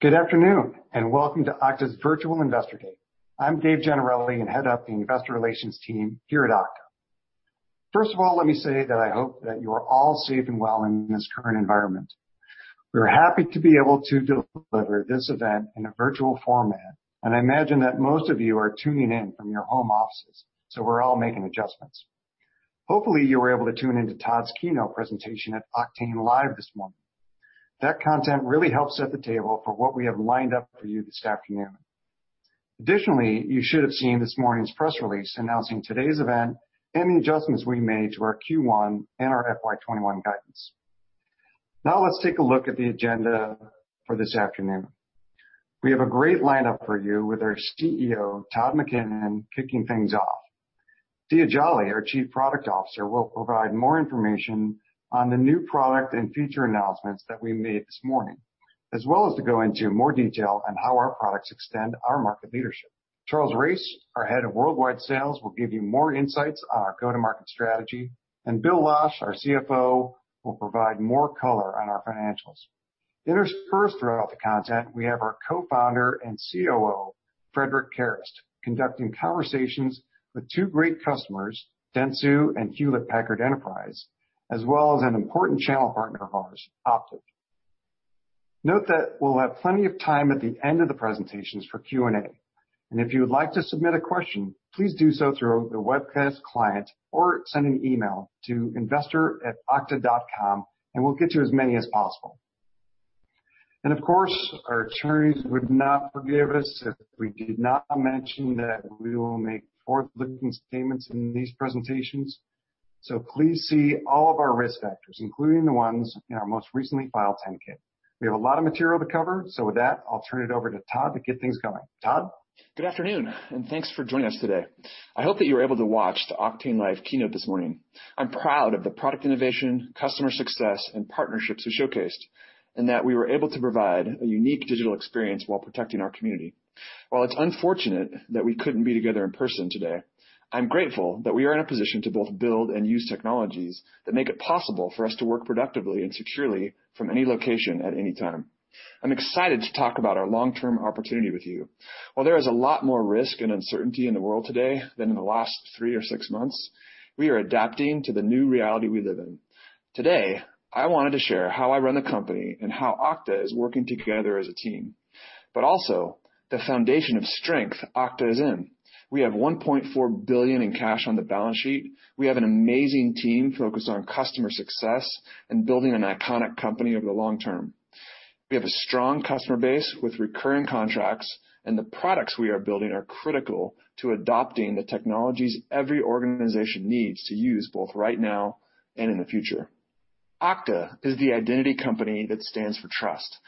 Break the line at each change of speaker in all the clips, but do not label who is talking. Good afternoon, welcome to Okta's Virtual Investor Day. I'm Dave Gennarelli, and head up the investor relations team here at Okta. First of all, let me say that I hope that you are all safe and well in this current environment. We're happy to be able to deliver this event in a virtual format, and I imagine that most of you are tuning in from your home offices, so we're all making adjustments. Hopefully, you were able to tune into Todd's keynote presentation at Oktane Live this morning. That content really helps set the table for what we have lined up for you this afternoon. Additionally, you should have seen this morning's press release announcing today's event and the adjustments we made to our Q1 and our FY 2021 guidance. Now let's take a look at the agenda for this afternoon. We have a great lineup for you with our CEO, Todd McKinnon, kicking things off. Diya Jolly, our chief product officer, will provide more information on the new product and feature announcements that we made this morning, as well as to go into more detail on how our products extend our market leadership. Charles Race, our head of worldwide sales, will give you more insights on our go-to-market strategy. Bill Losch, our CFO, will provide more color on our financials. Interspersed throughout the content, we have our Co-founder and COO, Frederic Kerrest, conducting conversations with two great customers, Dentsu and Hewlett Packard Enterprise, as well as an important channel partner of ours, Optiv. Note that we'll have plenty of time at the end of the presentations for Q&A. If you would like to submit a question, please do so through the webcast client or send an email to investor@okta.com and we'll get to as many as possible. Of course, our attorneys would not forgive us if we did not mention that we will make forward-looking statements in these presentations. Please see all of our risk factors, including the ones in our most recently filed 10-K. We have a lot of material to cover, so with that, I'll turn it over to Todd to get things going. Todd?
Good afternoon. Thanks for joining us today. I hope that you were able to watch the Oktane Live keynote this morning. I'm proud of the product innovation, customer success, and partnerships we showcased, and that we were able to provide a unique digital experience while protecting our community. While it's unfortunate that we couldn't be together in person today, I'm grateful that we are in a position to both build and use technologies that make it possible for us to work productively and securely from any location at any time. I'm excited to talk about our long-term opportunity with you. While there is a lot more risk and uncertainty in the world today than in the last three or six months, we are adapting to the new reality we live in. Today, I wanted to share how I run the company and how Okta is working together as a team. Also, the foundation of strength Okta is in. We have $1.4 billion in cash on the balance sheet. We have an amazing team focused on customer success and building an iconic company over the long term. The products we are building are critical to adopting the technologies every organization needs to use both right now and in the future. Okta is the identity company that stands for trust.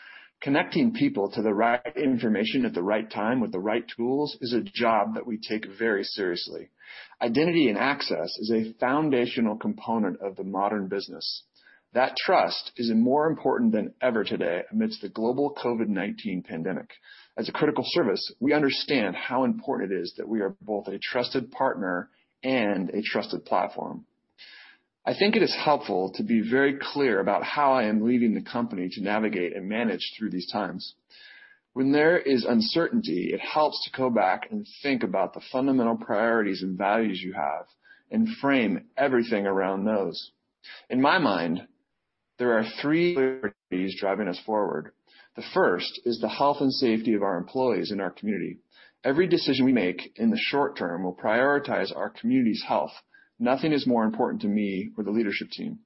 Connecting people to the right information at the right time with the right tools is a job that we take very seriously. Identity and access is a foundational component of the modern business. That trust is more important than ever today amidst the global COVID-19 pandemic. As a critical service, we understand how important it is that we are both a trusted partner and a trusted platform. I think it is helpful to be very clear about how I am leading the company to navigate and manage through these times. When there is uncertainty, it helps to go back and think about the fundamental priorities and values you have and frame everything around those. In my mind, there are three priorities driving us forward. The first is the health and safety of our employees and our community. Every decision we make in the short term will prioritize our community's health. Nothing is more important to me or the leadership team.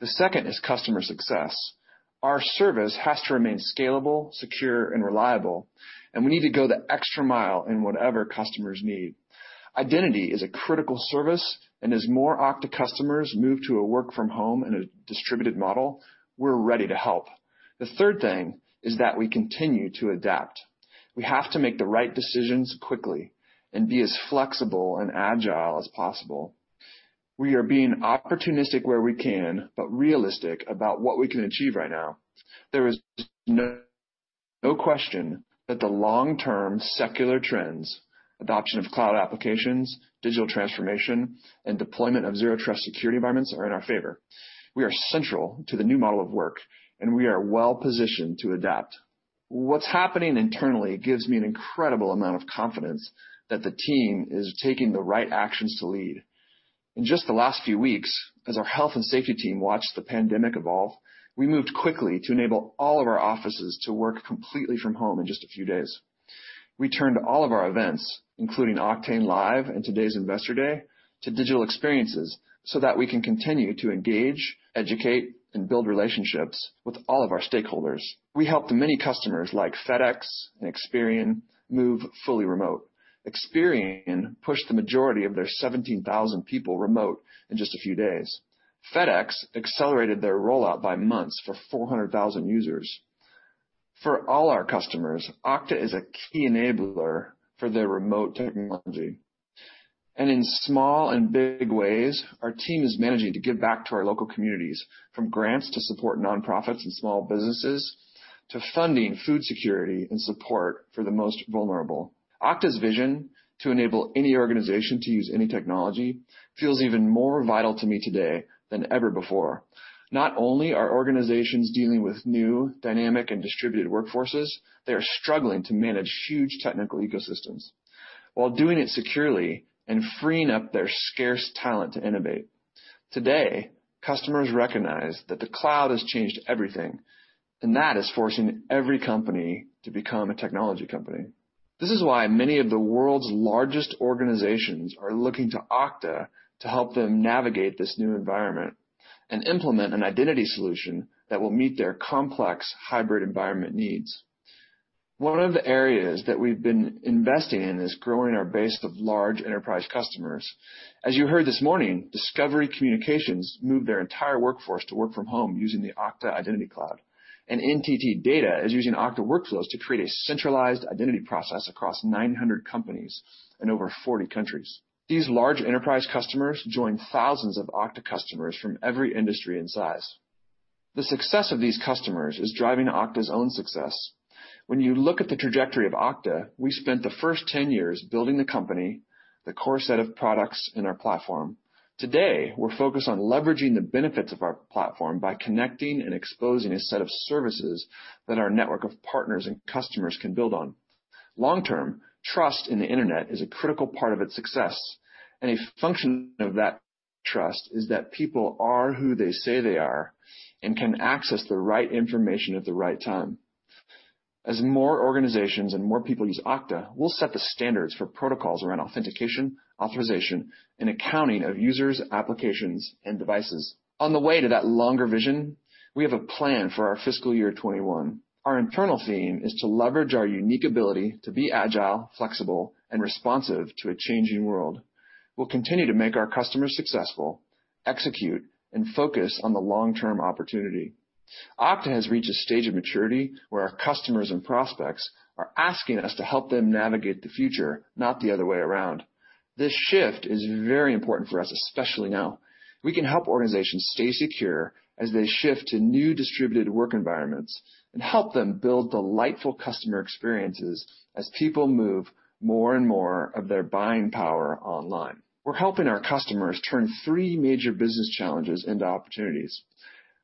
The second is customer success. Our service has to remain scalable, secure and reliable, and we need to go the extra mile in whatever customers need. Identity is a critical service, and as more Okta customers move to a work from home and a distributed model, we're ready to help. The third thing is that we continue to adapt. We have to make the right decisions quickly and be as flexible and agile as possible. We are being opportunistic where we can, but realistic about what we can achieve right now. There is no question that the long-term secular trends, adoption of cloud applications, digital transformation, and deployment of zero trust security environments are in our favor. We are central to the new model of work, and we are well positioned to adapt. What's happening internally gives me an incredible amount of confidence that the team is taking the right actions to lead. In just the last few weeks, as our health and safety team watched the pandemic evolve, we moved quickly to enable all of our offices to work completely from home in just a few days. We turned all of our events, including Oktane Live and today's Investor Day, to digital experiences so that we can continue to engage, educate, and build relationships with all of our stakeholders. We helped the many customers like FedEx and Experian move fully remote. Experian pushed the majority of their 17,000 people remote in just a few days. FedEx accelerated their rollout by months for 400,000 users. For all our customers, Okta is a key enabler for their remote technology. In small and big ways, our team is managing to give back to our local communities, from grants to support nonprofits and small businesses, to funding food security and support for the most vulnerable. Okta's vision to enable any organization to use any technology feels even more vital to me today than ever before. Not only are organizations dealing with new dynamic and distributed workforces, they are struggling to manage huge technical ecosystems while doing it securely and freeing up their scarce talent to innovate. Today, customers recognize that the cloud has changed everything, and that is forcing every company to become a technology company. This is why many of the world's largest organizations are looking to Okta to help them navigate this new environment and implement an identity solution that will meet their complex hybrid environment needs. One of the areas that we've been investing in is growing our base of large enterprise customers. As you heard this morning, Discovery Communications moved their entire workforce to work from home using the Okta Identity Cloud. NTT Data is using Okta Workflows to create a centralized identity process across 900 companies in over 40 countries. These large enterprise customers join thousands of Okta customers from every industry and size. The success of these customers is driving Okta's own success. When you look at the trajectory of Okta, we spent the first 10 years building the company, the core set of products in our platform. Today, we're focused on leveraging the benefits of our platform by connecting and exposing a set of services that our network of partners and customers can build on. Long-term, trust in the Internet is a critical part of its success. A function of that trust is that people are who they say they are and can access the right information at the right time. As more organizations and more people use Okta, we'll set the standards for protocols around authentication, authorization, and accounting of users, applications, and devices. On the way to that longer vision, we have a plan for our Financial Year 2021. Our internal theme is to leverage our unique ability to be agile, flexible, and responsive to a changing world. We'll continue to make our customers successful, execute, and focus on the long-term opportunity. Okta has reached a stage of maturity where our customers and prospects are asking us to help them navigate the future, not the other way around. This shift is very important for us, especially now. We can help organizations stay secure as they shift to new distributed work environments and help them build delightful customer experiences as people move more and more of their buying power online. We're helping our customers turn three major business challenges into opportunities.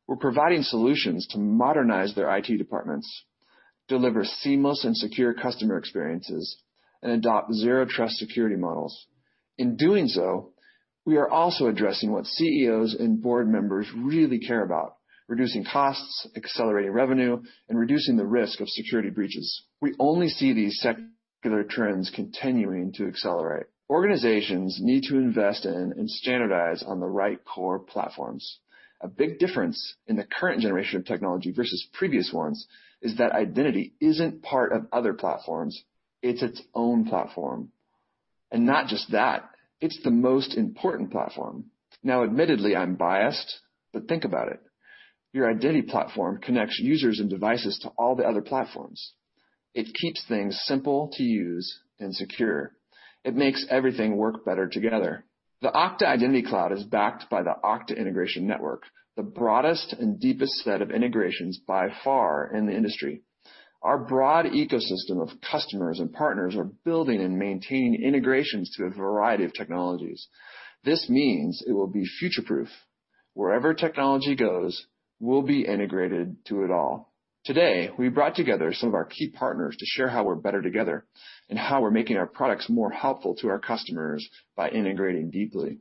We're providing solutions to modernize their IT departments, deliver seamless and secure customer experiences, and adopt zero trust security models. In doing so, we are also addressing what CEOs and board members really care about, reducing costs, accelerating revenue, and reducing the risk of security breaches. We only see these secular trends continuing to accelerate. Organizations need to invest in and standardize on the right core platforms. A big difference in the current generation of technology versus previous ones is that identity isn't part of other platforms, it's its own platform. Not just that, it's the most important platform. Now, admittedly, I'm biased, but think about it. Your identity platform connects users and devices to all the other platforms. It keeps things simple to use and secure. It makes everything work better together. The Okta Identity Cloud is backed by the Okta Integration Network, the broadest and deepest set of integrations by far in the industry. Our broad ecosystem of customers and partners are building and maintaining integrations to a variety of technologies. This means it will be future-proof. Wherever technology goes, we'll be integrated to it all. Today, we brought together some of our key partners to share how we're better together and how we're making our products more helpful to our customers by integrating deeply.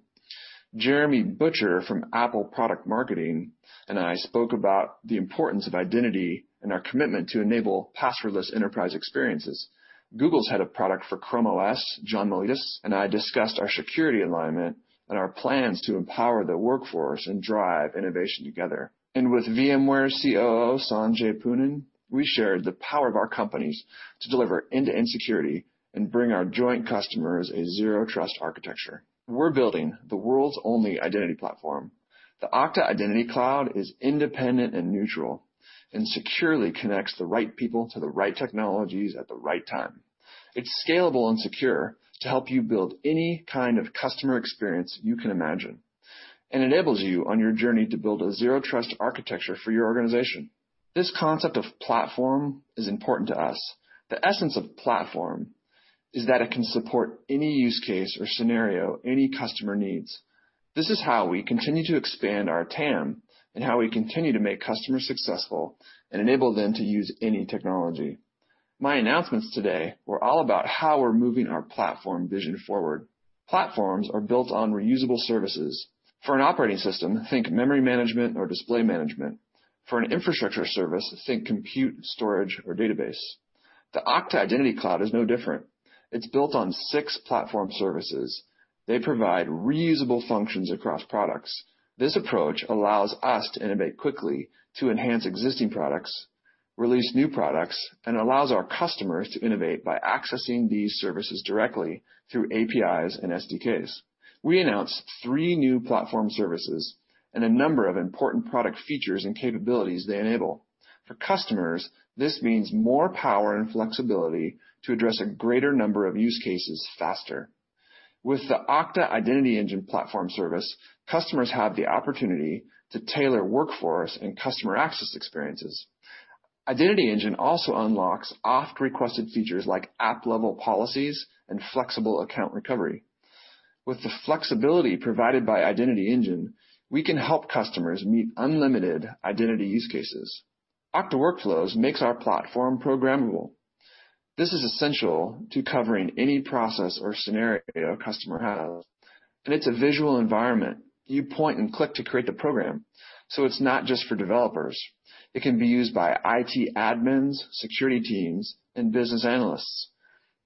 Jeremy Butcher from Apple Product Marketing and I spoke about the importance of identity and our commitment to enable passwordless enterprise experiences. Google's Product Manager, ChromeOS, Jon Mogzis, and I discussed our security alignment and our plans to empower the workforce and drive innovation together. With VMware COO, Sanjay Poonen, we shared the power of our companies to deliver end-to-end security and bring our joint customers a zero trust architecture. We're building the world's only identity platform. The Okta Identity Cloud is independent and neutral and securely connects the right people to the right technologies at the right time. It's scalable and secure to help you build any kind of customer experience you can imagine and enables you on your journey to build a zero trust architecture for your organization. This concept of platform is important to us. The essence of platform is that it can support any use case or scenario any customer needs. This is how we continue to expand our TAM and how we continue to make customers successful and enable them to use any technology. My announcements today were all about how we're moving our platform vision forward. Platforms are built on reusable services. For an operating system, think memory management or display management. For an infrastructure service, think compute, storage, or database. The Okta Identity Cloud is no different. It is built on six platform services. They provide reusable functions across products. This approach allows us to innovate quickly to enhance existing products, release new products, and allows our customers to innovate by accessing these services directly through APIs and SDKs. We announced three new platform services and a number of important product features and capabilities they enable. For customers, this means more power and flexibility to address a greater number of use cases faster. With the Okta Identity Engine platform service, customers have the opportunity to tailor workforce and customer access experiences. Identity Engine also unlocks oft-requested features like app-level policies and flexible account recovery. With the flexibility provided by Identity Engine, we can help customers meet unlimited identity use cases. Okta Workflows makes our platform programmable. This is essential to covering any process or scenario a customer has, and it's a visual environment. You point and click to create the program, so it's not just for developers. It can be used by IT admins, security teams, and business analysts.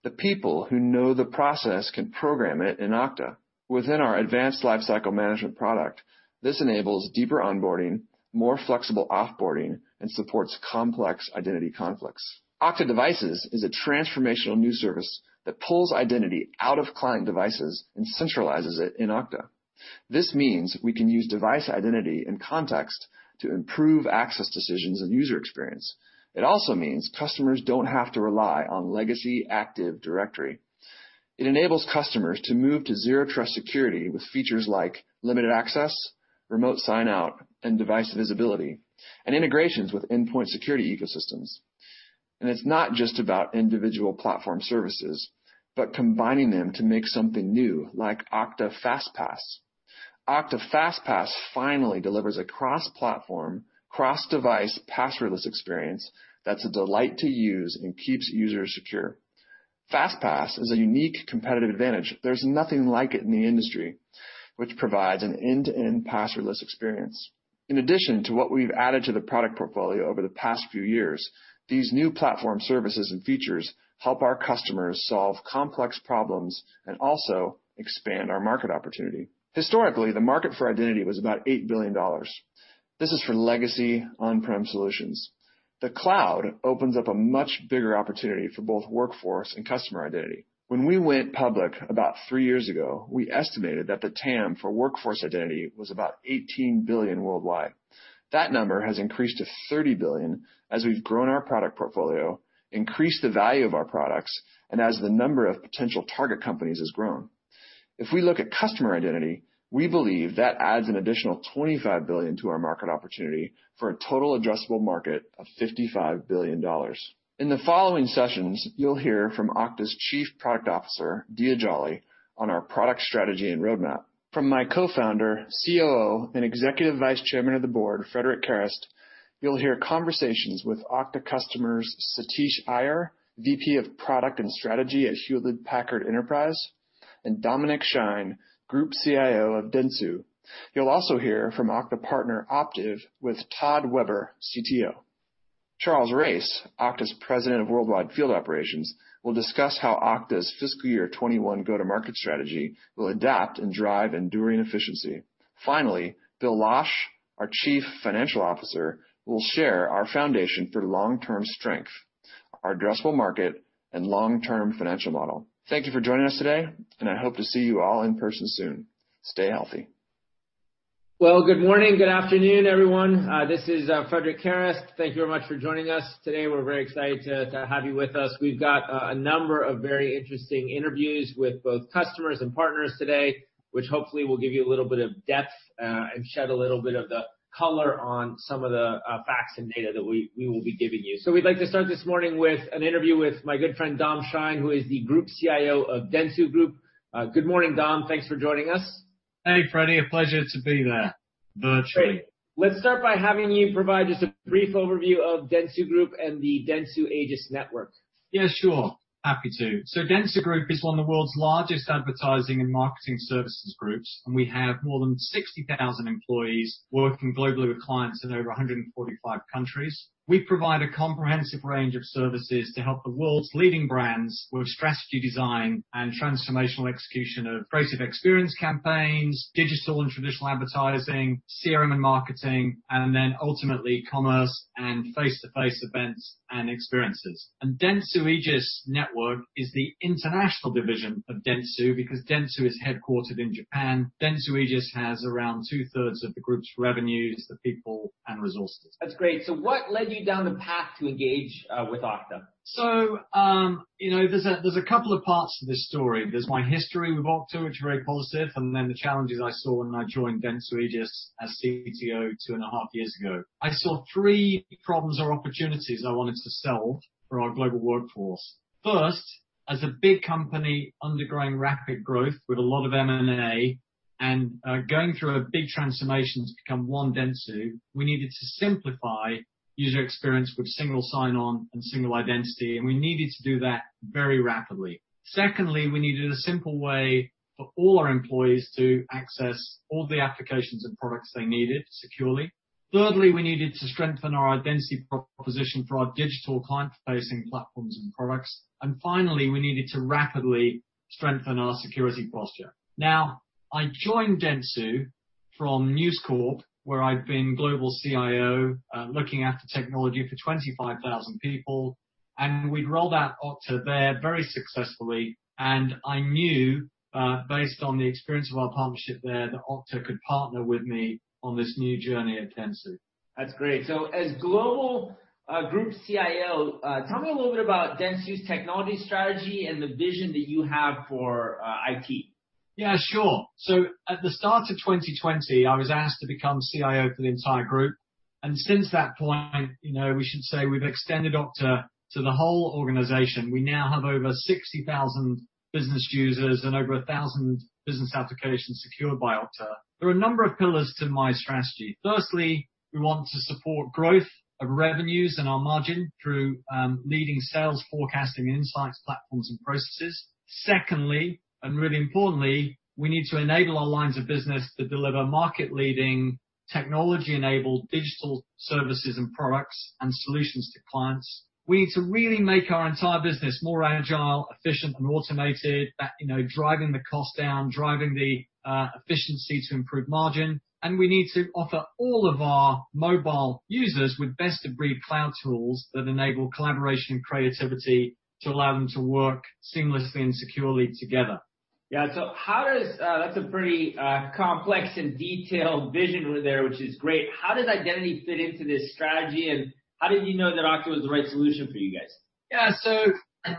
The people who know the process can program it in Okta. Within our Advanced Lifecycle Management product, this enables deeper onboarding, more flexible off-boarding, and supports complex identity conflicts. Okta Devices is a transformational new service that pulls identity out of client devices and centralizes it in Okta. This means we can use device identity and context to improve access decisions and user experience. It also means customers don't have to rely on legacy Active Directory. It enables customers to move to zero trust security with features like limited access, remote sign-out, and device visibility, and integrations with endpoint security ecosystems. It's not just about individual platform services, but combining them to make something new, like Okta FastPass. Okta FastPass finally delivers a cross-platform, cross-device, passwordless experience that's a delight to use and keeps users secure. FastPass is a unique competitive advantage. There's nothing like it in the industry, which provides an end-to-end passwordless experience. In addition to what we've added to the product portfolio over the past few years, these new platform services and features help our customers solve complex problems and also expand our market opportunity. Historically, the market for identity was about $8 billion. This is for legacy on-prem solutions. The cloud opens up a much bigger opportunity for both workforce and customer identity. When we went public about three years ago, we estimated that the TAM for workforce identity was about $18 billion worldwide. That number has increased to $30 billion as we've grown our product portfolio, increased the value of our products, and as the number of potential target companies has grown. If we look at customer identity, we believe that adds an additional $25 billion to our market opportunity for a total addressable market of $55 billion. In the following sessions, you'll hear from Okta's Chief Product Officer, Diya Jolly, on our product strategy and roadmap. From my Co-founder, COO, and Executive Vice Chairman of the board, Frederic Kerrest, you'll hear conversations with Okta customers, Satish Iyer, VP of Product and Strategy at Hewlett Packard Enterprise, and Dominic Shine, Group CIO of Dentsu. You'll also hear from Okta partner Optiv with Todd Weber, CTO. Charles Race, Okta's President of Worldwide Field Operations, will discuss how Okta's fiscal year 2021 go-to-market strategy will adapt and drive enduring efficiency. Finally, Bill Losch, our Chief Financial Officer, will share our foundation for long-term strength, our addressable market, and long-term financial model. Thank you for joining us today, and I hope to see you all in person soon. Stay healthy.
Good morning, good afternoon, everyone. This is Frederic Kerrest. Thank you very much for joining us today. We're very excited to have you with us. We've got a number of very interesting interviews with both customers and partners today, which hopefully will give you a little bit of depth and shed a little bit of the color on some of the facts and data that we will be giving you. We'd like to start this morning with an interview with my good friend Dominic Shine, who is the Group CIO of Dentsu Group. Good morning, Dom. Thanks for joining us.
Hey, Frederic. A pleasure to be there virtually.
Great. Let's start by having you provide just a brief overview of Dentsu Group and the Dentsu Aegis Network.
Yeah, sure. Happy to. Dentsu Group is one of the world's largest advertising and marketing services groups, and we have more than 60,000 employees working globally with clients in over 145 countries. We provide a comprehensive range of services to help the world's leading brands with strategy design and transformational execution of creative experience campaigns, digital and traditional advertising, CRM and marketing, and then ultimately commerce and face-to-face events and experiences. Dentsu Aegis Network is the international division of Dentsu because Dentsu is headquartered in Japan. Dentsu Aegis has around two-thirds of the group's revenues, the people, and resources.
That's great. What led you down the path to engage with Okta?
There's a couple of parts to this story. There's my history with Okta, which is very positive, and then the challenges I saw when I joined Dentsu Aegis as CTO two and a half years ago. I saw three problems or opportunities I wanted to solve for our global workforce. First, as a big company undergoing rapid growth with a lot of M&A and going through a big transformation to become one Dentsu, we needed to simplify user experience with single sign-on and single identity, and we needed to do that very rapidly. Secondly, we needed a simple way for all our employees to access all the applications and products they needed securely. Thirdly, we needed to strengthen our identity proposition for our digital client-facing platforms and products. Finally, we needed to rapidly strengthen our security posture. I joined Dentsu from News Corp, where I'd been Global CIO, looking after technology for 25,000 people, and we'd rolled out Okta there very successfully. I knew, based on the experience of our partnership there, that Okta could partner with me on this new journey at Dentsu.
That's great. As Global Group CIO, tell me a little bit about Dentsu's technology strategy and the vision that you have for IT?
Yeah, sure. At the start of 2020, I was asked to become CIO for the entire group. Since that point, we should say we've extended Okta to the whole organization. We now have over 60,000 business users and over 1,000 business applications secured by Okta. There are a number of pillars to my strategy. Firstly, we want to support growth of revenues and our margin through leading sales forecasting insights, platforms, and processes. Secondly, and really importantly, we need to enable our lines of business to deliver market-leading, technology-enabled digital services and products and solutions to clients. We need to really make our entire business more agile, efficient and automated, driving the cost down, driving the efficiency to improve margin. We need to offer all of our mobile users with best-of-breed cloud tools that enable collaboration and creativity to allow them to work seamlessly and securely together.
Yeah. That's a pretty complex and detailed vision there, which is great. How does identity fit into this strategy, and how did you know that Okta was the right solution for you guys?
Yeah.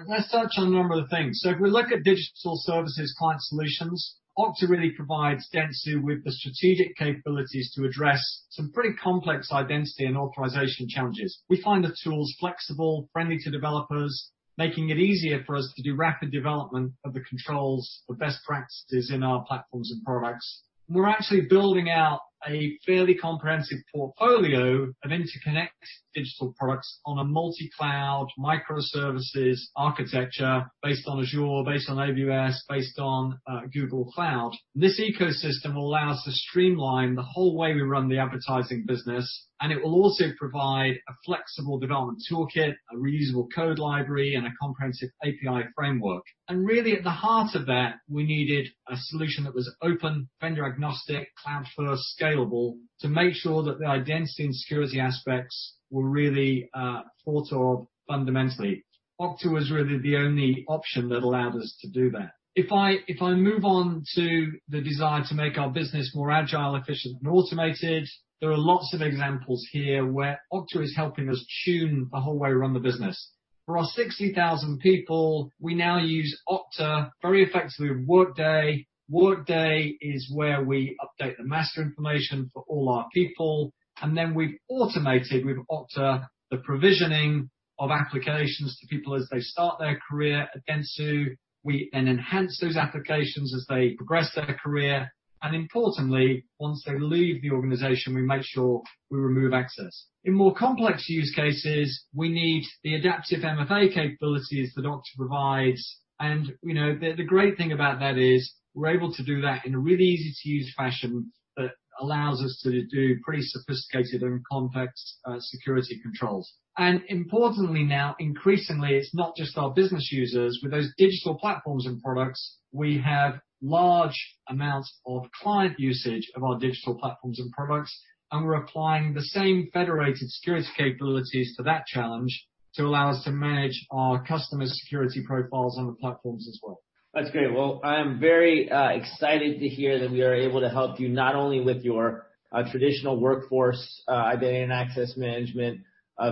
Let's touch on a number of things. If we look at digital services client solutions, Okta really provides Dentsu with the strategic capabilities to address some pretty complex identity and authorization challenges. We find the tools flexible, friendly to developers, making it easier for us to do rapid development of the controls for best practices in our platforms and products. We're actually building out a fairly comprehensive portfolio of interconnect digital products on a multi-cloud, microservices architecture based on Azure, based on AWS, based on Google Cloud. This ecosystem will allow us to streamline the whole way we run the advertising business, and it will also provide a flexible development toolkit, a reusable code library, and a comprehensive API framework. Really at the heart of that, we needed a solution that was open, vendor-agnostic, cloud-first, scalable to make sure that the identity and security aspects were really thought of fundamentally. Okta was really the only option that allowed us to do that. If I move on to the desire to make our business more agile, efficient and automated, there are lots of examples here where Okta is helping us tune the whole way we run the business. For our 60,000 people, we now use Okta very effectively with Workday. Workday is where we update the master information for all our people, and then we've automated with Okta the provisioning of applications to people as they start their career at Dentsu. We then enhance those applications as they progress their career, and importantly, once they leave the organization, we make sure we remove access. In more complex use cases, we need the adaptive MFA capabilities that Okta provides. The great thing about that is we're able to do that in a really easy-to-use fashion that allows us to do pretty sophisticated and complex security controls. Importantly now, increasingly, it's not just our business users. With those digital platforms and products, we have large amounts of client usage of our digital platforms and products. We're applying the same federated security capabilities to that challenge to allow us to manage our customers' security profiles on the platforms as well.
That's great. Well, I am very excited to hear that we are able to help you not only with your traditional workforce identity and access management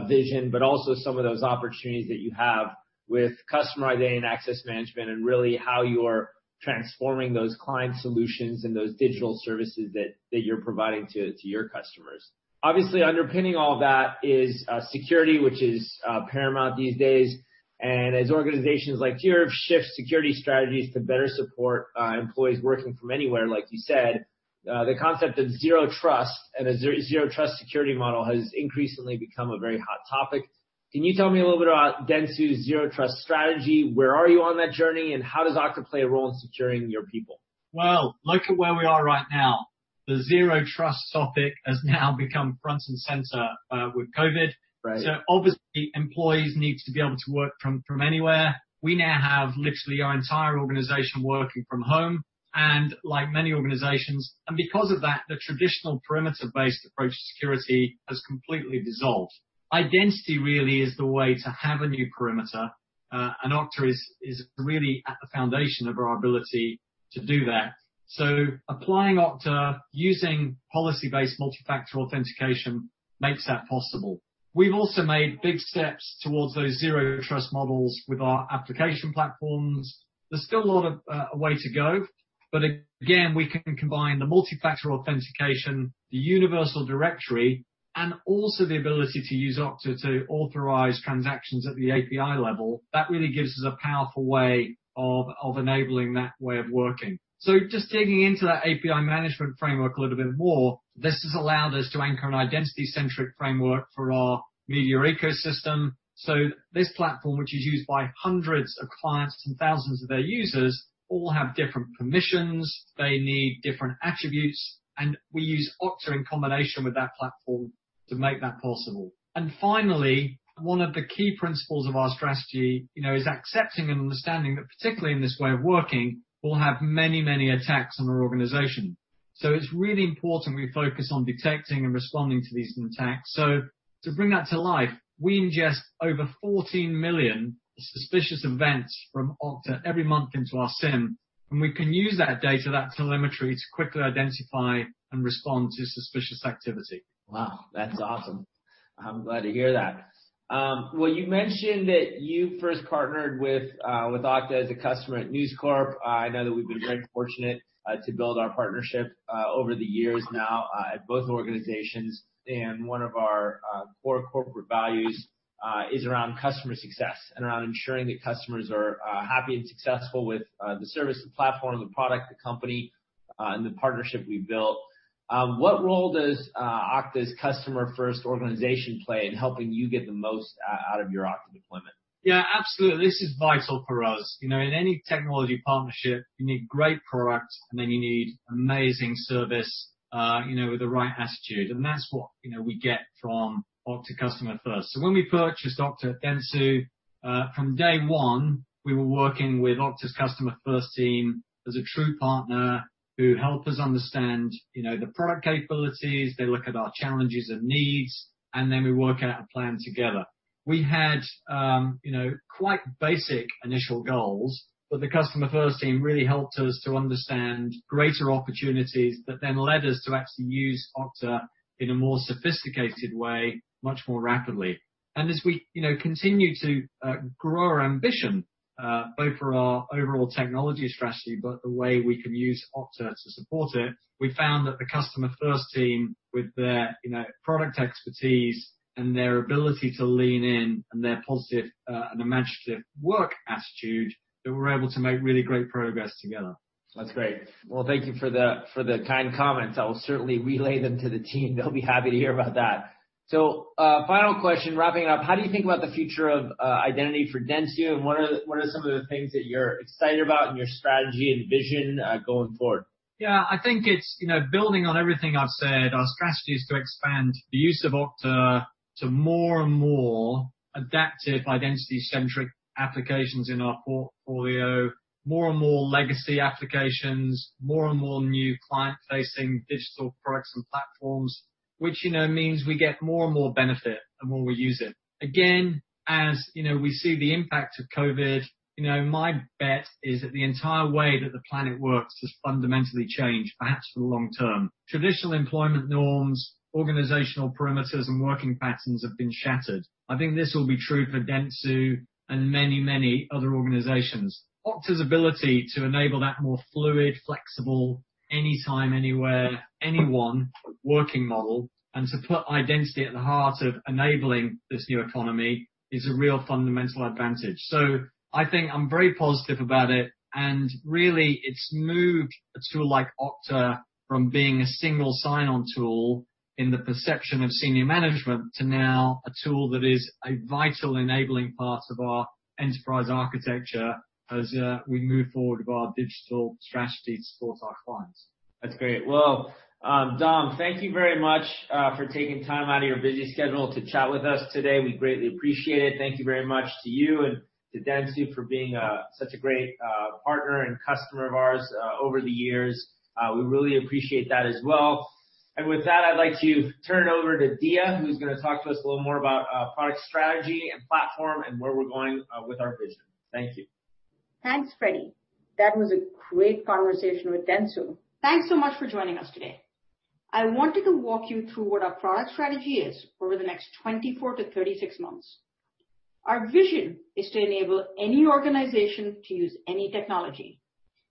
vision, but also some of those opportunities that you have with customer identity and access management, and really how you're transforming those client solutions and those digital services that you're providing to your customers. Obviously, underpinning all that is security, which is paramount these days. As organizations like yours shift security strategies to better support employees working from anywhere, like you said, the concept of zero trust and a zero trust security model has increasingly become a very hot topic. Can you tell me a little bit about Dentsu's zero trust strategy? Where are you on that journey, and how does Okta play a role in securing your people?
Well, look at where we are right now. The zero trust topic has now become front and center with COVID.
Right.
Obviously, employees need to be able to work from anywhere. We now have literally our entire organization working from home, and like many organizations. Because of that, the traditional perimeter-based approach to security has completely dissolved. Identity really is the way to have a new perimeter, and Okta is really at the foundation of our ability to do that. Applying Okta using policy-based multifactor authentication makes that possible. We've also made big steps towards those zero trust models with our application platforms. There's still a lot of way to go, but again, we can combine the multifactor authentication, the Universal directory, and also the ability to use Okta to authorize transactions at the API level. That really gives us a powerful way of enabling that way of working. Just digging into that API management framework a little bit more, this has allowed us to anchor an identity-centric framework for our media ecosystem. This platform, which is used by hundreds of clients and thousands of their users, all have different permissions. They need different attributes, and we use Okta in combination with that platform to make that possible. Finally, one of the key principles of our strategy is accepting and understanding that particularly in this way of working, we'll have many, many attacks on our organization. It's really important we focus on detecting and responding to these attacks. To bring that to life, we ingest over 14 million suspicious events from Okta every month into our SIEM, and we can use that data, that telemetry, to quickly identify and respond to suspicious activity.
Wow. That's awesome. I'm glad to hear that. Well, you mentioned that you first partnered with Okta as a customer at News Corp. I know that we've been very fortunate to build our partnership over the years now at both organizations. One of our core corporate values is around customer success and around ensuring that customers are happy and successful with the service, the platform, the product, the company, and the partnership we've built. What role does Okta's Customer First organization play in helping you get the most out of your Okta deployment?
Yeah, absolutely. This is vital for us. In any technology partnership, you need great product, then you need amazing service with the right attitude. That's what we get from Okta Customer First. When we purchased Okta at Dentsu, from day one, we were working with Okta's Customer First team as a true partner who help us understand the product capabilities. They look at our challenges and needs, then we work out a plan together. We had quite basic initial goals, the Customer First team really helped us to understand greater opportunities that then led us to actually use Okta in a more sophisticated way, much more rapidly. As we continue to grow our ambition, both for our overall technology strategy, but the way we can use Okta to support it, we found that the Customer First team, with their product expertise and their ability to lean in and their positive and imaginative work attitude, that we're able to make really great progress together.
That's great. Well, thank you for the kind comments. I will certainly relay them to the team. They'll be happy to hear about that. Final question, wrapping it up, how do you think about the future of identity for Dentsu, and what are some of the things that you're excited about in your strategy and vision going forward?
I think it's building on everything I've said. Our strategy is to expand the use of Okta to more and more adaptive identity-centric applications in our portfolio, more and more legacy applications, more and more new client-facing digital products and platforms, which means we get more and more benefit the more we use it. Again, as we see the impact of COVID, my bet is that the entire way that the planet works has fundamentally changed, perhaps for the long term. Traditional employment norms, organizational perimeters, and working patterns have been shattered. I think this will be true for Dentsu and many, many other organizations. Okta's ability to enable that more fluid, flexible, anytime, anywhere, anyone working model, and to put identity at the heart of enabling this new economy is a real fundamental advantage. I think I'm very positive about it, and really it's moved a tool like Okta from being a single sign-on tool in the perception of senior management, to now a tool that is a vital enabling part of our enterprise architecture as we move forward with our digital strategy to support our clients.
That's great. Well, Dom, thank you very much for taking time out of your busy schedule to chat with us today. We greatly appreciate it. Thank you very much to you and to Dentsu for being such a great partner and customer of ours over the years. We really appreciate that as well. With that, I'd like to turn it over to Diya, who's going to talk to us a little more about product strategy and platform and where we're going with our vision. Thank you.
Thanks, Freddy. That was a great conversation with Dentsu. Thanks so much for joining us today. I wanted to walk you through what our product strategy is over the next 24 to 36 months. Our vision is to enable any organization to use any technology.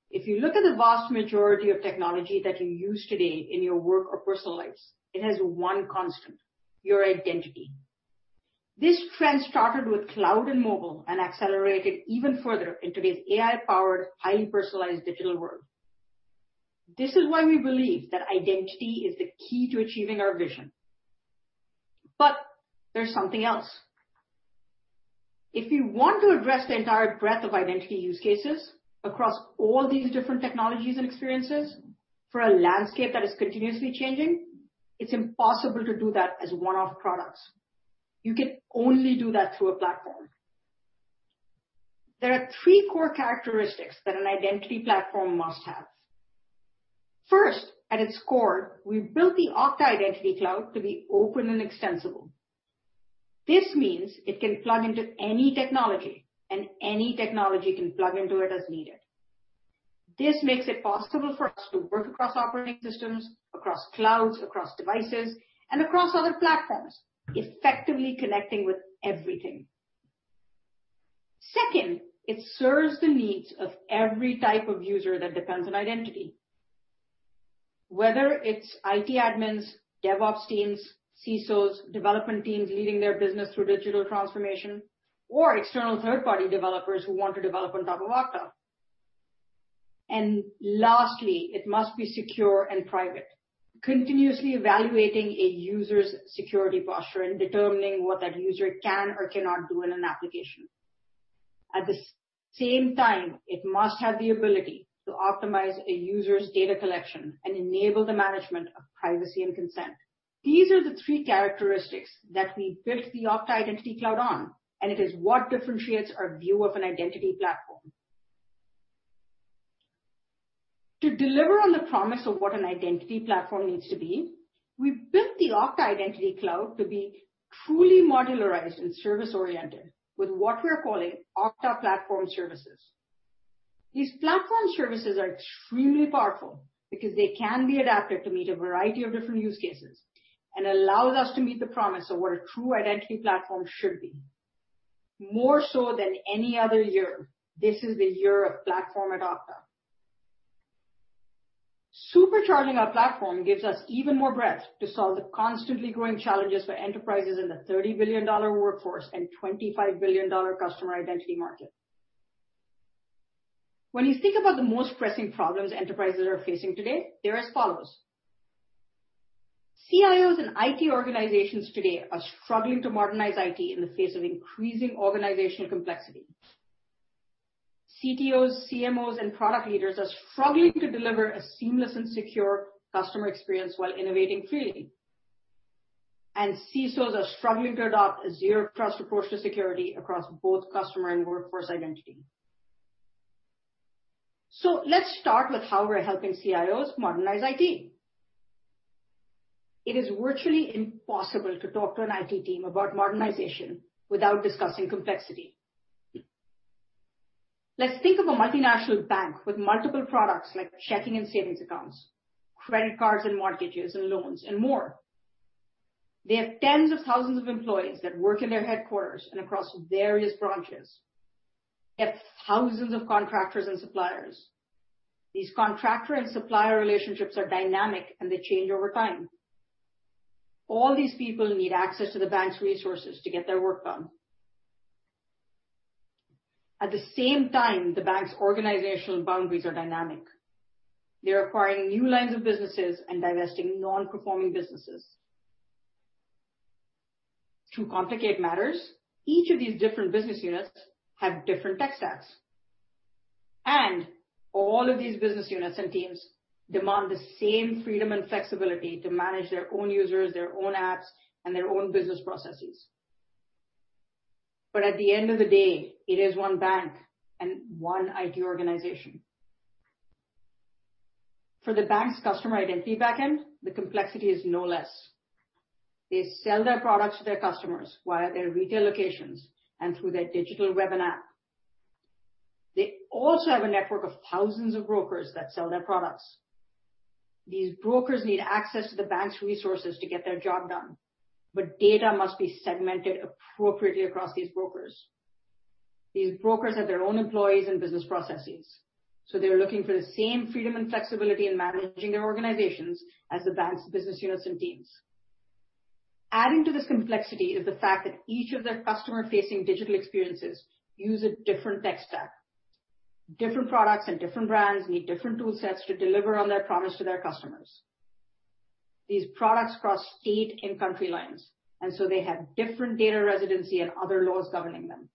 If you look at the vast majority of technology that you use today in your work or personal lives, it has one constant, your identity. This trend started with cloud and mobile and accelerated even further into this AI-powered, highly personalized digital world. This is why we believe that identity is the key to achieving our vision. There's something else. If we want to address the entire breadth of identity use cases across all these different technologies and experiences for a landscape that is continuously changing, it's impossible to do that as one-off products. You can only do that through a platform. There are three core characteristics that an identity platform must have. First, at its core, we've built the Okta Identity Cloud to be open and extensible. This means it can plug into any technology and any technology can plug into it as needed. This makes it possible for us to work across operating systems, across clouds, across devices, and across other platforms, effectively connecting with everything. Second, it serves the needs of every type of user that depends on identity, whether it's IT admins, DevOps teams, CISOs, development teams leading their business through digital transformation, or external third-party developers who want to develop on top of Okta. Lastly, it must be secure and private, continuously evaluating a user's security posture and determining what that user can or cannot do in an application. At the same time, it must have the ability to optimize a user's data collection and enable the management of privacy and consent. These are the three characteristics that we built the Okta Identity Cloud on, and it is what differentiates our view of an identity platform. To deliver on the promise of what an identity platform needs to be, we built the Okta Identity Cloud to be truly modularized and service-oriented with what we are calling Okta Platform Services. These platform services are extremely powerful because they can be adapted to meet a variety of different use cases and allows us to meet the promise of what a true identity platform should be. More so than any other year, this is the year of platform at Okta. Supercharging our platform gives us even more breadth to solve the constantly growing challenges for enterprises in the $30 billion workforce and $25 billion customer identity market. When you think about the most pressing problems enterprises are facing today, they're as follows. CIOs and IT organizations today are struggling to modernize IT in the face of increasing organizational complexity. CTOs, CMOs, and product leaders are struggling to deliver a seamless and secure customer experience while innovating freely. CISOs are struggling to adopt a zero trust approach to security across both customer and workforce identity. Let's start with how we're helping CIOs modernize IT. It is virtually impossible to talk to an IT team about modernization without discussing complexity. Let's think of a multinational bank with multiple products like checking and savings accounts, credit cards and mortgages and loans, and more. They have tens of thousands of employees that work in their headquarters and across various branches. They have thousands of contractors and suppliers. These contractor and supplier relationships are dynamic. They change over time. All these people need access to the bank's resources to get their work done. At the same time, the bank's organizational boundaries are dynamic. They're acquiring new lines of businesses and divesting non-performing businesses. To complicate matters, each of these different business units have different tech stacks. All of these business units and teams demand the same freedom and flexibility to manage their own users, their own apps, and their own business processes. At the end of the day, it is one bank and one IT organization. For the bank's customer identity backend, the complexity is no less. They sell their products to their customers via their retail locations and through their digital web and app. They also have a network of thousands of brokers that sell their products. These brokers need access to the bank's resources to get their job done, but data must be segmented appropriately across these brokers. These brokers have their own employees and business processes, so they are looking for the same freedom and flexibility in managing their organizations as the bank's business units and teams. Adding to this complexity is the fact that each of their customer-facing digital experiences use a different tech stack. Different products and different brands need different tool sets to deliver on their promise to their customers. These products cross state and country lines, and so they have different data residency and other laws governing them.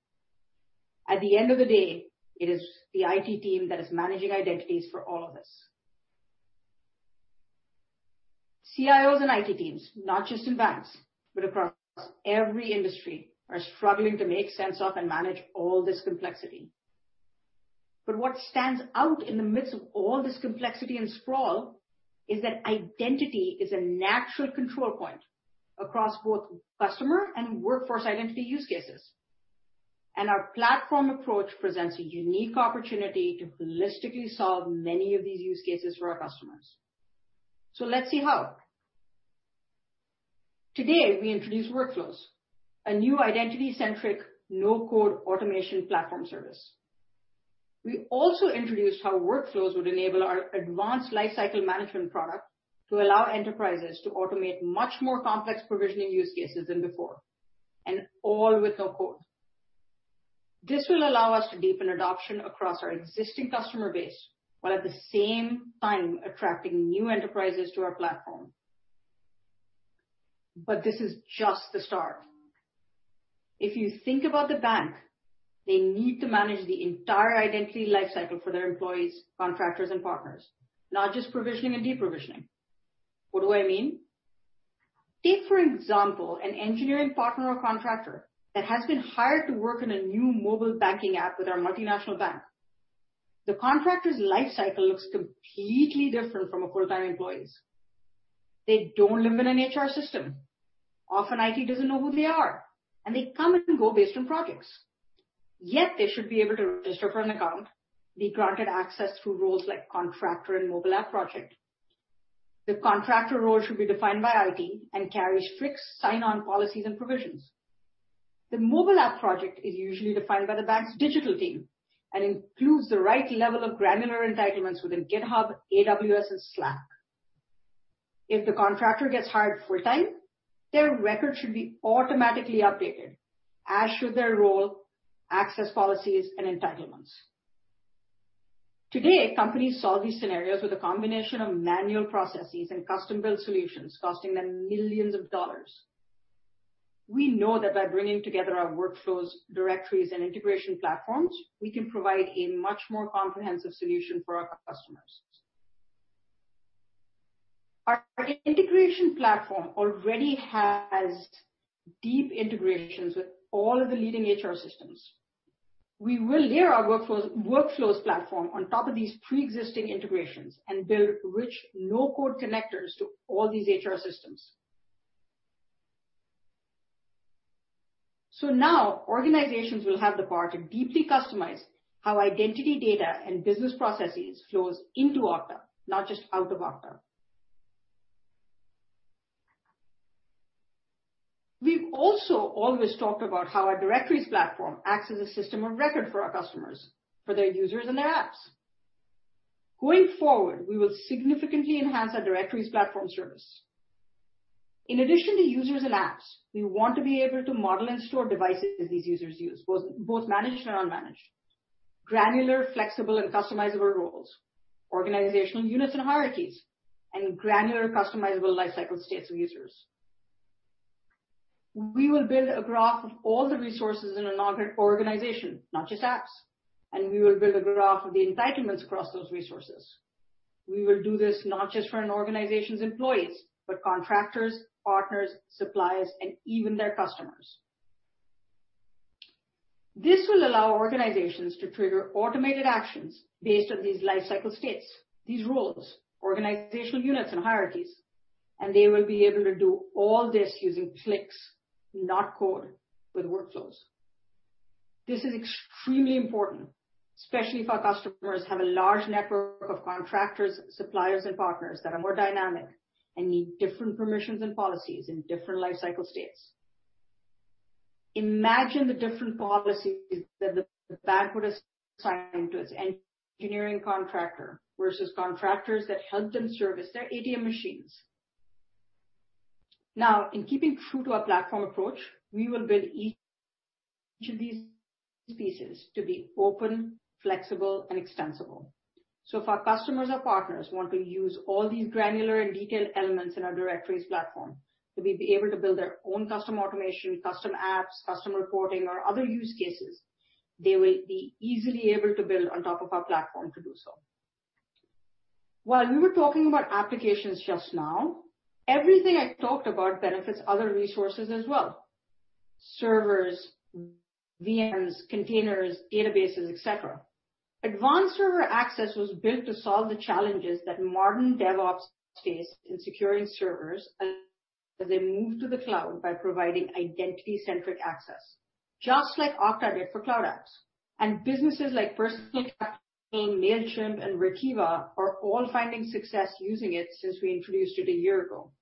At the end of the day, it is the IT team that is managing identities for all of this. CIOs and IT teams, not just in banks, but across every industry, are struggling to make sense of and manage all this complexity. What stands out in the midst of all this complexity and sprawl is that identity is a natural control point across both customer and workforce identity use cases. Our platform approach presents a unique opportunity to holistically solve many of these use cases for our customers. Let's see how. Today, we introduce Workflows, a new identity-centric, no-code automation platform service. We also introduced how Workflows would enable our Advanced Lifecycle Management product to allow enterprises to automate much more complex provisioning use cases than before, and all with no code. This will allow us to deepen adoption across our existing customer base, while at the same time attracting new enterprises to our platform. This is just the start. If you think about the bank, they need to manage the entire identity lifecycle for their employees, contractors, and partners, not just provisioning and deprovisioning. What do I mean? Take, for example, an engineering partner or contractor that has been hired to work on a new mobile banking app with our multinational bank. The contractor's lifecycle looks completely different from a full-time employee's. They don't live in an HR system. Often, IT doesn't know who they are, and they come and go based on projects. They should be able to register for an account, be granted access through roles like contractor and mobile app project. The contractor role should be defined by IT and carries strict sign-on policies and provisions. The mobile app project is usually defined by the bank's digital team and includes the right level of granular entitlements within GitHub, AWS, and Slack. If the contractor gets hired full time, their record should be automatically updated, as should their role, access policies, and entitlements. Today, companies solve these scenarios with a combination of manual processes and custom-built solutions costing them millions of dollars. We know that by bringing together our workflows, directories, and integration platforms, we can provide a much more comprehensive solution for our customers. Our integration platform already has deep integrations with all of the leading HR systems. We will layer our workflows platform on top of these preexisting integrations and build rich no-code connectors to all these HR systems. Now organizations will have the power to deeply customize how identity data and business processes flows into Okta, not just out of Okta. We've also always talked about how our directories platform acts as a system of record for our customers, for their users and their apps. Going forward, we will significantly enhance our directories platform service. In addition to users and apps, we want to be able to model and store devices these users use, both managed and unmanaged, granular, flexible and customizable roles, organizational units and hierarchies, and granular customizable lifecycle states of users. We will build a graph of all the resources in an organization, not just apps, and we will build a graph of the entitlements across those resources. We will do this not just for an organization's employees, but contractors, partners, suppliers, and even their customers. This will allow organizations to trigger automated actions based on these lifecycle states, these roles, organizational units and hierarchies, and they will be able to do all this using clicks, not code, with Workflows. This is extremely important, especially if our customers have a large network of contractors, suppliers, and partners that are more dynamic and need different permissions and policies in different lifecycle states. Imagine the different policies that the bank would assign to its engineering contractor versus contractors that help them service their ATM machines. In keeping true to our platform approach, we will build each of these pieces to be open, flexible, and extensible. If our customers or partners want to use all these granular and detailed elements in our directories platform, to be able to build their own custom automation, custom apps, custom reporting, or other use cases, they will be easily able to build on top of our platform to do so. While we were talking about applications just now, everything I talked about benefits other resources as well, servers, VMs, containers, databases, et cetera. Advanced Server Access was built to solve the challenges that modern DevOps face in securing servers as they move to the cloud by providing identity-centric access, just like Okta did for cloud apps. Businesses like Personal Capital, Mailchimp, and Workiva are all finding success using it since we introduced it a year ago.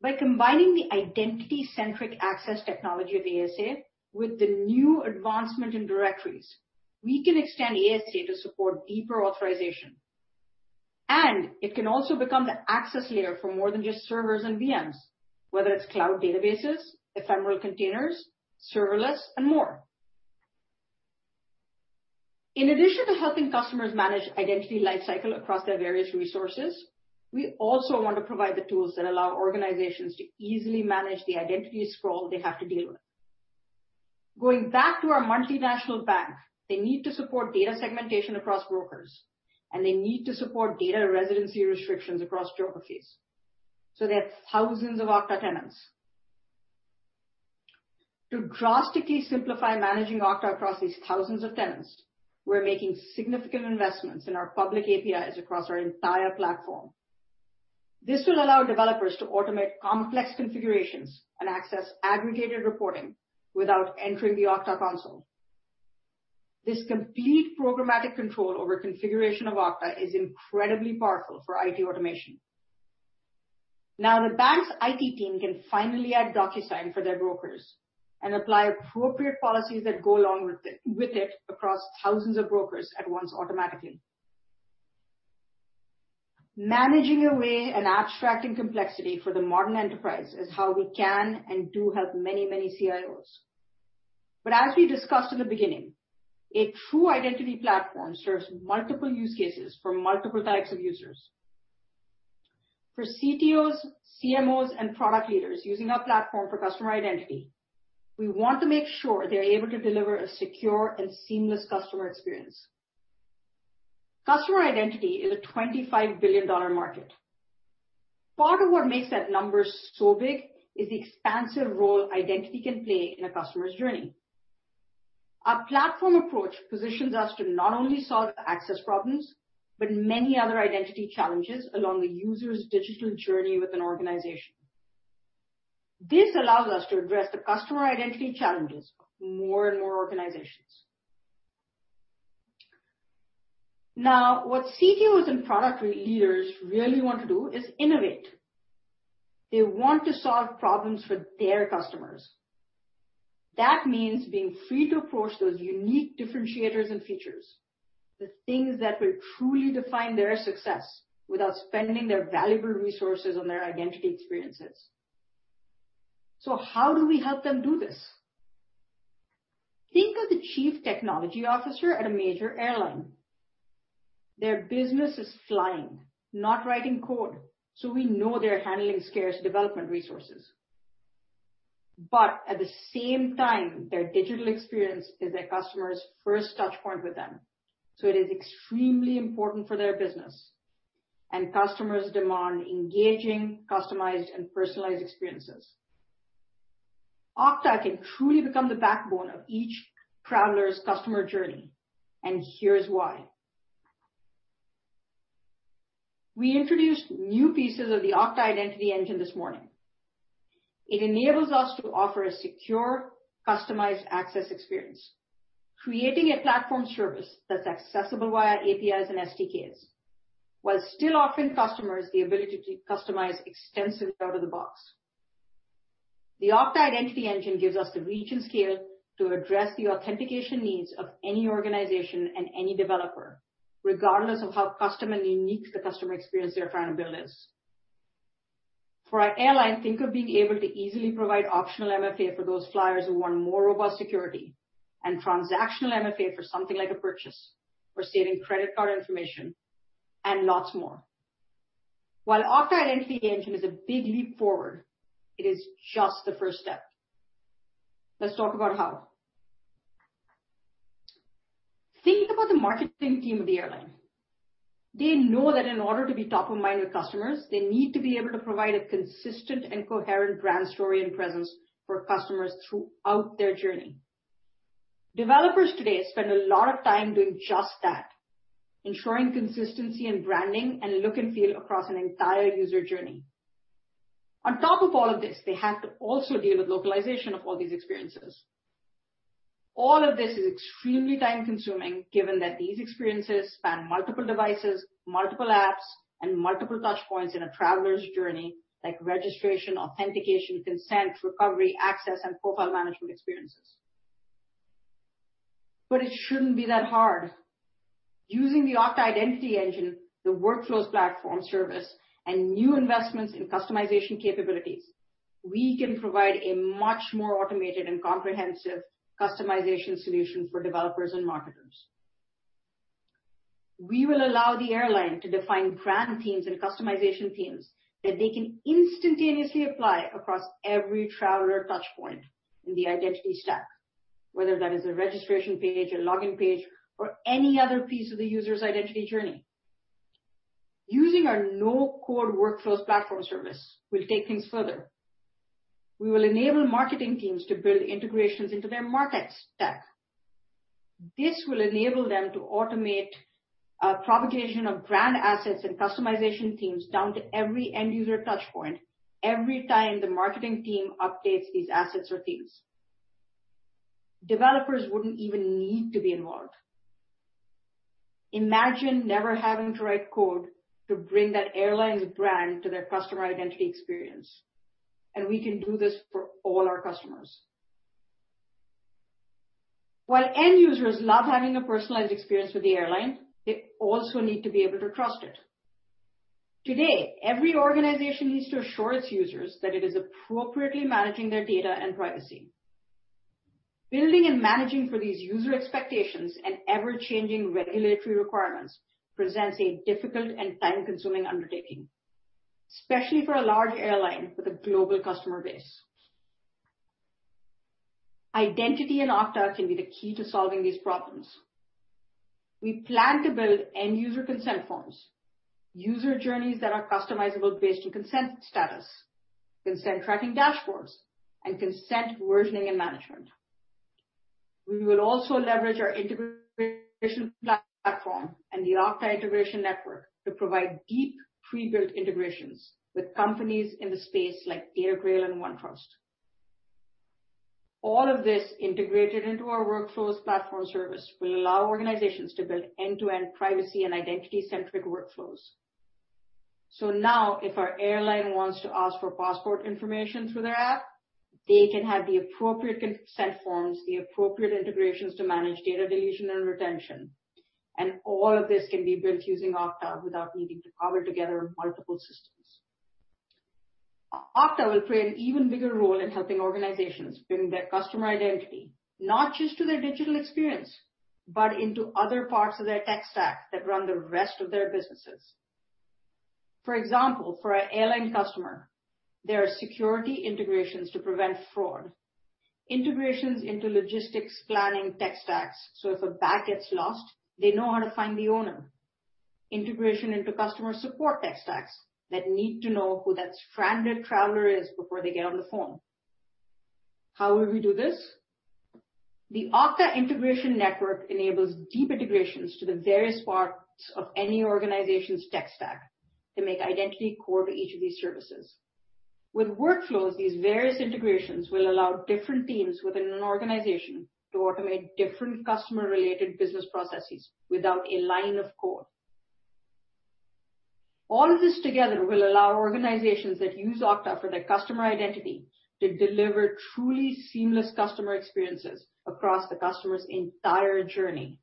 By combining the identity-centric access technology of ASA with the new advancement in directories, we can extend ASA to support deeper authorization. It can also become the access layer for more than just servers and VMs, whether it's cloud databases, ephemeral containers, serverless, and more. In addition to helping customers manage identity lifecycle across their various resources, we also want to provide the tools that allow organizations to easily manage the identity sprawl they have to deal with. Going back to our multinational bank, they need to support data segmentation across brokers, and they need to support data residency restrictions across geographies. They have thousands of Okta tenants. To drastically simplify managing Okta across these thousands of tenants, we're making significant investments in our public APIs across our entire platform. This will allow developers to automate complex configurations and access aggregated reporting without entering the Okta console. This complete programmatic control over configuration of Okta is incredibly powerful for IT automation. The bank's IT team can finally add DocuSign for their brokers and apply appropriate policies that go along with it across thousands of brokers at once automatically. Managing away and abstracting complexity for the modern enterprise is how we can and do help many CIOs. As we discussed in the beginning, a true identity platform serves multiple use cases for multiple types of users. For CTOs, CMOs, and product leaders using our platform for customer identity, we want to make sure they are able to deliver a secure and seamless customer experience. Customer identity is a $25 billion market. Part of what makes that number so big is the expansive role identity can play in a customer's journey. Our platform approach positions us to not only solve access problems, but many other identity challenges along the user's digital journey with an organization. What CTOs and product leaders really want to do is innovate. They want to solve problems for their customers. That means being free to approach those unique differentiators and features, the things that will truly define their success without spending their valuable resources on their identity experiences. How do we help them do this? Think of the chief technology officer at a major airline. Their business is flying, not writing code. We know they're handling scarce development resources. At the same time, their digital experience is their customer's first touchpoint with them. It is extremely important for their business, and customers demand engaging, customized, and personalized experiences. Okta can truly become the backbone of each traveler's customer journey, and here's why. We introduced new pieces of the Okta Identity Engine this morning. It enables us to offer a secure, customized access experience, creating a platform service that's accessible via APIs and SDKs, while still offering customers the ability to customize extensively out of the box. The Okta Identity Engine gives us the reach and scale to address the authentication needs of any organization and any developer, regardless of how custom and unique the customer experience they are trying to build is. For our airline, think of being able to easily provide optional MFA for those flyers who want more robust security, and transactional MFA for something like a purchase or saving credit card information, and lots more. While Okta Identity Engine is a big leap forward, it is just the first step. Let's talk about how. Think about the marketing team of the airline. They know that in order to be top of mind with customers, they need to be able to provide a consistent and coherent brand story and presence for customers throughout their journey. Developers today spend a lot of time doing just that, ensuring consistency in branding and look and feel across an entire user journey. They have to also deal with localization of all these experiences. All of this is extremely time-consuming given that these experiences span multiple devices, multiple apps, and multiple touch points in a traveler's journey, like registration, authentication, consent, recovery, access, and profile management experiences. It shouldn't be that hard. Using the Okta Identity Engine, the Workflows platform service, and new investments in customization capabilities, we can provide a much more automated and comprehensive customization solution for developers and marketers. We will allow the airline to define brand themes and customization themes that they can instantaneously apply across every traveler touchpoint in the identity stack, whether that is a registration page, a login page, or any other piece of the user's identity journey. Using our no-code Workflows platform service will take things further. We will enable marketing teams to build integrations into their markets stack. This will enable them to automate propagation of brand assets and customization themes down to every end-user touchpoint every time the marketing team updates these assets or themes. Developers wouldn't even need to be involved. Imagine never having to write code to bring that airline's brand to their customer identity experience, and we can do this for all our customers. While end users love having a personalized experience with the airline, they also need to be able to trust it. Today, every organization needs to assure its users that it is appropriately managing their data and privacy. Building and managing for these user expectations and ever-changing regulatory requirements presents a difficult and time-consuming undertaking, especially for a large airline with a global customer base. Identity in Okta can be the key to solving these problems. We plan to build end-user consent forms, user journeys that are customizable based on consent status, consent tracking dashboards, and consent versioning and management. We will also leverage our integration platform and the Okta Integration Network to provide deep pre-built integrations with companies in the space like DataGrail and OneTrust. All of this integrated into our Workflows platform service will allow organizations to build end-to-end privacy and identity-centric workflows. Now, if our airline wants to ask for passport information through their app, they can have the appropriate consent forms, the appropriate integrations to manage data deletion and retention, and all of this can be built using Okta without needing to cobble together multiple systems. Okta will play an even bigger role in helping organizations bring their customer identity, not just to their digital experience, but into other parts of their tech stack that run the rest of their businesses. For example, for our airline customer, there are security integrations to prevent fraud, integrations into logistics planning tech stacks, if a bag gets lost, they know how to find the owner. Integration into customer support tech stacks that need to know who that stranded traveler is before they get on the phone. How will we do this? The Okta Integration Network enables deep integrations to the various parts of any organization's tech stack to make identity core to each of these services. With Workflows, these various integrations will allow different teams within an organization to automate different customer related business processes without a line of code. All of this together will allow organizations that use Okta for their customer identity to deliver truly seamless customer experiences across the customer's entire journey.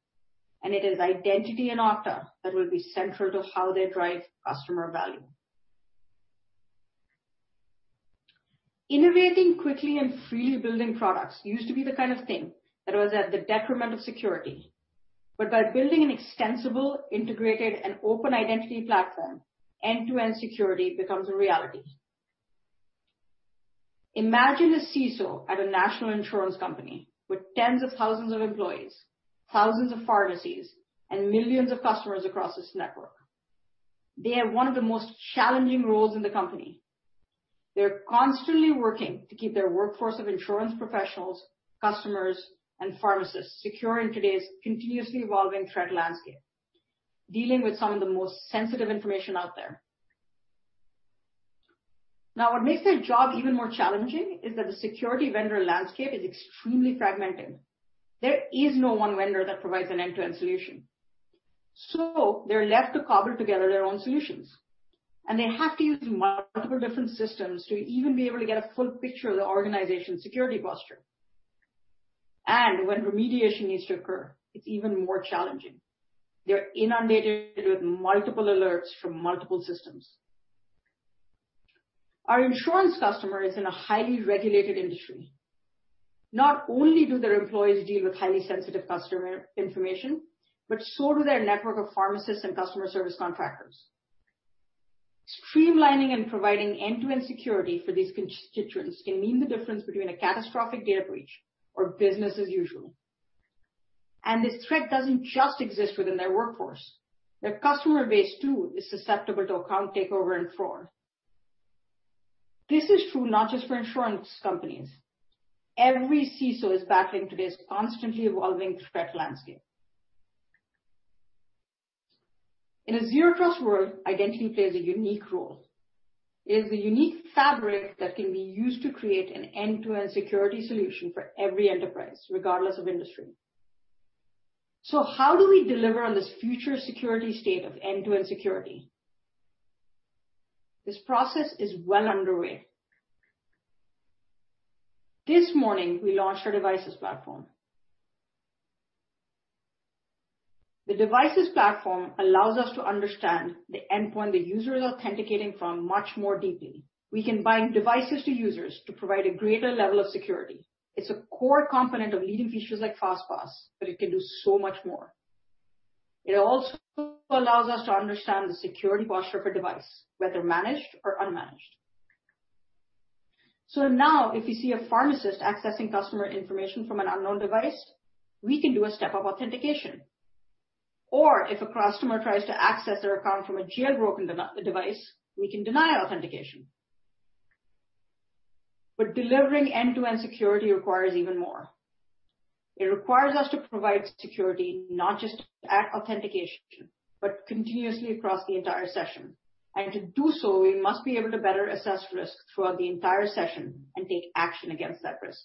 It is identity in Okta that will be central to how they drive customer value. Innovating quickly and freely building products used to be the kind of thing that was at the detriment of security. By building an extensible, integrated, and open identity platform, end-to-end security becomes a reality. Imagine a CISO at a national insurance company with tens of thousands of employees, thousands of pharmacies, and millions of customers across this network. They have one of the most challenging roles in the company. They're constantly working to keep their workforce of insurance professionals, customers, and pharmacists secure in today's continuously evolving threat landscape, dealing with some of the most sensitive information out there. What makes their job even more challenging is that the security vendor landscape is extremely fragmented. There is no one vendor that provides an end-to-end solution. They are left to cobble together their own solutions, and they have to use multiple different systems to even be able to get a full picture of the organization's security posture. When remediation needs to occur, it's even more challenging. They're inundated with multiple alerts from multiple systems. Our insurance customer is in a highly regulated industry. Not only do their employees deal with highly sensitive customer information, but so do their network of pharmacists and customer service contractors. Streamlining and providing end-to-end security for these constituents can mean the difference between a catastrophic data breach or business as usual. This threat doesn't just exist within their workforce. Their customer base too is susceptible to account takeover and fraud. This is true not just for insurance companies. Every CISO is battling today's constantly evolving threat landscape. In a zero trust world, identity plays a unique role. It is a unique fabric that can be used to create an end-to-end security solution for every enterprise, regardless of industry. How do we deliver on this future security state of end-to-end security? This process is well underway. This morning, we launched our Devices platform. The Devices platform allows us to understand the endpoint the user is authenticating from much more deeply. We can bind devices to users to provide a greater level of security. It's a core component of leading features like FastPass, but it can do so much more. It also allows us to understand the security posture of a device, whether managed or unmanaged. Now, if you see a pharmacist accessing customer information from an unknown device, we can do a step-up authentication. If a customer tries to access their account from a jailbroken device, we can deny authentication. Delivering end-to-end security requires even more. It requires us to provide security not just at authentication, but continuously across the entire session. To do so, we must be able to better assess risk throughout the entire session and take action against that risk.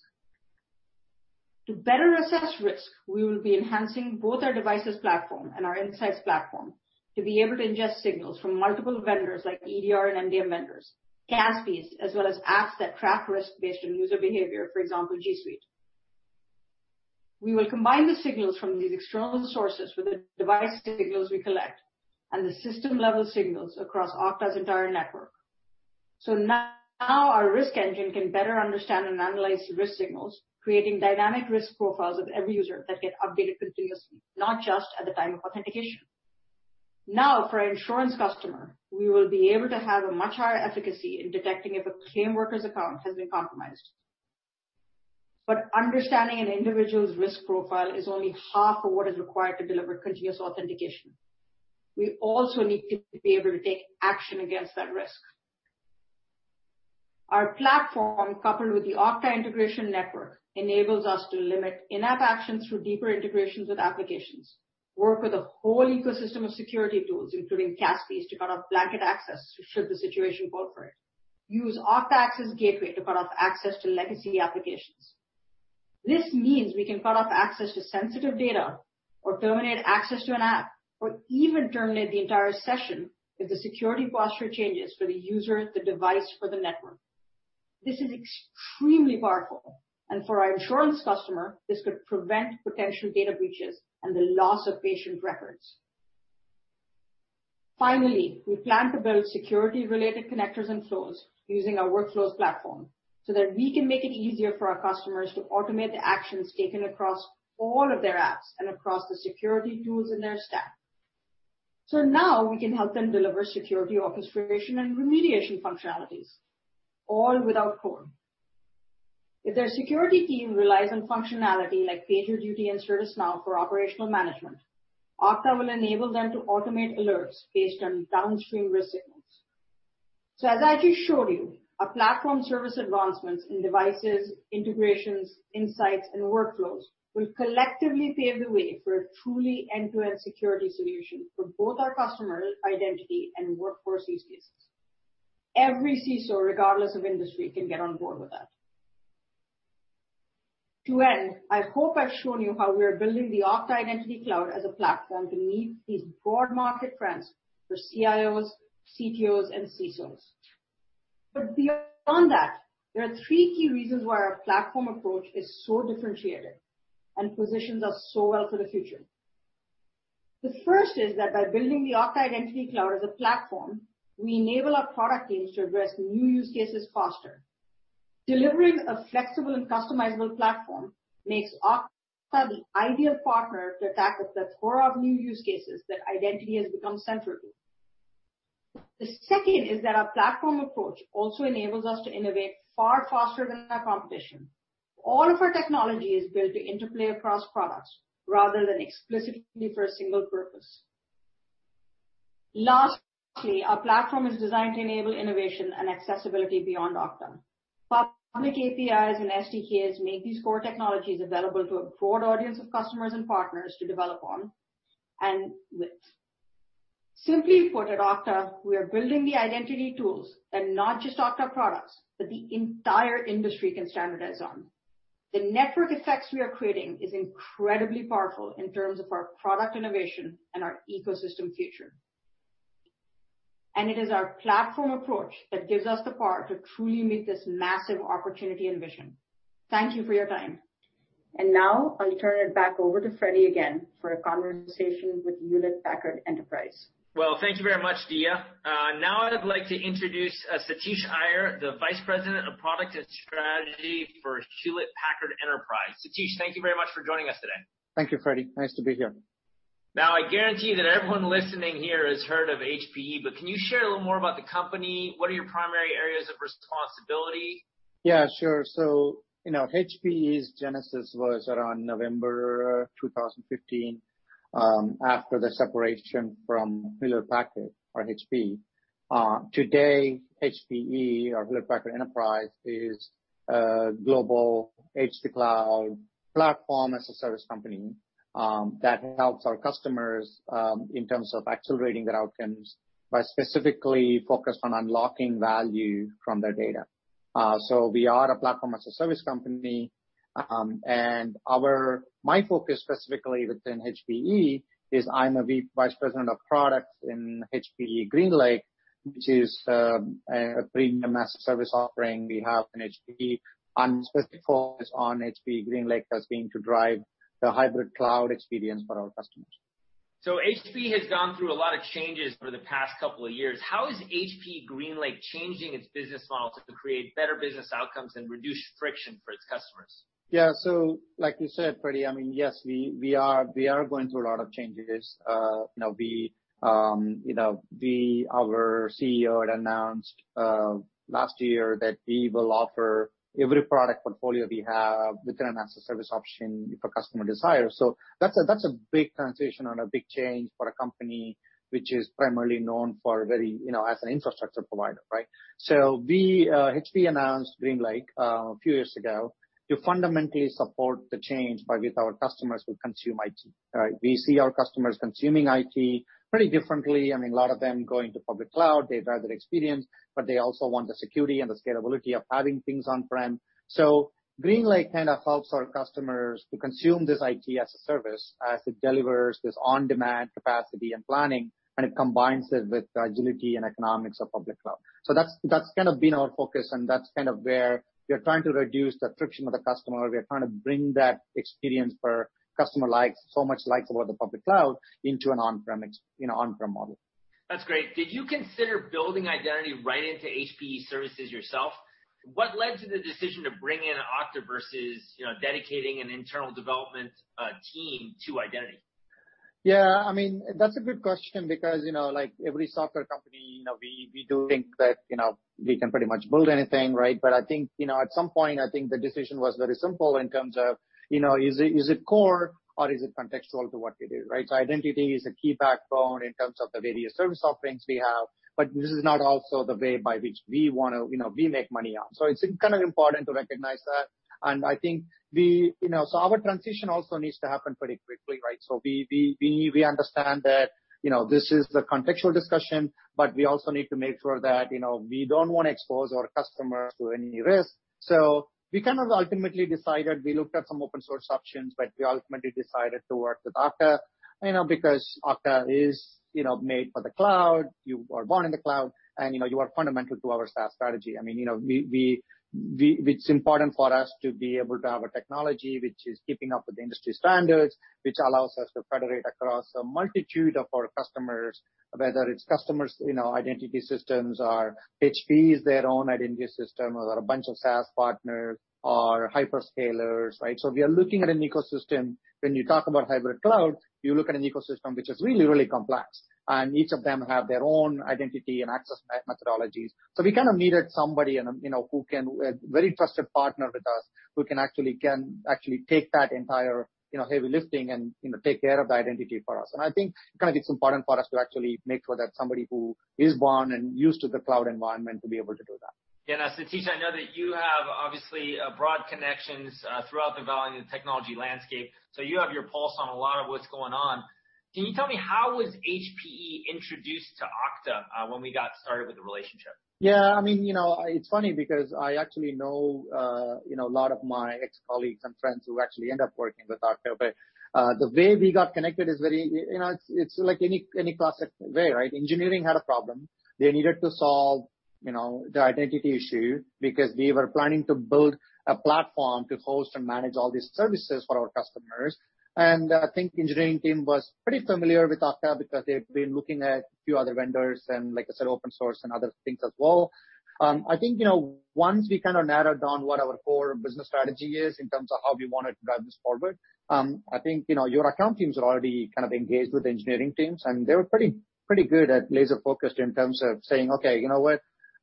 To better assess risk, we will be enhancing both our devices platform and our insights platform to be able to ingest signals from multiple vendors like EDR and MDM vendors, CASBs, as well as apps that track risk based on user behavior, for example, G Suite. Our risk engine can better understand and analyze risk signals, creating dynamic risk profiles of every user that get updated continuously, not just at the time of authentication. For our insurance customer, we will be able to have a much higher efficacy in detecting if a claim worker's account has been compromised. Understanding an individual's risk profile is only half of what is required to deliver continuous authentication. We also need to be able to take action against that risk. Our platform, coupled with the Okta Integration Network, enables us to limit in-app actions through deeper integrations with applications, work with a whole ecosystem of security tools, including CASBs, to cut off blanket access should the situation call for it. Use Okta Access Gateway to cut off access to legacy applications. This means we can cut off access to sensitive data or terminate access to an app, or even terminate the entire session if the security posture changes for the user, the device for the network. This is extremely powerful. For our insurance customer, this could prevent potential data breaches and the loss of patient records. We plan to build security-related connectors and flows using our Workflows platform so that we can make it easier for our customers to automate the actions taken across all of their apps and across the security tools in their stack. Now we can help them deliver security orchestration and remediation functionalities, all without code. If their security team relies on functionality like PagerDuty and ServiceNow for operational management, Okta will enable them to automate alerts based on downstream risk signals. As I just showed you, our platform service advancements in Devices, integrations, insights, and Workflows will collectively pave the way for a truly end-to-end security solution for both our customer identity and workforce use cases. Every CISO, regardless of industry, can get on board with that. To end, I hope I've shown you how we are building the Okta Identity Cloud as a platform to meet these broad market trends for CIOs, CTOs, and CISOs. Beyond that, there are three key reasons why our platform approach is so differentiated and positions us so well for the future. The first is that by building the Okta Identity Cloud as a platform, we enable our product teams to address new use cases faster. Delivering a flexible and customizable platform makes Okta the ideal partner to tackle the score of new use cases that identity has become central to. The second is that our platform approach also enables us to innovate far faster than our competition. All of our technology is built to interplay across products rather than explicitly for a single purpose. Lastly, our platform is designed to enable innovation and accessibility beyond Okta. Public APIs and SDKs make these core technologies available to a broad audience of customers and partners to develop on and with. Simply put at Okta, we are building the identity tools that not just Okta products, but the entire industry can standardize on. The network effects we are creating is incredibly powerful in terms of our product innovation and our ecosystem future. It is our platform approach that gives us the power to truly meet this massive opportunity and vision. Thank you for your time. Now I'll turn it back over to Frederic again for a conversation with Hewlett Packard Enterprise.
Well, thank you very much, Diya. Now I'd like to introduce Satish Iyer, the VP of Product and Strategy for Hewlett Packard Enterprise. Satish, thank you very much for joining us today.
Thank you, Freddy. Nice to be here.
Now, I guarantee that everyone listening here has heard of HPE, but can you share a little more about the company? What are your primary areas of responsibility?
Yeah, sure. HPE's genesis was around November 2015, after the separation from Hewlett-Packard, or HP. Today, HPE or Hewlett Packard Enterprise, is a global edge-to-cloud platform as a service company that helps our customers in terms of accelerating their outcomes by specifically focused on unlocking value from their data. We are a platform as a service company, and my focus specifically within HPE is I'm a Vice President of Product in HPE GreenLake, which is a premium as a service offering we have in HPE on specific focus on HPE GreenLake has been to drive the hybrid cloud experience for our customers.
HPE has gone through a lot of changes for the past couple of years. How is HPE GreenLake changing its business model to create better business outcomes and reduce friction for its customers?
Yeah. Like you said, Freddy, yes, we are going through a lot of changes. Our CEO had announced last year that we will offer every product portfolio we have with an as a service option if a customer desires. That's a big transition and a big change for a company which is primarily known as an infrastructure provider, right? HPE announced GreenLake a few years ago to fundamentally support the change by which our customers will consume IT. We see our customers consuming IT pretty differently. A lot of them going to public cloud, they'd rather experience, but they also want the security and the scalability of having things on-prem. GreenLake kind of helps our customers to consume this IT as a service, as it delivers this on-demand capacity and planning, and it combines it with agility and economics of public cloud. That's been our focus, and that's where we're trying to reduce the friction with the customer. We are trying to bring that experience for customer likes, so much likes about the public cloud into an on-prem model.
That's great. Did you consider building identity right into HPE services yourself? What led to the decision to bring in Okta versus dedicating an internal development team to identity?
Yeah. That's a good question because, like every software company, we do think that we can pretty much build anything, right? I think, at some point, I think the decision was very simple in terms of, is it core or is it contextual to what we do, right? Identity is a key backbone in terms of the various service offerings we have, but this is not also the way by which we make money out. It's kind of important to recognize that, and I think our transition also needs to happen pretty quickly, right? We understand that this is the contextual discussion, but we also need to make sure that we don't want to expose our customers to any risk. We kind of ultimately decided, we looked at some open source options, but we ultimately decided to work with Okta, because Okta is made for the cloud. You are born in the cloud, and you are fundamental to our SaaS strategy. It's important for us to be able to have a technology which is keeping up with industry standards, which allows us to federate across a multitude of our customers, whether it's customers' identity systems or HPE's their own identity system, or a bunch of SaaS partners or hyperscalers, right? We are looking at an ecosystem. When you talk about hybrid cloud, you look at an ecosystem which is really, really complex, and each of them have their own identity and access methodologies. We kind of needed somebody, a very trusted partner with us who can actually take that entire heavy lifting and take care of the identity for us. I think it's important for us to actually make sure that somebody who is born and used to the cloud environment to be able to do that.
Yeah. Satish, I know that you have obviously broad connections throughout the valley and the technology landscape, so you have your pulse on a lot of what's going on. Can you tell me how was HPE introduced to Okta when we got started with the relationship?
Yeah. The way we got connected it's like any classic way, right? Engineering had a problem they needed to solve. The identity issue, because we were planning to build a platform to host and manage all these services for our customers. I think engineering team was pretty familiar with Okta because they've been looking at a few other vendors and like I said, open source and other things as well. I think once we kind of narrowed down what our core business strategy is in terms of how we wanted to drive this forward, I think your account teams are already kind of engaged with engineering teams, and they were pretty good at laser-focused in terms of saying, "Okay, you know what?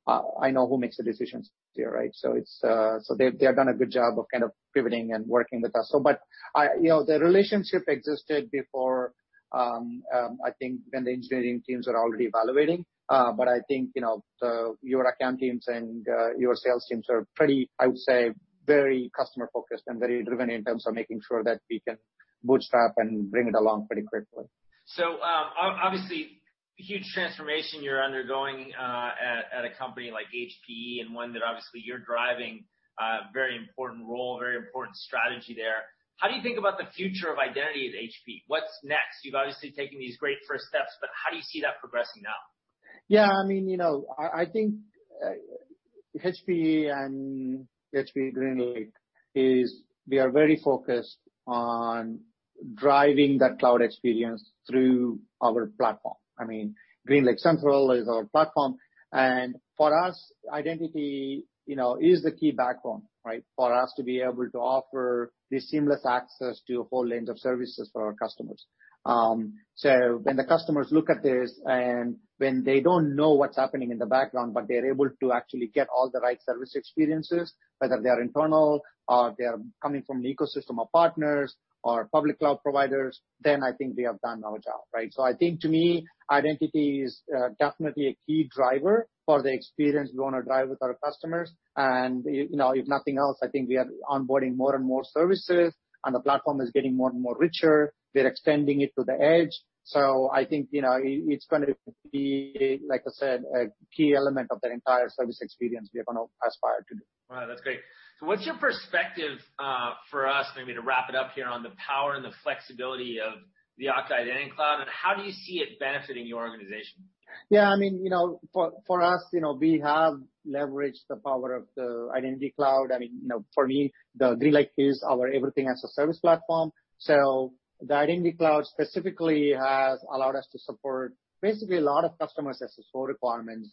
I know who makes the decisions here," right? They have done a good job of kind of pivoting and working with us. The relationship existed before, I think when the engineering teams were already evaluating. I think, your account teams and your sales teams are pretty, I would say, very customer-focused and very driven in terms of making sure that we can bootstrap and bring it along pretty quickly.
Obviously, huge transformation you're undergoing, at a company like HPE and one that obviously you're driving a very important role, very important strategy there. How do you think about the future of identity at HPE? What's next? You've obviously taken these great first steps, how do you see that progressing now?
Yeah. I think HPE and HPE GreenLake is we are very focused on driving that cloud experience through our platform. GreenLake Central is our platform, for us, identity is the key backbone, right? For us to be able to offer this seamless access to a whole range of services for our customers. When the customers look at this and when they don't know what's happening in the background, but they're able to actually get all the right service experiences, whether they are internal or they're coming from an ecosystem of partners or public cloud providers, then I think we have done our job, right? I think to me, identity is definitely a key driver for the experience we want to drive with our customers. If nothing else, I think we are onboarding more and more services, and the platform is getting more and more richer. We're extending it to the edge. I think, it's going to be, like I said, a key element of the entire service experience we are going to aspire to.
Wow, that's great. What's your perspective, for us, maybe to wrap it up here on the power and the flexibility of the Okta Identity Cloud, and how do you see it benefiting your organization?
Yeah. For us, we have leveraged the power of the Identity Cloud. For me, the GreenLake is our everything as a service platform. The Identity Cloud specifically has allowed us to support basically a lot of customers as to four requirements.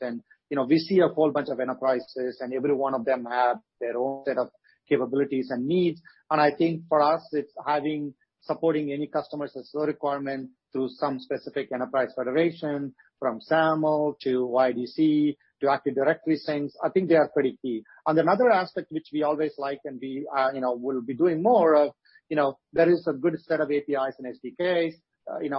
We see a whole bunch of enterprises, and every one of them have their own set of capabilities and needs. I think for us, it's having supporting any customer's slow requirement through some specific enterprise federation, from SAML to OIDC to Active Directory syncs. I think they are pretty key. Another aspect which we always like and we will be doing more of, there is a good set of APIs and SDKs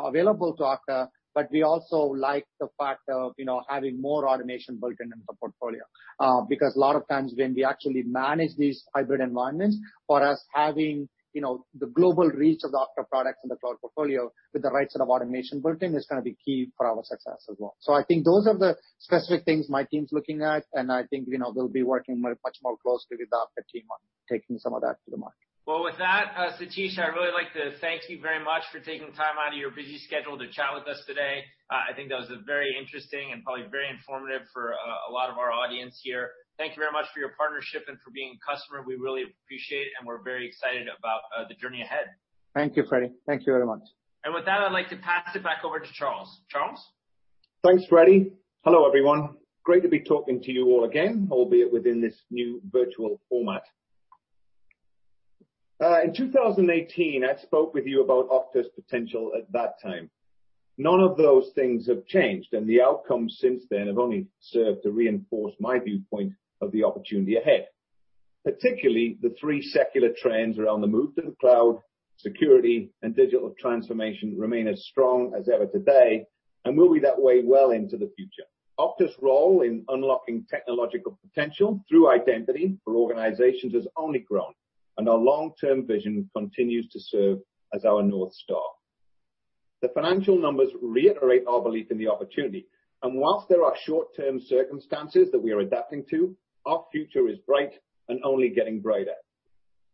available to Okta, but we also like the fact of having more automation built in into the portfolio. A lot of times when we actually manage these hybrid environments, for us having the global reach of the Okta products and the cloud portfolio with the right set of automation built in is going to be key for our success as well. I think those are the specific things my team's looking at, and I think they'll be working much more closely with the Okta team on taking some of that to the market.
Well, with that, Satish, I'd really like to thank you very much for taking time out of your busy schedule to chat with us today. I think that was a very interesting and probably very informative for a lot of our audience here. Thank you very much for your partnership and for being a customer. We really appreciate it, and we're very excited about the journey ahead.
Thank you, Frederic. Thank you very much.
With that, I'd like to pass it back over to Charles. Charles?
Thanks, Freddy. Hello, everyone. Great to be talking to you all again, albeit within this new virtual format. In 2018, I spoke with you about Okta's potential at that time. None of those things have changed, and the outcomes since then have only served to reinforce my viewpoint of the opportunity ahead. Particularly, the three secular trends around the move to the cloud, security, and digital transformation remain as strong as ever today, and will be that way well into the future. Okta's role in unlocking technological potential through identity for organizations has only grown, and our long-term vision continues to serve as our North Star. The financial numbers reiterate our belief in the opportunity, and whilst there are short-term circumstances that we are adapting to, our future is bright and only getting brighter.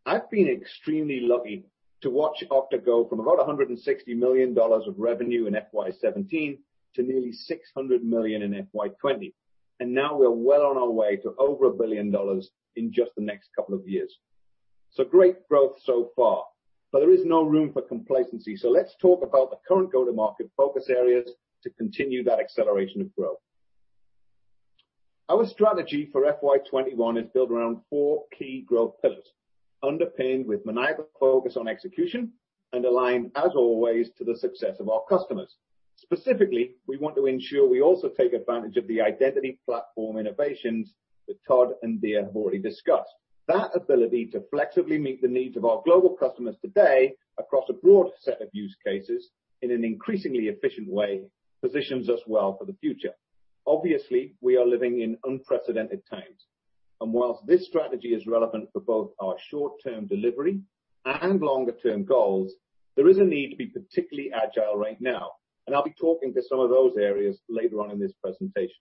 I've been extremely lucky to watch Okta go from about $160 million of revenue in FY 2017 to nearly $600 million in FY 2020. Now we're well on our way to over $1 billion in just the next couple of years. Great growth so far. There is no room for complacency, let's talk about the current go-to-market focus areas to continue that acceleration of growth. Our strategy for FY 2021 is built around four key growth pillars, underpinned with maniacal focus on execution and aligned, as always, to the success of our customers. Specifically, we want to ensure we also take advantage of the identity platform innovations that Todd and Diya have already discussed. That ability to flexibly meet the needs of our global customers today across a broad set of use cases in an increasingly efficient way positions us well for the future. Obviously, we are living in unprecedented times, and whilst this strategy is relevant for both our short-term delivery and longer-term goals, there is a need to be particularly agile right now, and I'll be talking to some of those areas later on in this presentation.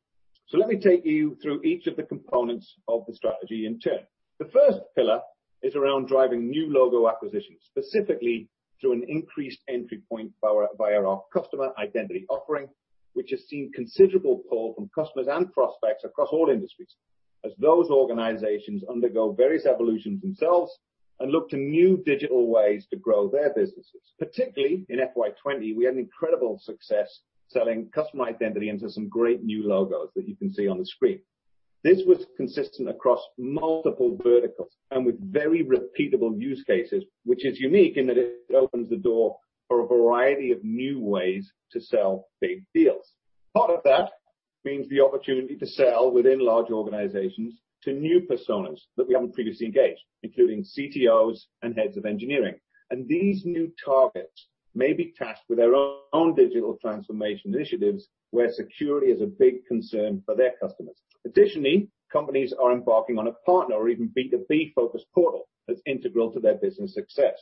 Let me take you through each of the components of the strategy in turn. The first pillar is around driving new logo acquisitions, specifically through an increased entry point via our customer identity offering, which has seen considerable pull from customers and prospects across all industries, as those organizations undergo various evolutions themselves and look to new digital ways to grow their businesses. Particularly in FY '20, we had incredible success selling customer identity into some great new logos that you can see on the screen. This was consistent across multiple verticals and with very repeatable use cases, which is unique in that it opens the door for a variety of new ways to sell big deals. Part of that means the opportunity to sell within large organizations to new personas that we haven't previously engaged, including CTOs and heads of engineering. These new targets may be tasked with their own digital transformation initiatives where security is a big concern for their customers. Additionally, companies are embarking on a partner or even B2B-focused portal that's integral to their business success.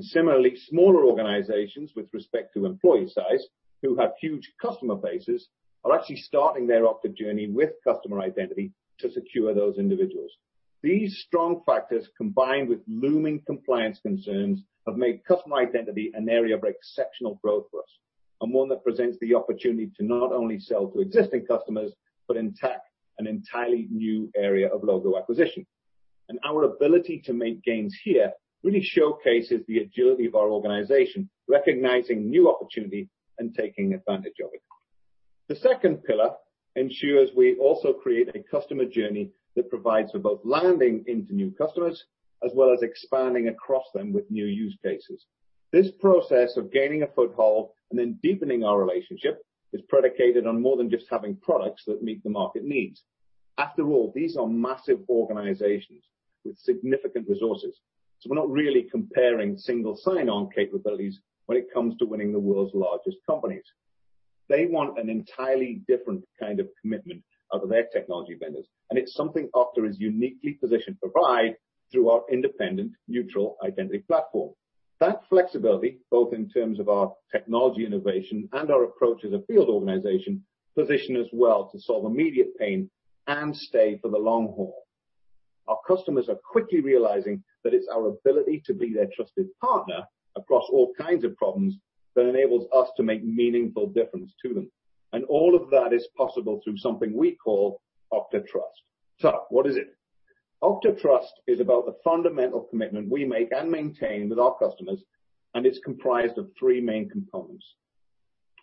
Similarly, smaller organizations with respect to employee size, who have huge customer bases, are actually starting their Okta journey with customer identity to secure those individuals. These strong factors, combined with looming compliance concerns, have made customer identity an area of exceptional growth for us, one that presents the opportunity to not only sell to existing customers, but tap into an entirely new area of logo acquisition. Our ability to make gains here really showcases the agility of our organization, recognizing new opportunity and taking advantage of it. The second pillar ensures we also create a customer journey that provides for both landing into new customers as well as expanding across them with new use cases. This process of gaining a foothold and then deepening our relationship is predicated on more than just having products that meet the market needs. After all, these are massive organizations with significant resources. We're not really comparing single sign-on capabilities when it comes to winning the world's largest companies. They want an entirely different kind of commitment out of their technology vendors, and it's something Okta is uniquely positioned to provide through our independent, neutral, identity platform. That flexibility, both in terms of our technology innovation and our approach as a field organization, position us well to solve immediate pain and stay for the long haul. Our customers are quickly realizing that it's our ability to be their trusted partner across all kinds of problems that enables us to make meaningful difference to them. All of that is possible through something we call Okta Trust. What is it? Okta Trust is about the fundamental commitment we make and maintain with our customers, and it's comprised of three main components.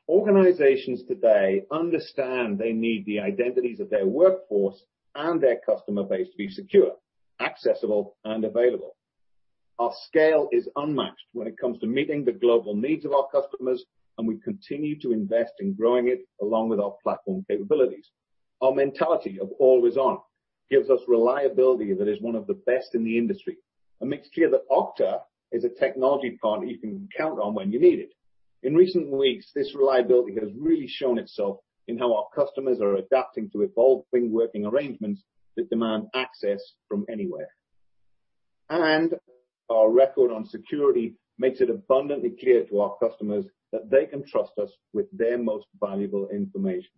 Organizations today understand they need the identities of their workforce and their customer base to be secure, accessible, and available. Our scale is unmatched when it comes to meeting the global needs of our customers, and we continue to invest in growing it along with our platform capabilities. Our mentality of always on gives us reliability that is one of the best in the industry and makes clear that Okta is a technology partner you can count on when you need it. In recent weeks, this reliability has really shown itself in how our customers are adapting to evolving working arrangements that demand access from anywhere. Our record on security makes it abundantly clear to our customers that they can trust us with their most valuable information.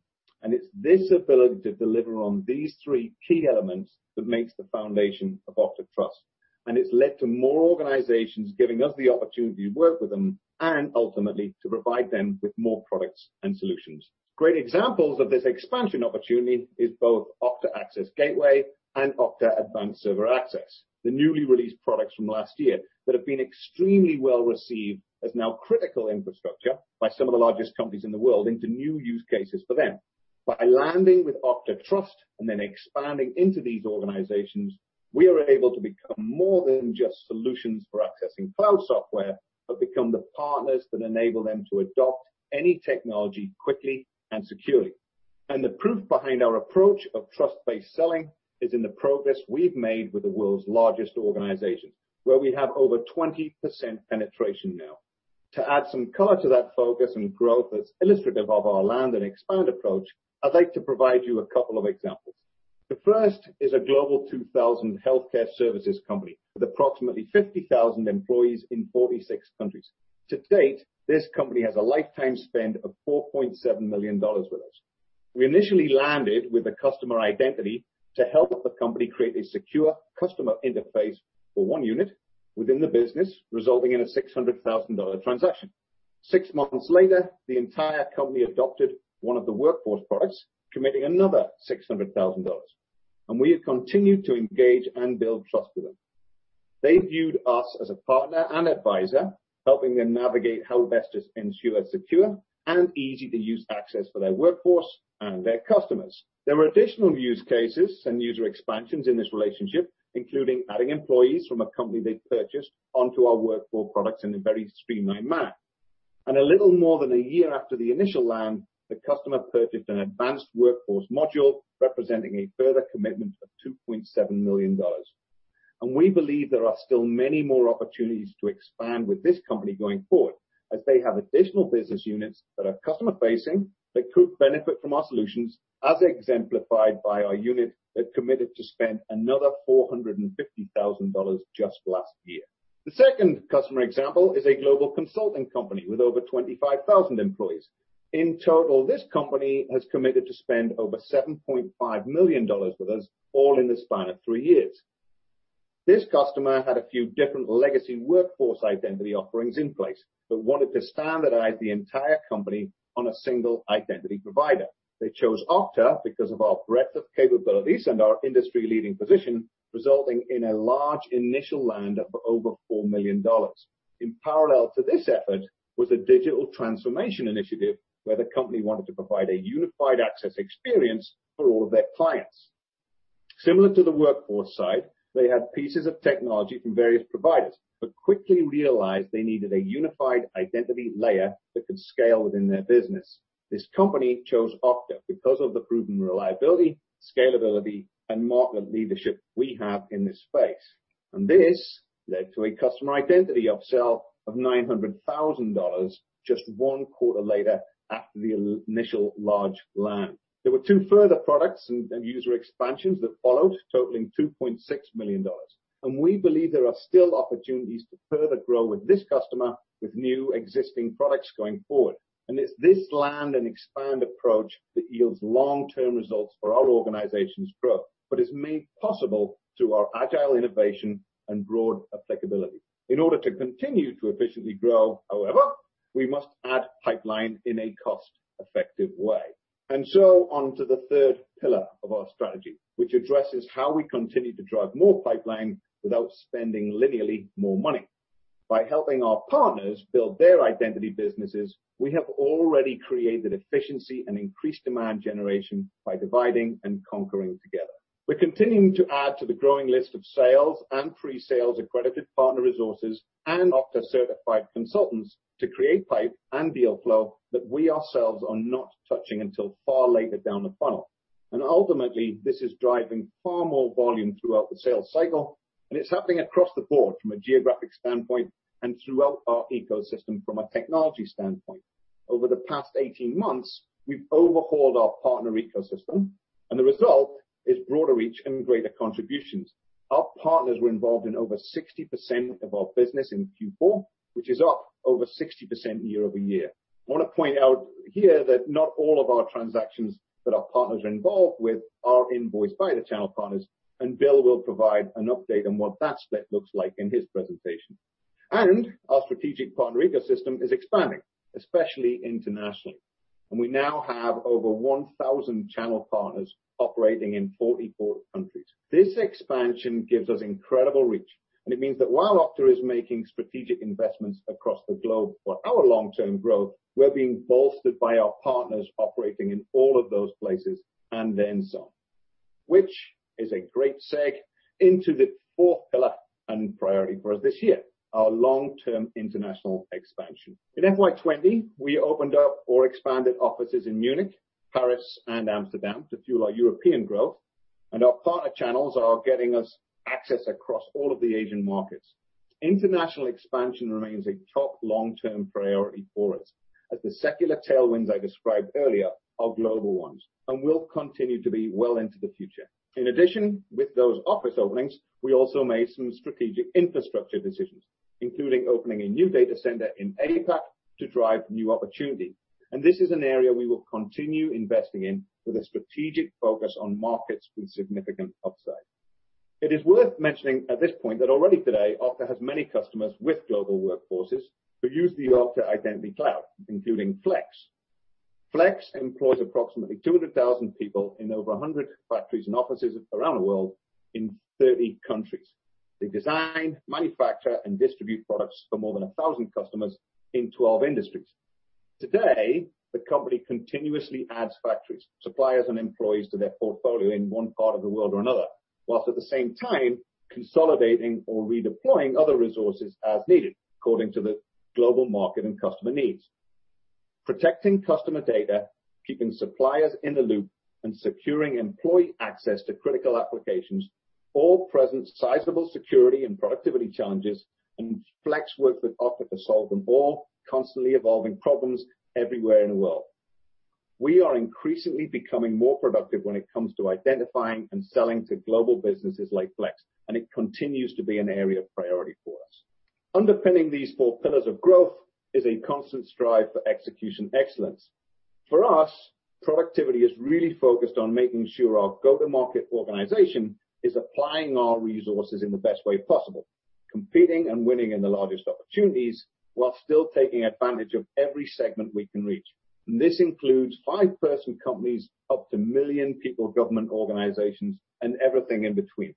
It's this ability to deliver on these three key elements that makes the foundation of Okta Trust, and it's led to more organizations giving us the opportunity to work with them and ultimately to provide them with more products and solutions. Great examples of this expansion opportunity is both Okta Access Gateway and Okta Advanced Server Access, the newly released products from last year that have been extremely well received as now critical infrastructure by some of the largest companies in the world into new use cases for them. Then expanding into these organizations, we are able to become more than just solutions for accessing cloud software, but become the partners that enable them to adopt any technology quickly and securely. The proof behind our approach of trust-based selling is in the progress we've made with the world's largest organizations, where we have over 20% penetration now. To add some color to that focus and growth that's illustrative of our land and expand approach, I'd like to provide you a couple of examples. The first is a Global 2000 healthcare services company with approximately 50,000 employees in 46 countries. To date, this company has a lifetime spend of $4.7 million with us. We initially landed with a customer identity to help the company create a secure customer interface for one unit within the business, resulting in a $600,000 transaction. Six months later, the entire company adopted one of the workforce products, committing another $600,000. We have continued to engage and build trust with them. They viewed us as a partner and advisor, helping them navigate how best to ensure secure and easy-to-use access for their workforce and their customers. There were additional use cases and user expansions in this relationship, including adding employees from a company they'd purchased onto our workforce products in a very streamlined manner. A little more than a year after the initial land, the customer purchased an advanced workforce module, representing a further commitment of $2.7 million. We believe there are still many more opportunities to expand with this company going forward, as they have additional business units that are customer facing that could benefit from our solutions, as exemplified by a unit that committed to spend another $450,000 just last year. The second customer example is a global consulting company with over 25,000 employees. In total, this company has committed to spend over $7.5 million with us all in the span of three years. This customer had a few different legacy workforce identity offerings in place, but wanted to standardize the entire company on a single identity provider. They chose Okta because of our breadth of capabilities and our industry leading position, resulting in a large initial land of over $4 million. In parallel to this effort was a digital transformation initiative where the company wanted to provide a unified access experience for all of their clients. Similar to the workforce side, they had pieces of technology from various providers, but quickly realized they needed a unified identity layer that could scale within their business. This company chose Okta because of the proven reliability, scalability, and market leadership we have in this space. This led to a customer identity upsell of $900,000 just one quarter later after the initial large land. There were two further products and user expansions that followed, totaling $2.6 million. We believe there are still opportunities to further grow with this customer with new existing products going forward. It's this land and expand approach that yields long-term results for our organization's growth, but is made possible through our agile innovation and broad applicability. In order to continue to efficiently grow, however, we must add pipeline in a cost-effective way. On to the third pillar of our strategy, which addresses how we continue to drive more pipeline without spending linearly more money. By helping our partners build their identity businesses, we have already created efficiency and increased demand generation by dividing and conquering together. We're continuing to add to the growing list of sales and pre-sales accredited partner resources and Okta certified consultants to create pipe and deal flow that we ourselves are not touching until far later down the funnel. Ultimately, this is driving far more volume throughout the sales cycle, and it's happening across the board from a geographic standpoint and throughout our ecosystem from a technology standpoint. Over the past 18 months, we've overhauled our partner ecosystem, and the result is broader reach and greater contributions. Our partners were involved in over 60% of our business in Q4, which is up over 60% year-over-year. I want to point out here that not all of our transactions that our partners are involved with are invoiced by the channel partners, and Bill will provide an update on what that split looks like in his presentation. Our strategic partner ecosystem is expanding, especially internationally. We now have over 1,000 channel partners operating in 44 countries. This expansion gives us incredible reach, and it means that while Okta is making strategic investments across the globe for our long-term growth, we're being bolstered by our partners operating in all of those places and then some, which is a great segue into the fourth pillar and priority for us this year, our long-term international expansion. In FY 2020, we opened up or expanded offices in Munich, Paris, and Amsterdam to fuel our European growth. Our partner channels are getting us access across all of the Asian markets. International expansion remains a top long-term priority for us, as the secular tailwinds I described earlier are global ones and will continue to be well into the future. In addition, with those office openings, we also made some strategic infrastructure decisions, including opening a new data center in APAC to drive new opportunity. This is an area we will continue investing in with a strategic focus on markets with significant upside. It is worth mentioning at this point that already today, Okta has many customers with global workforces who use the Okta Identity Cloud, including Flex. Flex employs approximately 200,000 people in over 100 factories and offices around the world in 30 countries. They design, manufacture, and distribute products for more than 1,000 customers in 12 industries. Today, the company continuously adds factories, suppliers, and employees to their portfolio in one part of the world or another, whilst at the same time consolidating or redeploying other resources as needed, according to the global market and customer needs. Protecting customer data, keeping suppliers in the loop, and securing employee access to critical applications all present sizable security and productivity challenges, and Flex works with Okta to solve them all, constantly evolving problems everywhere in the world. We are increasingly becoming more productive when it comes to identifying and selling to global businesses like Flex, and it continues to be an area of priority for us. Underpinning these four pillars of growth is a constant strive for execution excellence. For us, productivity is really focused on making sure our go-to-market organization is applying our resources in the best way possible, competing and winning in the largest opportunities, while still taking advantage of every segment we can reach. This includes five-person companies, up to 1 million-people government organizations, and everything in between.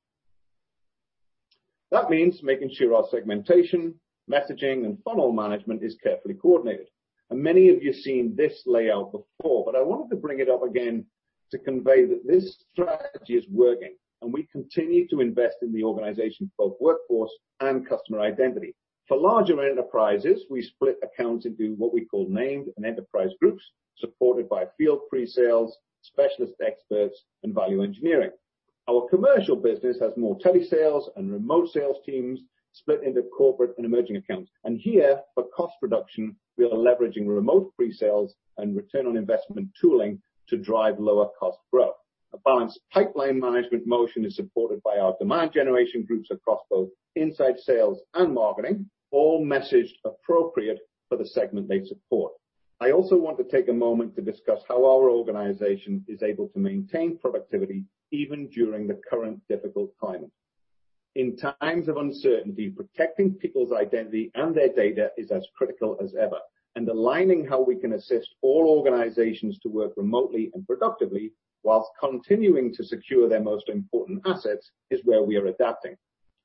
That means making sure our segmentation, messaging, and funnel management is carefully coordinated. Many of you have seen this layout before, but I wanted to bring it up again to convey that this strategy is working, and we continue to invest in the organization for both workforce and customer identity. For larger enterprises, we split accounts into what we call Named and Enterprise Groups, supported by field pre-sales, specialist experts, and value engineering. Our commercial business has more tele sales and remote sales teams split into corporate and emerging accounts. Here, for cost reduction, we are leveraging remote pre-sales and return on investment tooling to drive lower cost growth. A balanced pipeline management motion is supported by our demand generation groups across both inside sales and marketing, all messaged appropriate for the segment they support. I also want to take a moment to discuss how our organization is able to maintain productivity even during the current difficult climate. In times of uncertainty, protecting people's identity and their data is as critical as ever, and aligning how we can assist all organizations to work remotely and productively whilst continuing to secure their most important assets is where we are adapting.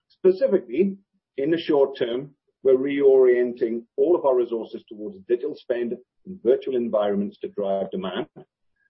Specifically, in the short term, we're reorienting all of our resources towards digital spend and virtual environments to drive demand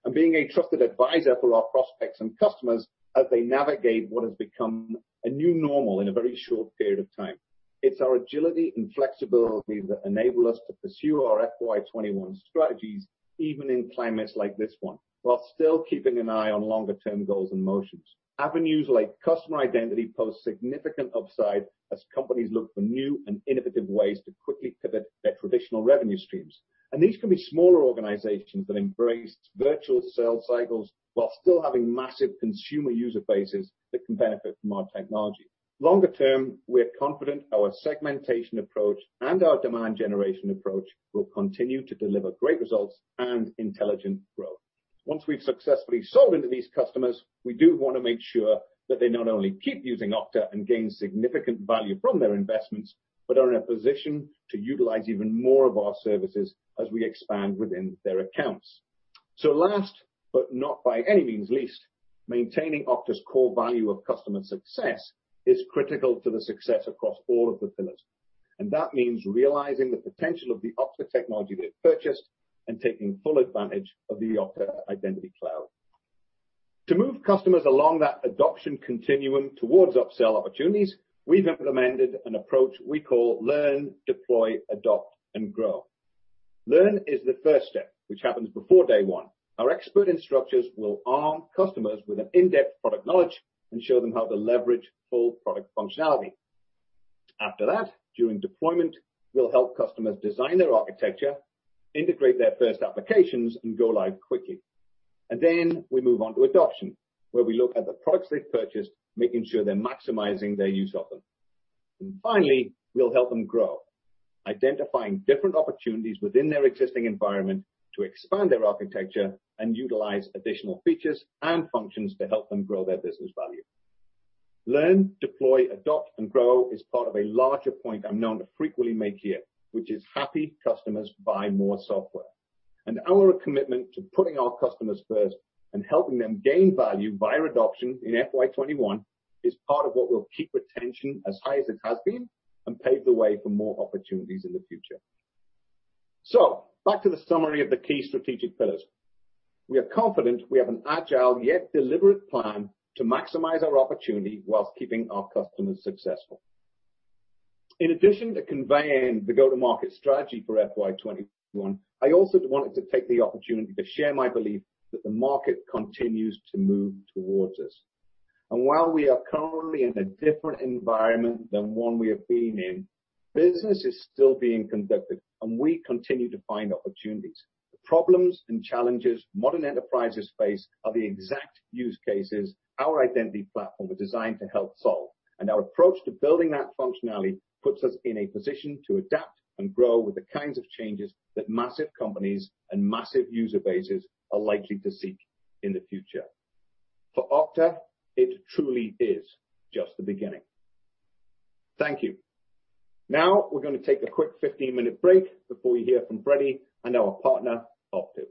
and being a trusted advisor for our prospects and customers as they navigate what has become a new normal in a very short period of time. It's our agility and flexibility that enable us to pursue our FY 2021 strategies even in climates like this one, while still keeping an eye on longer term goals and motions. Avenues like customer identity pose significant upside as companies look for new and innovative ways to quickly pivot their traditional revenue streams. These can be smaller organizations that embraced virtual sales cycles while still having massive consumer user bases that can benefit from our technology. Longer term, we're confident our segmentation approach and our demand generation approach will continue to deliver great results and intelligent growth. Once we've successfully sold into these customers, we do want to make sure that they not only keep using Okta and gain significant value from their investments, but are in a position to utilize even more of our services as we expand within their accounts. Last, but not by any means least, maintaining Okta's core value of customer success is critical to the success across all of the pillars. That means realizing the potential of the Okta technology they've purchased and taking full advantage of the Okta Identity Cloud. To move customers along that adoption continuum towards upsell opportunities, we've implemented an approach we call Learn, Deploy, Adopt, and Grow. Learn is the first step, which happens before day one. Our expert instructors will arm customers with an in-depth product knowledge and show them how to leverage full product functionality. After that, during deployment, we'll help customers design their architecture, integrate their first applications, and go live quickly. Then we move on to adoption, where we look at the products they've purchased, making sure they're maximizing their use of them. Finally, we'll help them grow, identifying different opportunities within their existing environment to expand their architecture and utilize additional features and functions to help them grow their business value. Learn, Deploy, Adopt, and Grow is part of a larger point I'm known to frequently make here, which is happy customers buy more software. Our commitment to putting our customers first and helping them gain value via adoption in FY 2021 is part of what will keep retention as high as it has been and pave the way for more opportunities in the future. Back to the summary of the key strategic pillars. We are confident we have an agile yet deliberate plan to maximize our opportunity whilst keeping our customers successful. In addition to conveying the go-to-market strategy for FY 2021, I also wanted to take the opportunity to share my belief that the market continues to move towards us. While we are currently in a different environment than one we have been in, business is still being conducted, and we continue to find opportunities. The problems and challenges modern enterprises face are the exact use cases our identity platform was designed to help solve. Our approach to building that functionality puts us in a position to adapt and grow with the kinds of changes that massive companies and massive user bases are likely to seek in the future. For Okta, it truly is just the beginning. Thank you. Now, we're going to take a quick 15-minute break before you hear from Freddy and our partner, Optiv.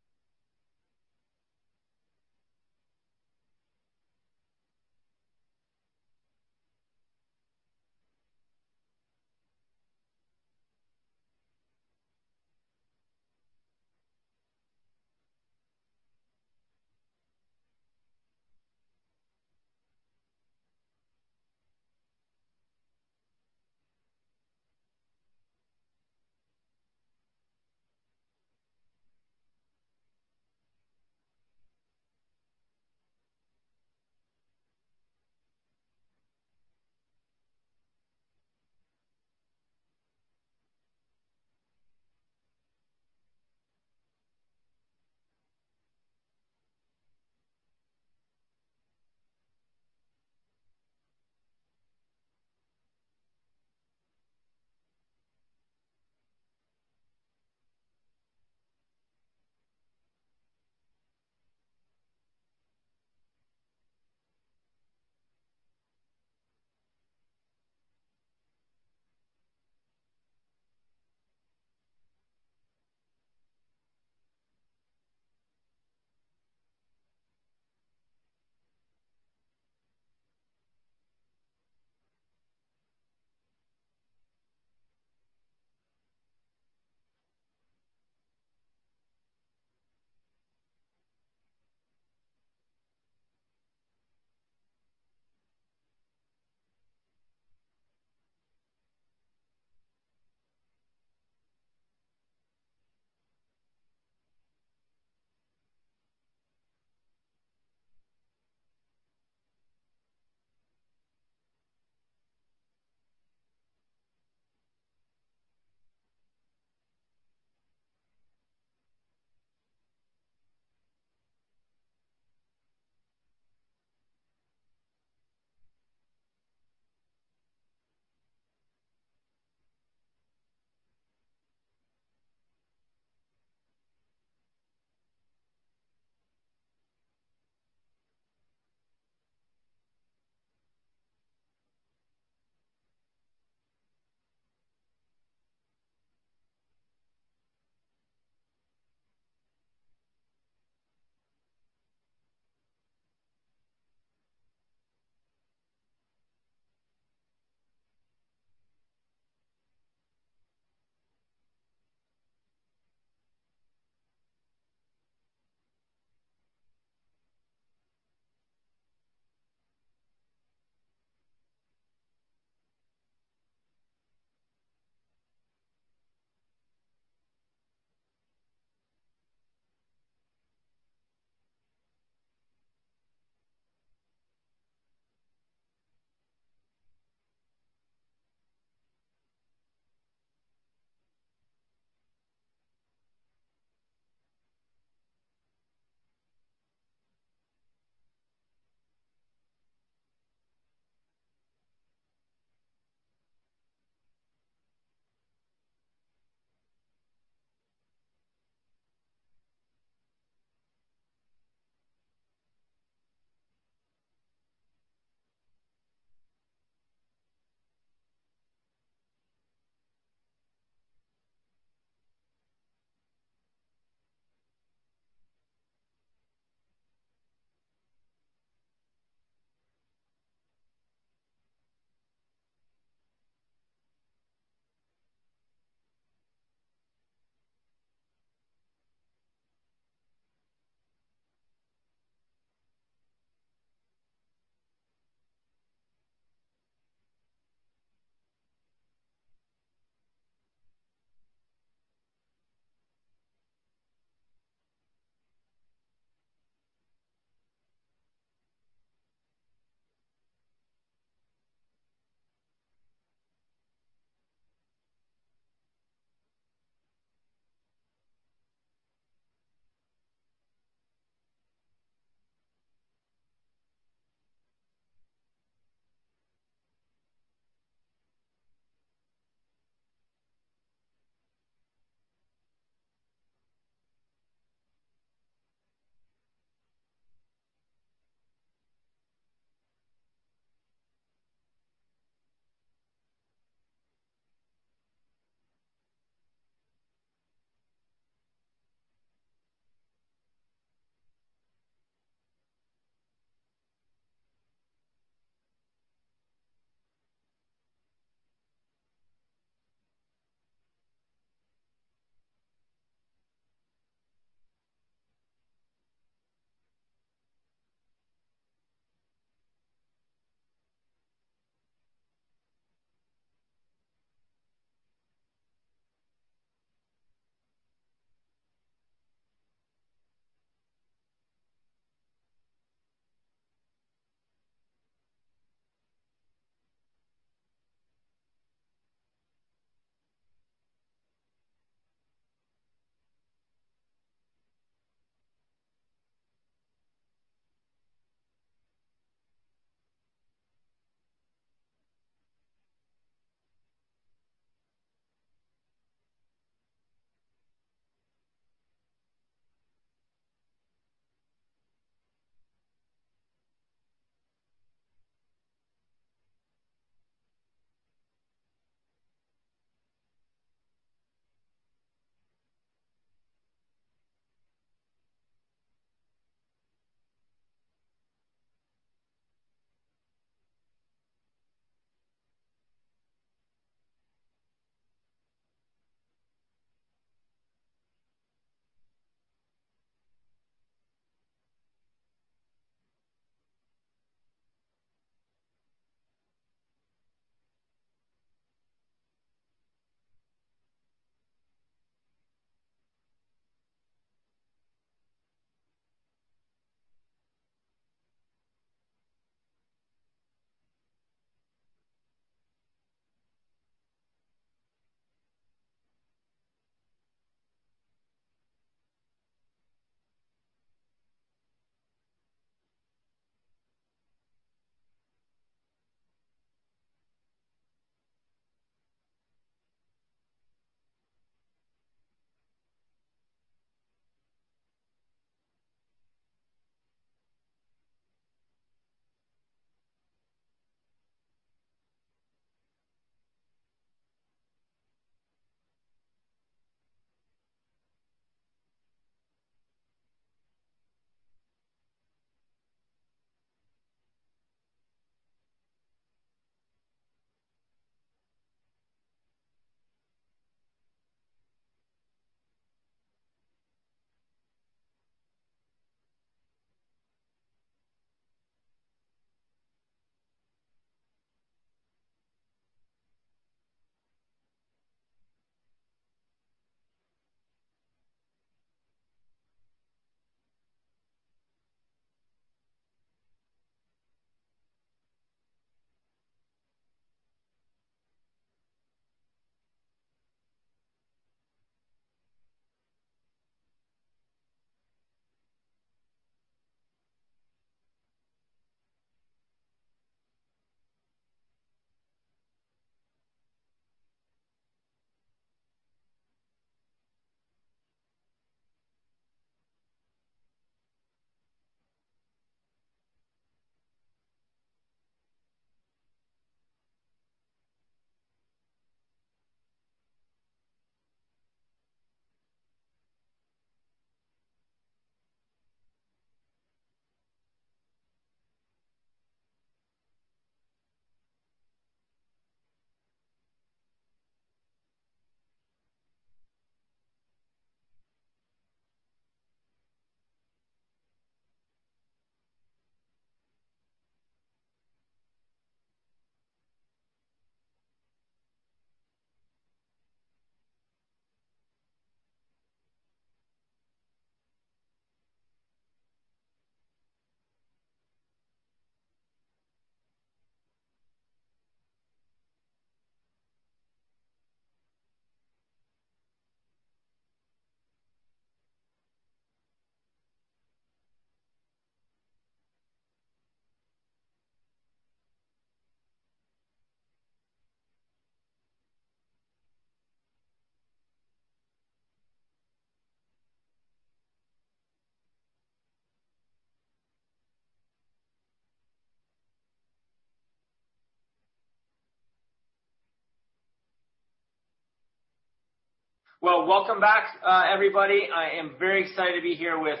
Well, welcome back everybody. I am very excited to be here with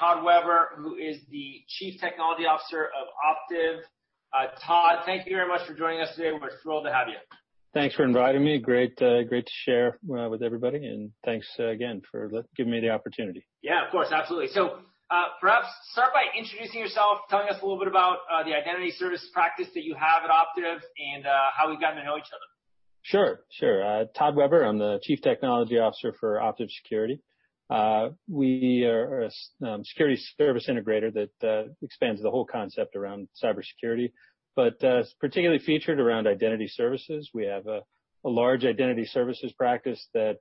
Todd Weber, who is the CTO of Optiv. Todd, thank you very much for joining us today. We're thrilled to have you.
Thanks for inviting me. Great to share with everybody, and thanks again for giving me the opportunity.
Yeah, of course. Absolutely. Perhaps start by introducing yourself, telling us a little bit about the identity service practice that you have at Optiv, and how we've gotten to know each other.
Sure. Todd Weber, I'm the Chief Technology Officer for Optiv Security. We are a security service integrator that expands the whole concept around cybersecurity, but particularly featured around identity services. We have a large identity services practice that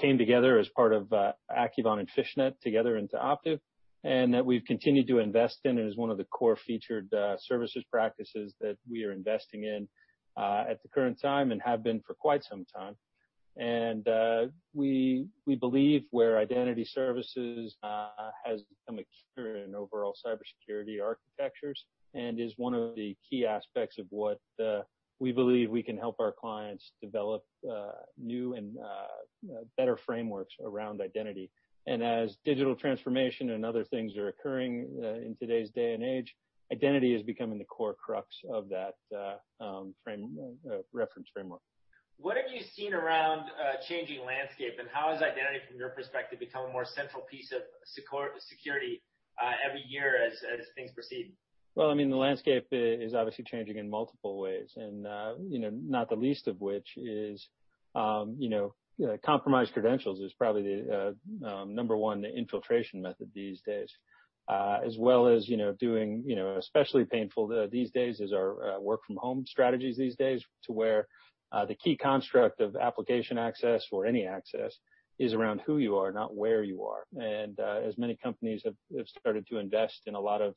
came together as part of Accuvant and FishNet together into Optiv, that we've continued to invest in and is one of the core featured services practices that we are investing in at the current time and have been for quite some time. We believe where identity services has become a key in overall cybersecurity architectures and is one of the key aspects of what we believe we can help our clients develop new and better frameworks around identity. As digital transformation and other things are occurring in today's day and age, identity is becoming the core crux of that reference framework.
What have you seen around changing landscape, and how has identity, from your perspective, become a more central piece of security every year as things proceed?
Well, the landscape is obviously changing in multiple ways and not the least of which is compromised credentials is probably the number one infiltration method these days. As well as doing, especially painful these days is our work from home strategies these days to where the key construct of application access or any access is around who you are, not where you are. As many companies have started to invest in a lot of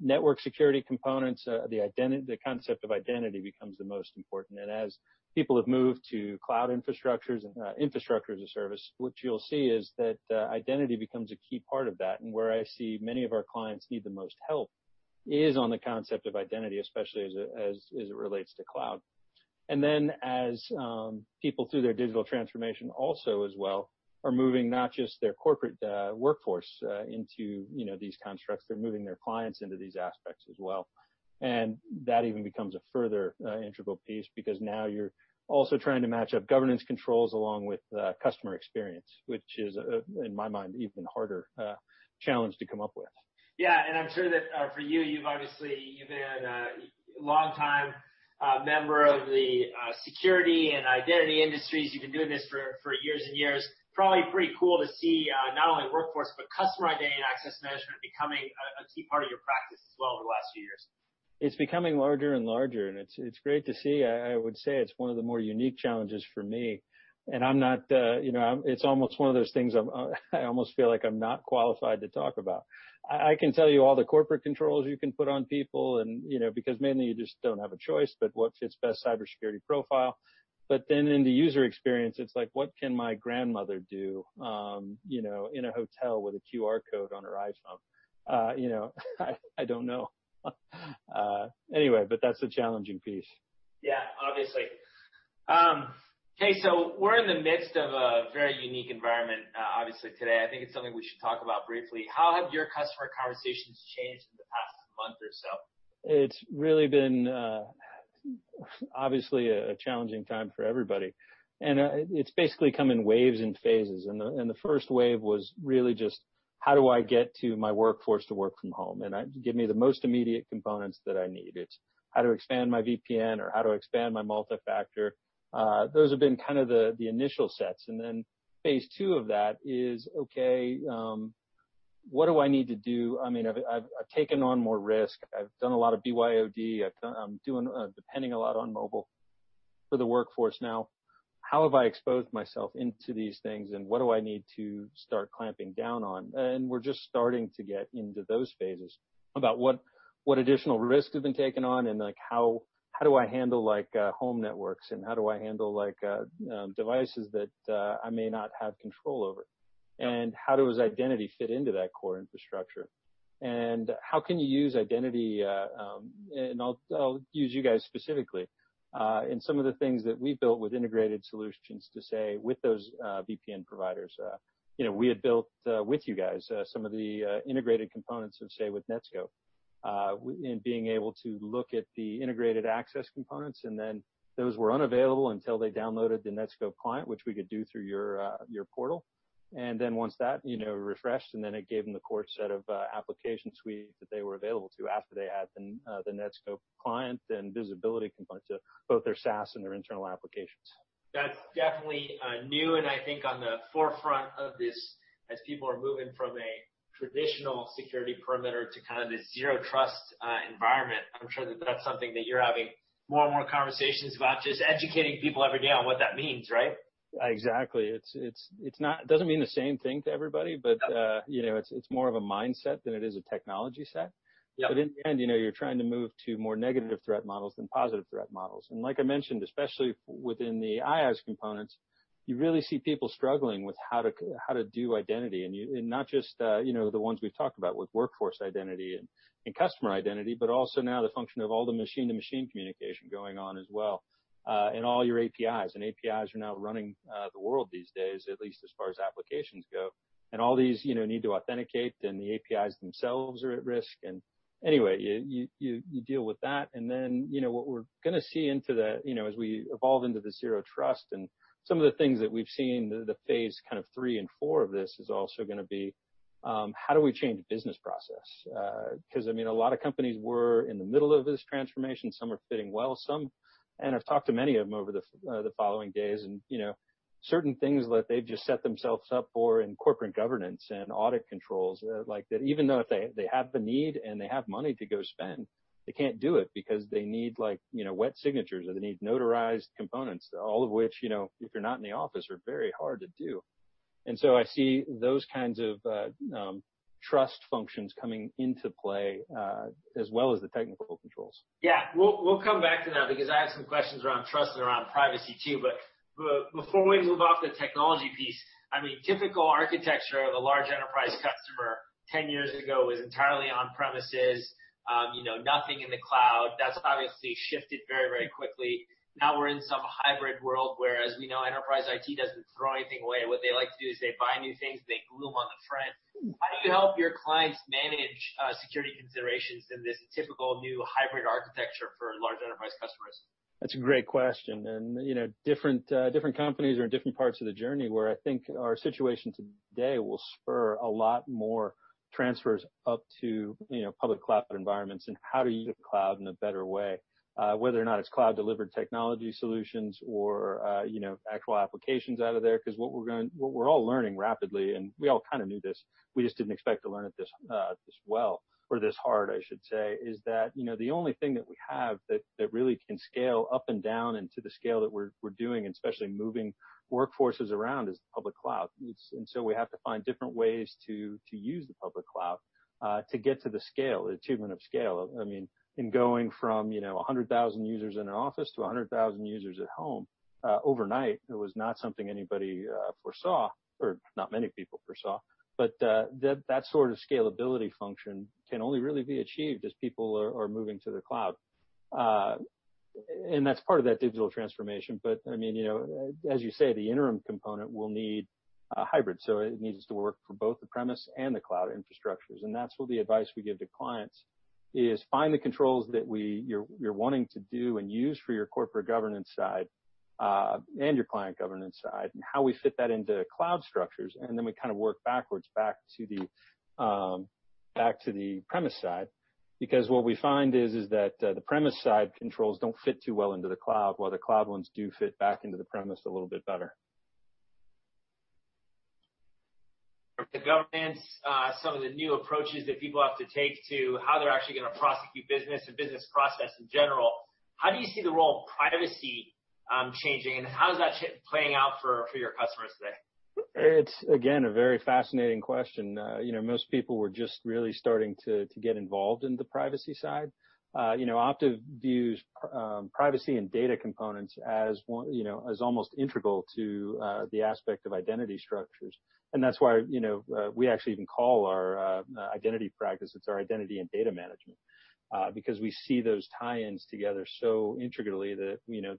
network security components, the concept of identity becomes the most important. As people have moved to cloud infrastructures and infrastructure as a service, what you'll see is that identity becomes a key part of that. Where I see many of our clients need the most help is on the concept of identity, especially as it relates to cloud. As people through their digital transformation also as well are moving not just their corporate workforce into these constructs, they're moving their clients into these aspects as well. That even becomes a further integral piece because now you're also trying to match up governance controls along with customer experience, which is, in my mind, even harder challenge to come up with.
Yeah. I'm sure that for you've obviously been a long time member of the security and identity industries. You've been doing this for years and years. Probably pretty cool to see not only workforce, but customer identity and access management becoming a key part of your practice as well over the last few years.
It's becoming larger and larger, and it's great to see. I would say it's one of the more unique challenges for me. It's almost one of those things I almost feel like I'm not qualified to talk about. I can tell you all the corporate controls you can put on people and because mainly you just don't have a choice, but what fits best cybersecurity profile. In the user experience, it's like, what can my grandmother do in a hotel with a QR code on her iPhone? I don't know. That's the challenging piece.
Yeah. Obviously. Okay, we're in the midst of a very unique environment, obviously, today. I think it's something we should talk about briefly. How have your customer conversations changed in the past month or so?
It's really been, obviously, a challenging time for everybody, and it's basically come in waves and phases. The first wave was really just, how do I get to my workforce to work from home? Give me the most immediate components that I need. It's how to expand my VPN or how to expand my multi-factor. Those have been the initial sets. Phase II of that is, okay, what do I need to do? I've taken on more risk. I've done a lot of BYOD. I'm depending a lot on mobile for the workforce now. How have I exposed myself into these things, and what do I need to start clamping down on? We're just starting to get into those phases about what additional risks have been taken on, and how do I handle home networks and how do I handle devices that I may not have control over? How does identity fit into that core infrastructure? How can you use identity, and I'll use you guys specifically, in some of the things that we've built with integrated solutions to say with those VPN providers. We had built with you guys some of the integrated components of, say, with Netskope, and being able to look at the integrated access components, and then those were unavailable until they downloaded the Netskope client, which we could do through your portal. Once that refreshed, and then it gave them the core set of application suite that they were available to after they had the Netskope client and visibility component to both their SaaS and their internal applications.
That's definitely new, and I think on the forefront of this as people are moving from a traditional security perimeter to this zero trust environment. I'm sure that that's something that you're having more and more conversations about, just educating people every day on what that means, right?
Exactly. It doesn't mean the same thing to everybody.
Yep.
It's more of a mindset than it is a technology set.
Yep.
In the end, you're trying to move to more negative threat models than positive threat models. Like I mentioned, especially within the IaaS components, you really see people struggling with how to do identity. Not just the ones we've talked about with workforce identity and customer identity, but also now the function of all the machine-to-machine communication going on as well. All your APIs. APIs are now running the world these days, at least as far as applications go. All these need to authenticate, then the APIs themselves are at risk, and anyway, you deal with that. Then, what we're going to see as we evolve into the zero trust and some of the things that we've seen, the phase three and four of this is also going to be, how do we change business process? Because a lot of companies were in the middle of this transformation. Some are fitting well, I've talked to many of them over the following days, and certain things that they've just set themselves up for in corporate governance and audit controls, even though if they have the need and they have money to go spend, they can't do it because they need wet signatures, or they need notarized components. All of which, if you're not in the office, are very hard to do. I see those kinds of trust functions coming into play, as well as the technical controls.
Yeah. We'll come back to that because I have some questions around trust and around privacy, too. Before we move off the technology piece, typical architecture of a large enterprise customer 10 years ago was entirely on-premises. Nothing in the cloud. That's obviously shifted very quickly. Now we're in some hybrid world, whereas we know enterprise IT doesn't throw anything away. What they like to do is they buy new things, they glue them on the front. How do you help your clients manage security considerations in this typical new hybrid architecture for large enterprise customers?
That's a great question. Different companies are in different parts of the journey, where I think our situation today will spur a lot more transfers up to public cloud environments and how to use the cloud in a better way. Whether or not it's cloud-delivered technology solutions or actual applications out of there, because what we're all learning rapidly, and we all kind of knew this, we just didn't expect to learn it this well or this hard, I should say, is that the only thing that we have that really can scale up and down and to the scale that we're doing, especially moving workforces around, is the public cloud. We have to find different ways to use the public cloud to get to the scale, the achievement of scale. In going from 100,000 users in an office to 100,000 users at home overnight, it was not something anybody foresaw, or not many people foresaw. That sort of scalability function can only really be achieved as people are moving to the cloud. That's part of that digital transformation. As you say, the interim component will need a hybrid. It needs to work for both the premise and the cloud infrastructures. That's where the advice we give to clients is find the controls that you're wanting to do and use for your corporate governance side and your client governance side, and how we fit that into cloud structures. Then we work backwards back to the premise side. What we find is that the premise side controls don't fit too well into the cloud, while the cloud ones do fit back into the premise a little bit better.
From the governance, some of the new approaches that people have to take to how they're actually going to prosecute business and business process in general, how do you see the role of privacy changing, and how is that playing out for your customers today?
It's, again, a very fascinating question. Most people were just really starting to get involved in the privacy side. Okta views privacy and data components as almost integral to the aspect of identity structures. That's why we actually even call our identity practice, it's our identity and data management. Because we see those tie-ins together so intricately that you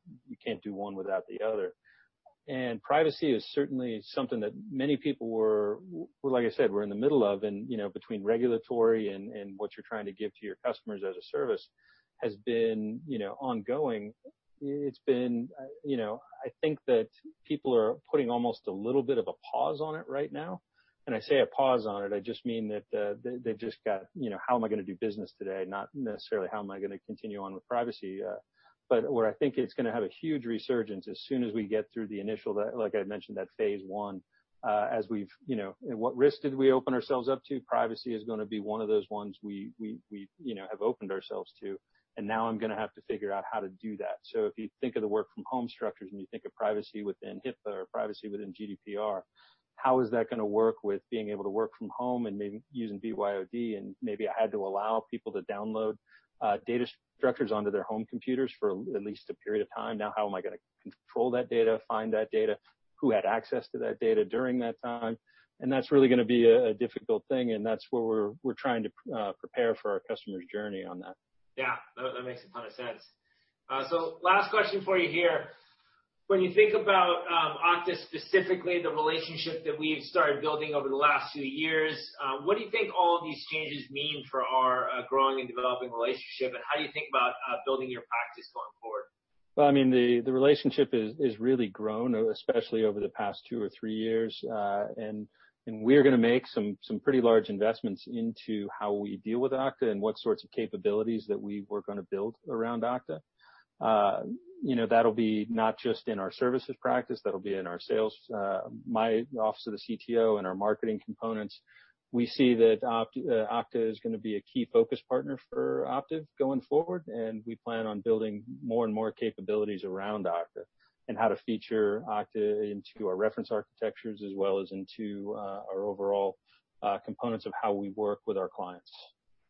can't do one without the other. Privacy is certainly something that many people were, like I said, we're in the middle of. Between regulatory and what you're trying to give to your customers as a service has been ongoing. I think that people are putting almost a little bit of a pause on it right now. I say a pause on it, I just mean that they've just got, how am I going to do business today? Not necessarily how am I going to continue on with privacy. Where I think it's going to have a huge resurgence as soon as we get through the initial, like I mentioned, that phase I, what risks did we open ourselves up to? Privacy is going to be one of those ones we have opened ourselves to. Now I'm going to have to figure out how to do that. If you think of the work from home structures and you think of privacy within HIPAA or privacy within GDPR, how is that going to work with being able to work from home and maybe using BYOD, and maybe I had to allow people to download data structures onto their home computers for at least a period of time. Now, how am I going to control that data, find that data? Who had access to that data during that time? That's really going to be a difficult thing, and that's where we're trying to prepare for our customers' journey on that.
Yeah. That makes a ton of sense. Last question for you here. When you think about Okta specifically, the relationship that we've started building over the last few years, what do you think all of these changes mean for our growing and developing relationship, and how do you think about building your practice going forward?
The relationship has really grown, especially over the past two or three years. We're going to make some pretty large investments into how we deal with Okta and what sorts of capabilities that we're going to build around Okta. That'll be not just in our services practice, that'll be in our sales, my office of the CTO, and our marketing components. We see that Okta is going to be a key focus partner for Optiv going forward, and we plan on building more and more capabilities around Okta and how to feature Okta into our reference architectures as well as into our overall components of how we work with our clients.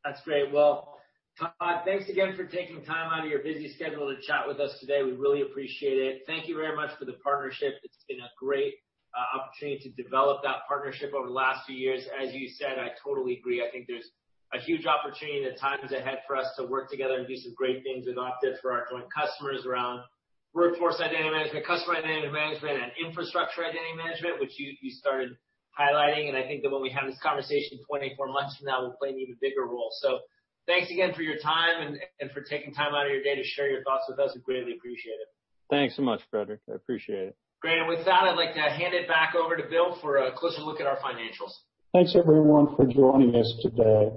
That's great. Well, Todd, thanks again for taking time out of your busy schedule to chat with us today. We really appreciate it. Thank you very much for the partnership. It's been a great opportunity to develop that partnership over the last few years. As you said, I totally agree. I think there's a huge opportunity, the times ahead for us to work together and do some great things with Optiv for our joint customers around workforce identity management, customer identity management, and infrastructure identity management, which you started highlighting, and I think that when we have this conversation 24 months from now, we'll play an even bigger role. Thanks again for your time and for taking time out of your day to share your thoughts with us. We greatly appreciate it.
Thanks so much, Frederic. I appreciate it.
Great, with that, I'd like to hand it back over to Bill for a closer look at our financials.
Thanks, everyone, for joining us today.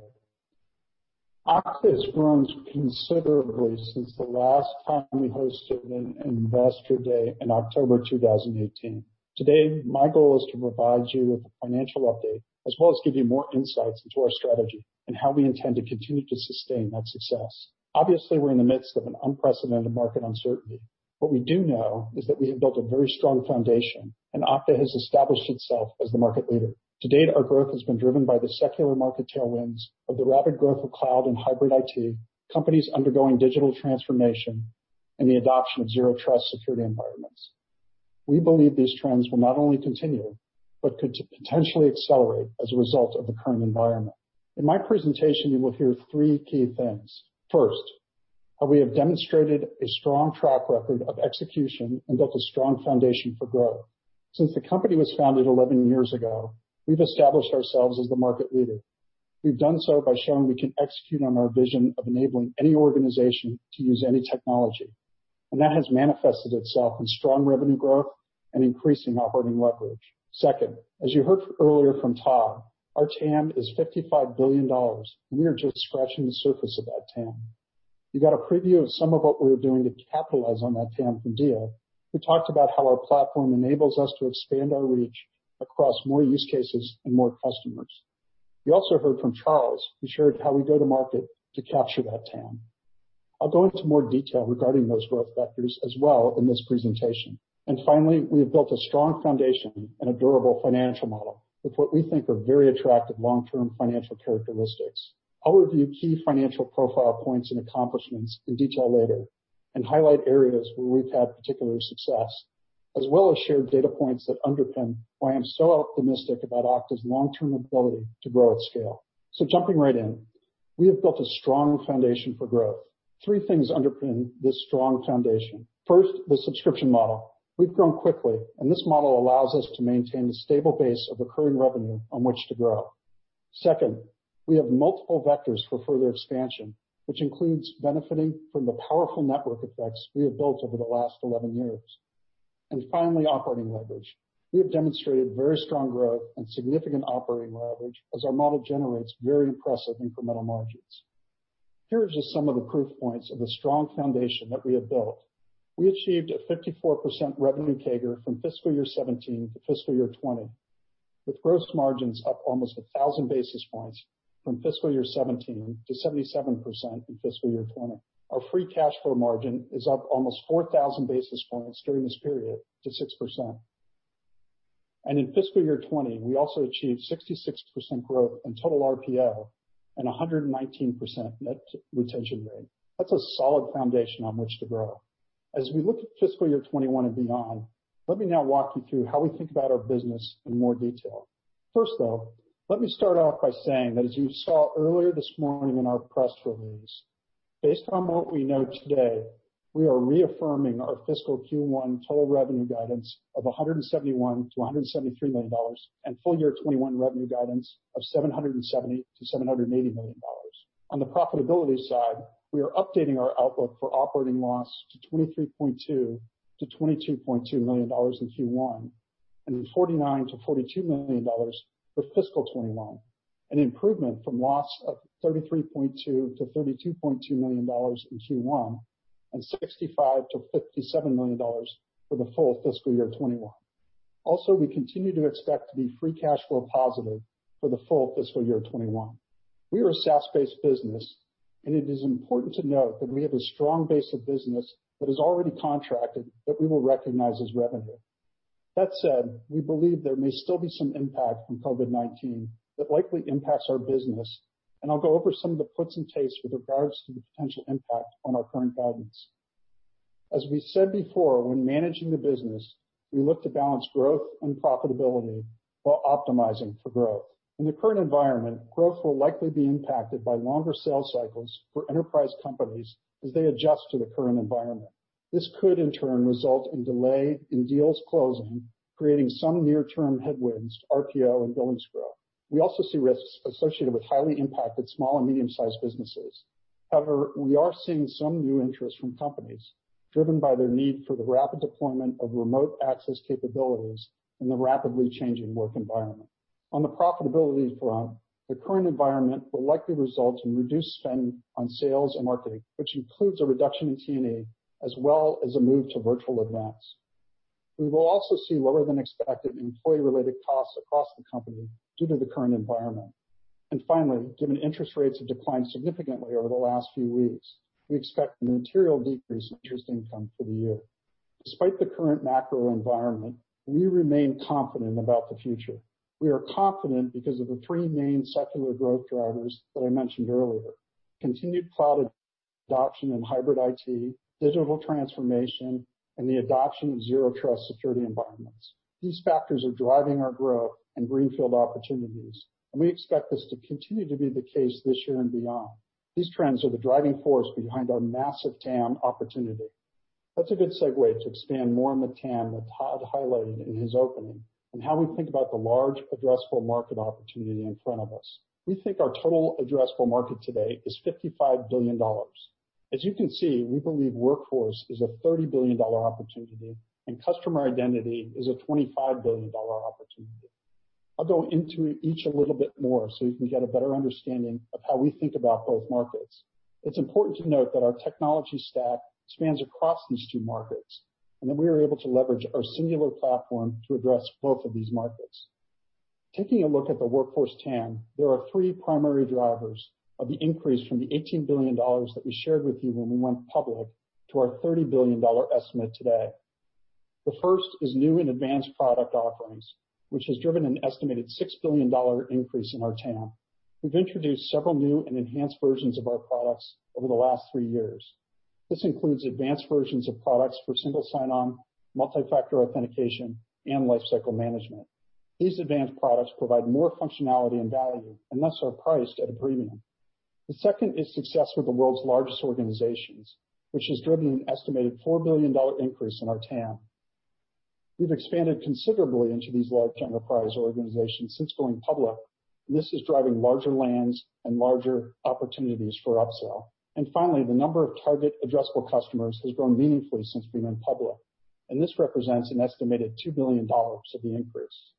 Okta has grown considerably since the last time we hosted an investor day in October 2018. Today, my goal is to provide you with a financial update as well as give you more insights into our strategy and how we intend to continue to sustain that success. We're in the midst of an unprecedented market uncertainty. What we do know is that we have built a very strong foundation, and Okta has established itself as the market leader. To date, our growth has been driven by the secular market tailwinds of the rapid growth of cloud and hybrid IT, companies undergoing digital transformation, and the adoption of zero trust security environments. We believe these trends will not only continue but could potentially accelerate as a result of the current environment. In my presentation, you will hear three key things. First, how we have demonstrated a strong track record of execution and built a strong foundation for growth. Since the company was founded 11 years ago, we've established ourselves as the market leader. We've done so by showing we can execute on our vision of enabling any organization to use any technology, and that has manifested itself in strong revenue growth and increasing operating leverage. Second, as you heard earlier from Todd, our TAM is $55 billion, and we are just scratching the surface of that TAM. You got a preview of some of what we are doing to capitalize on that TAM from Diya, who talked about how our platform enables us to expand our reach across more use cases and more customers. You also heard from Charles, who shared how we go to market to capture that TAM. I'll go into more detail regarding those growth vectors as well in this presentation. Finally, we have built a strong foundation and a durable financial model with what we think are very attractive long-term financial characteristics. I'll review key financial profile points and accomplishments in detail later and highlight areas where we've had particular success, as well as share data points that underpin why I'm so optimistic about Okta's long-term ability to grow at scale. Jumping right in, we have built a strong foundation for growth. Three things underpin this strong foundation. First, the subscription model. We've grown quickly, and this model allows us to maintain a stable base of recurring revenue on which to grow. Second, we have multiple vectors for further expansion, which includes benefiting from the powerful network effects we have built over the last 11 years. Finally, operating leverage. We have demonstrated very strong growth and significant operating leverage as our model generates very impressive incremental margins. Here are just some of the proof points of the strong foundation that we have built. We achieved a 54% revenue CAGR from fiscal year 2017 to fiscal year 2020, with gross margins up almost 1,000 basis points from fiscal year 2017 to 77% in fiscal year 2020. Our free cash flow margin is up almost 4,000 basis points during this period to six percent. In fiscal year 2020, we also achieved 66% growth in total RPO and 119% net retention rate. That's a solid foundation on which to grow. As we look at fiscal year 2021 and beyond, let me now walk you through how we think about our business in more detail. First, though, let me start off by saying that as you saw earlier this morning in our press release, based on what we know today, we are reaffirming our fiscal Q1 total revenue guidance of $171 million-$173 million and full year 2021 revenue guidance of $770 million-$780 million. On the profitability side, we are updating our outlook for operating loss to $23.2 million-$22.2 million in Q1 and $49 million-$42 million for fiscal 2021, an improvement from loss of $33.2 million-$32.2 million in Q1 and $65 million-$57 million for the full fiscal year 2021. We continue to expect to be free cash flow positive for the full fiscal year 2021. We are a SaaS-based business. It is important to note that we have a strong base of business that is already contracted that we will recognize as revenue. That said, we believe there may still be some impact from COVID-19 that likely impacts our business, and I'll go over some of the puts and takes with regards to the potential impact on our current guidance. As we said before, when managing the business, we look to balance growth and profitability while optimizing for growth. In the current environment, growth will likely be impacted by longer sales cycles for enterprise companies as they adjust to the current environment. This could, in turn, result in delay in deals closing, creating some near-term headwinds to RPO and billings growth. We also see risks associated with highly impacted small and medium-sized businesses. However, we are seeing some new interest from companies driven by their need for the rapid deployment of remote access capabilities in the rapidly changing work environment. On the profitability front, the current environment will likely result in reduced spend on sales and marketing, which includes a reduction in T&E, as well as a move to virtual events. We will also see lower than expected employee-related costs across the company due to the current environment. Finally, given interest rates have declined significantly over the last few weeks, we expect a material decrease in interest income for the year. Despite the current macro environment, we remain confident about the future. We are confident because of the three main secular growth drivers that I mentioned earlier. Continued cloud adoption and hybrid IT, digital transformation, and the adoption of zero trust security environments. These factors are driving our growth and greenfield opportunities, and we expect this to continue to be the case this year and beyond. These trends are the driving force behind our massive TAM opportunity. That's a good segue to expand more on the TAM that Todd highlighted in his opening, and how we think about the large addressable market opportunity in front of us. We think our total addressable market today is $55 billion. As you can see, we believe workforce is a $30 billion opportunity and customer identity is a $25 billion opportunity. I'll go into each a little bit more so you can get a better understanding of how we think about both markets. It's important to note that our technology stack spans across these two markets, and that we are able to leverage our singular platform to address both of these markets. Taking a look at the workforce TAM, there are three primary drivers of the increase from the $18 billion that we shared with you when we went public to our $30 billion estimate today. The first is new and advanced product offerings, which has driven an estimated $6 billion increase in our TAM. We've introduced several new and enhanced versions of our products over the last three years. This includes advanced versions of products for single sign-on, multi-factor authentication, and Lifecycle Management. These advanced products provide more functionality and value, and thus are priced at a premium. The second is success with the world's largest organizations, which has driven an estimated $4 billion increase in our TAM. We've expanded considerably into these large enterprise organizations since going public, and this is driving larger lands and larger opportunities for upsell. Finally, the number of target addressable customers has grown meaningfully since we went public, and this represents an estimated $2 billion of the increase.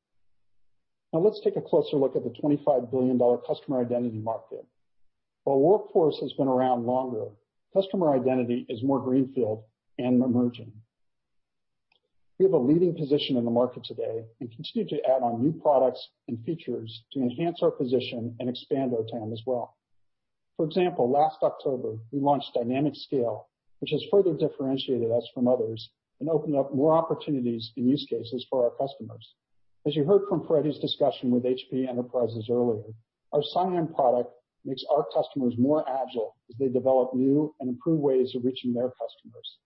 Let's take a closer look at the $25 billion customer identity market. While workforce has been around longer, customer identity is more greenfield and emerging. We have a leading position in the market today and continue to add on new products and features to enhance our position and expand our TAM as well. For example, last October, we launched Dynamic Scale, which has further differentiated us from others and opened up more opportunities and use cases for our customers. As you heard from Frederic's discussion with Hewlett Packard Enterprise earlier, our Sign-In product makes our customers more agile as they develop new and improved ways of reaching their customers.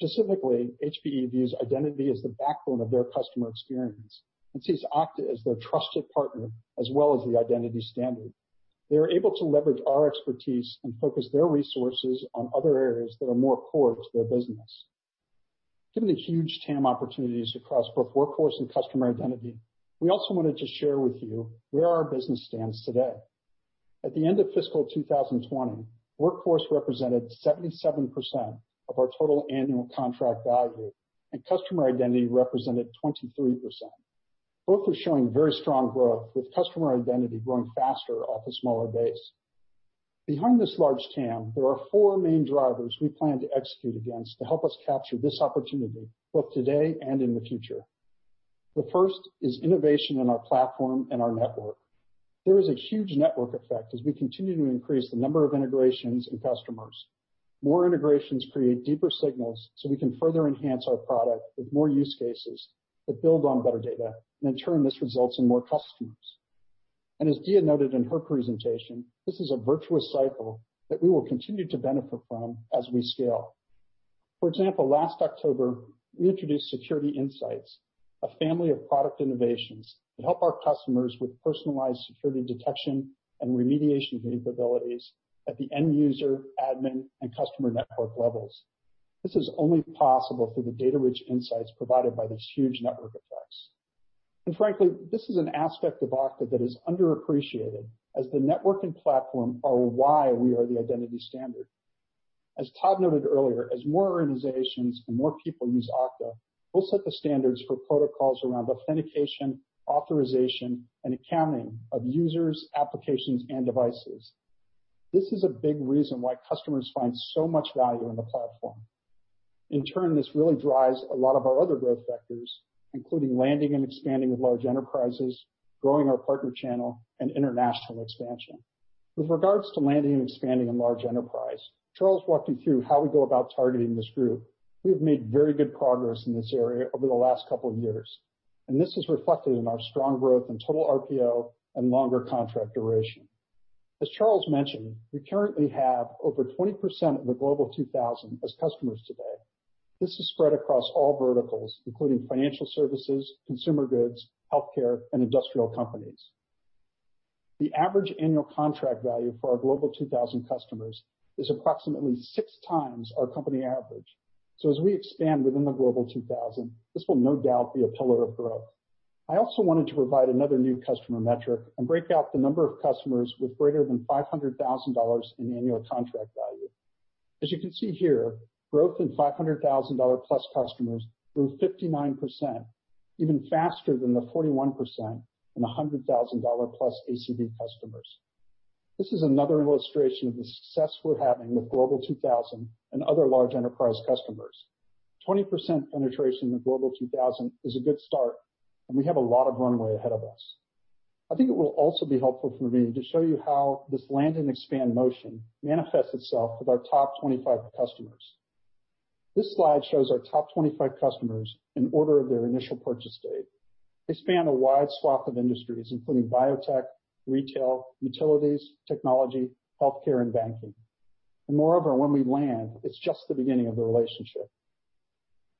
Specifically, HPE views identity as the backbone of their customer experience and sees Okta as their trusted partner, as well as the identity standard. They are able to leverage our expertise and focus their resources on other areas that are more core to their business. Given the huge TAM opportunities across both workforce and customer identity, we also wanted to share with you where our business stands today. At the end of fiscal 2020, workforce represented 77% of our total annual contract value, and customer identity represented 23%. Both are showing very strong growth, with customer identity growing faster off a smaller base. Behind this large TAM, there are four main drivers we plan to execute against to help us capture this opportunity, both today and in the future. The first is innovation in our platform and our network. There is a huge network effect as we continue to increase the number of integrations and customers. More integrations create deeper signals so we can further enhance our product with more use cases that build on better data, and in turn, this results in more customers. As Diya noted in her presentation, this is a virtuous cycle that we will continue to benefit from as we scale. For example, last October, we introduced Security Insight, a family of product innovations to help our customers with personalized security detection and remediation capabilities at the end user, admin, and customer network levels. This is only possible through the data-rich insights provided by these huge network effects. Frankly, this is an aspect of Okta that is underappreciated as the network and platform are why we are the identity standard. As Todd noted earlier, as more organizations and more people use Okta, we'll set the standards for protocols around authentication, authorization, and accounting of users, applications, and devices. This is a big reason why customers find so much value in the platform. In turn, this really drives a lot of our other growth vectors, including landing and expanding with large enterprises, growing our partner channel, and international expansion. With regards to landing and expanding in large enterprise, Charles walked you through how we go about targeting this group. We have made very good progress in this area over the last couple of years, and this is reflected in our strong growth in total RPO and longer contract duration. As Charles mentioned, we currently have over 20% of the Global 2000 as customers today. This is spread across all verticals, including financial services, consumer goods, healthcare, and industrial companies. The average annual contract value for our Global 2000 customers is approximately 6 times our company average. As we expand within the Global 2000, this will no doubt be a pillar of growth. I also wanted to provide another new customer metric and break out the number of customers with greater than $500,000 in annual contract value. As you can see here, growth in $500,000-plus customers grew 59%, even faster than the 41% in $100,000-plus ACV customers. This is another illustration of the success we're having with Global 2000 and other large enterprise customers. 20% penetration of Global 2000 is a good start, and we have a lot of runway ahead of us. I think it will also be helpful for me to show you how this land-and-expand motion manifests itself with our top 25 customers. This slide shows our top 25 customers in order of their initial purchase date. They span a wide swath of industries, including biotech, retail, utilities, technology, healthcare, and banking. Moreover, when we land, it's just the beginning of the relationship.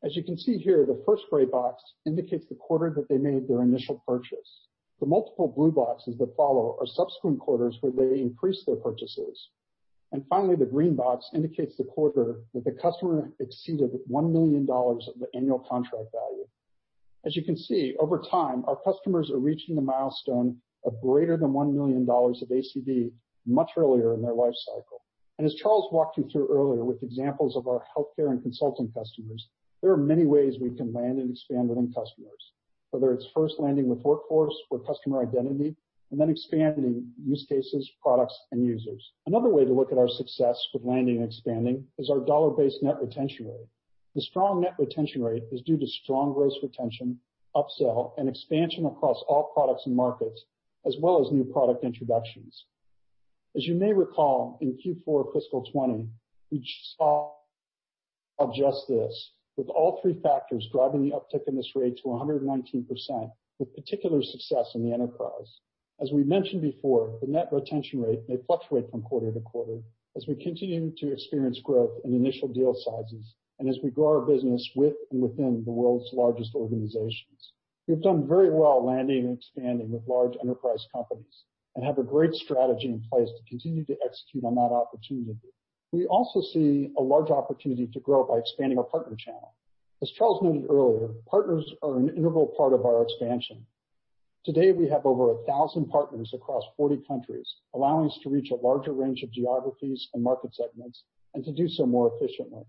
As you can see here, the first gray box indicates the quarter that they made their initial purchase. The multiple blue boxes that follow are subsequent quarters where they increased their purchases. Finally, the green box indicates the quarter that the customer exceeded $1 million of the annual contract value. As you can see, over time, our customers are reaching the milestone of greater than $1 million of ACV much earlier in their life cycle. As Charles walked you through earlier with examples of our healthcare and consulting customers, there are many ways we can land and expand within customers, whether it's first landing with workforce or customer identity, and then expanding use cases, products, and users. Another way to look at our success with landing and expanding is our dollar-based net retention rate. The strong net retention rate is due to strong gross retention, upsell, and expansion across all products and markets, as well as new product introductions. As you may recall, in Q4 fiscal 2020, we saw just this, with all three factors driving the uptick in this rate to 119%, with particular success in the enterprise. As we mentioned before, the net retention rate may fluctuate from quarter to quarter as we continue to experience growth in initial deal sizes and as we grow our business with and within the world's largest organizations. We've done very well landing and expanding with large enterprise companies and have a great strategy in place to continue to execute on that opportunity. We also see a large opportunity to grow by expanding our partner channel. As Charles noted earlier, partners are an integral part of our expansion. Today, we have over 1,000 partners across 40 countries, allowing us to reach a larger range of geographies and market segments and to do so more efficiently.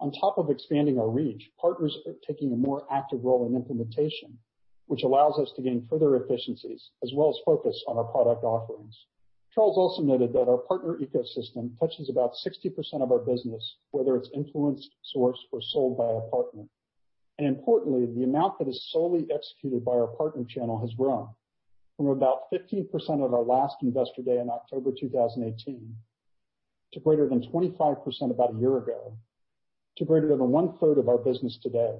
On top of expanding our reach, partners are taking a more active role in implementation, which allows us to gain further efficiencies as well as focus on our product offerings. Charles also noted that our partner ecosystem touches about 60% of our business, whether it's influenced, sourced, or sold by a partner. Importantly, the amount that is solely executed by our partner channel has grown from about 15% at our last Investor Day in October 2018, to greater than 25% about a year ago, to greater than one-third of our business today.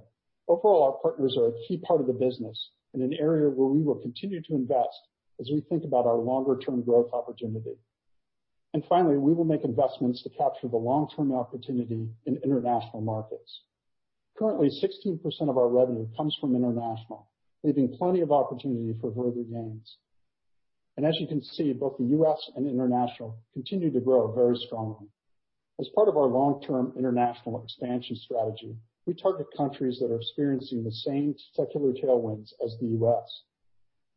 Overall, our partners are a key part of the business and an area where we will continue to invest as we think about our longer-term growth opportunity. Finally, we will make investments to capture the long-term opportunity in international markets. Currently, 16% of our revenue comes from international, leaving plenty of opportunity for further gains. As you can see, both the U.S. and international continue to grow very strongly. As part of our long-term international expansion strategy, we target countries that are experiencing the same secular tailwinds as the U.S.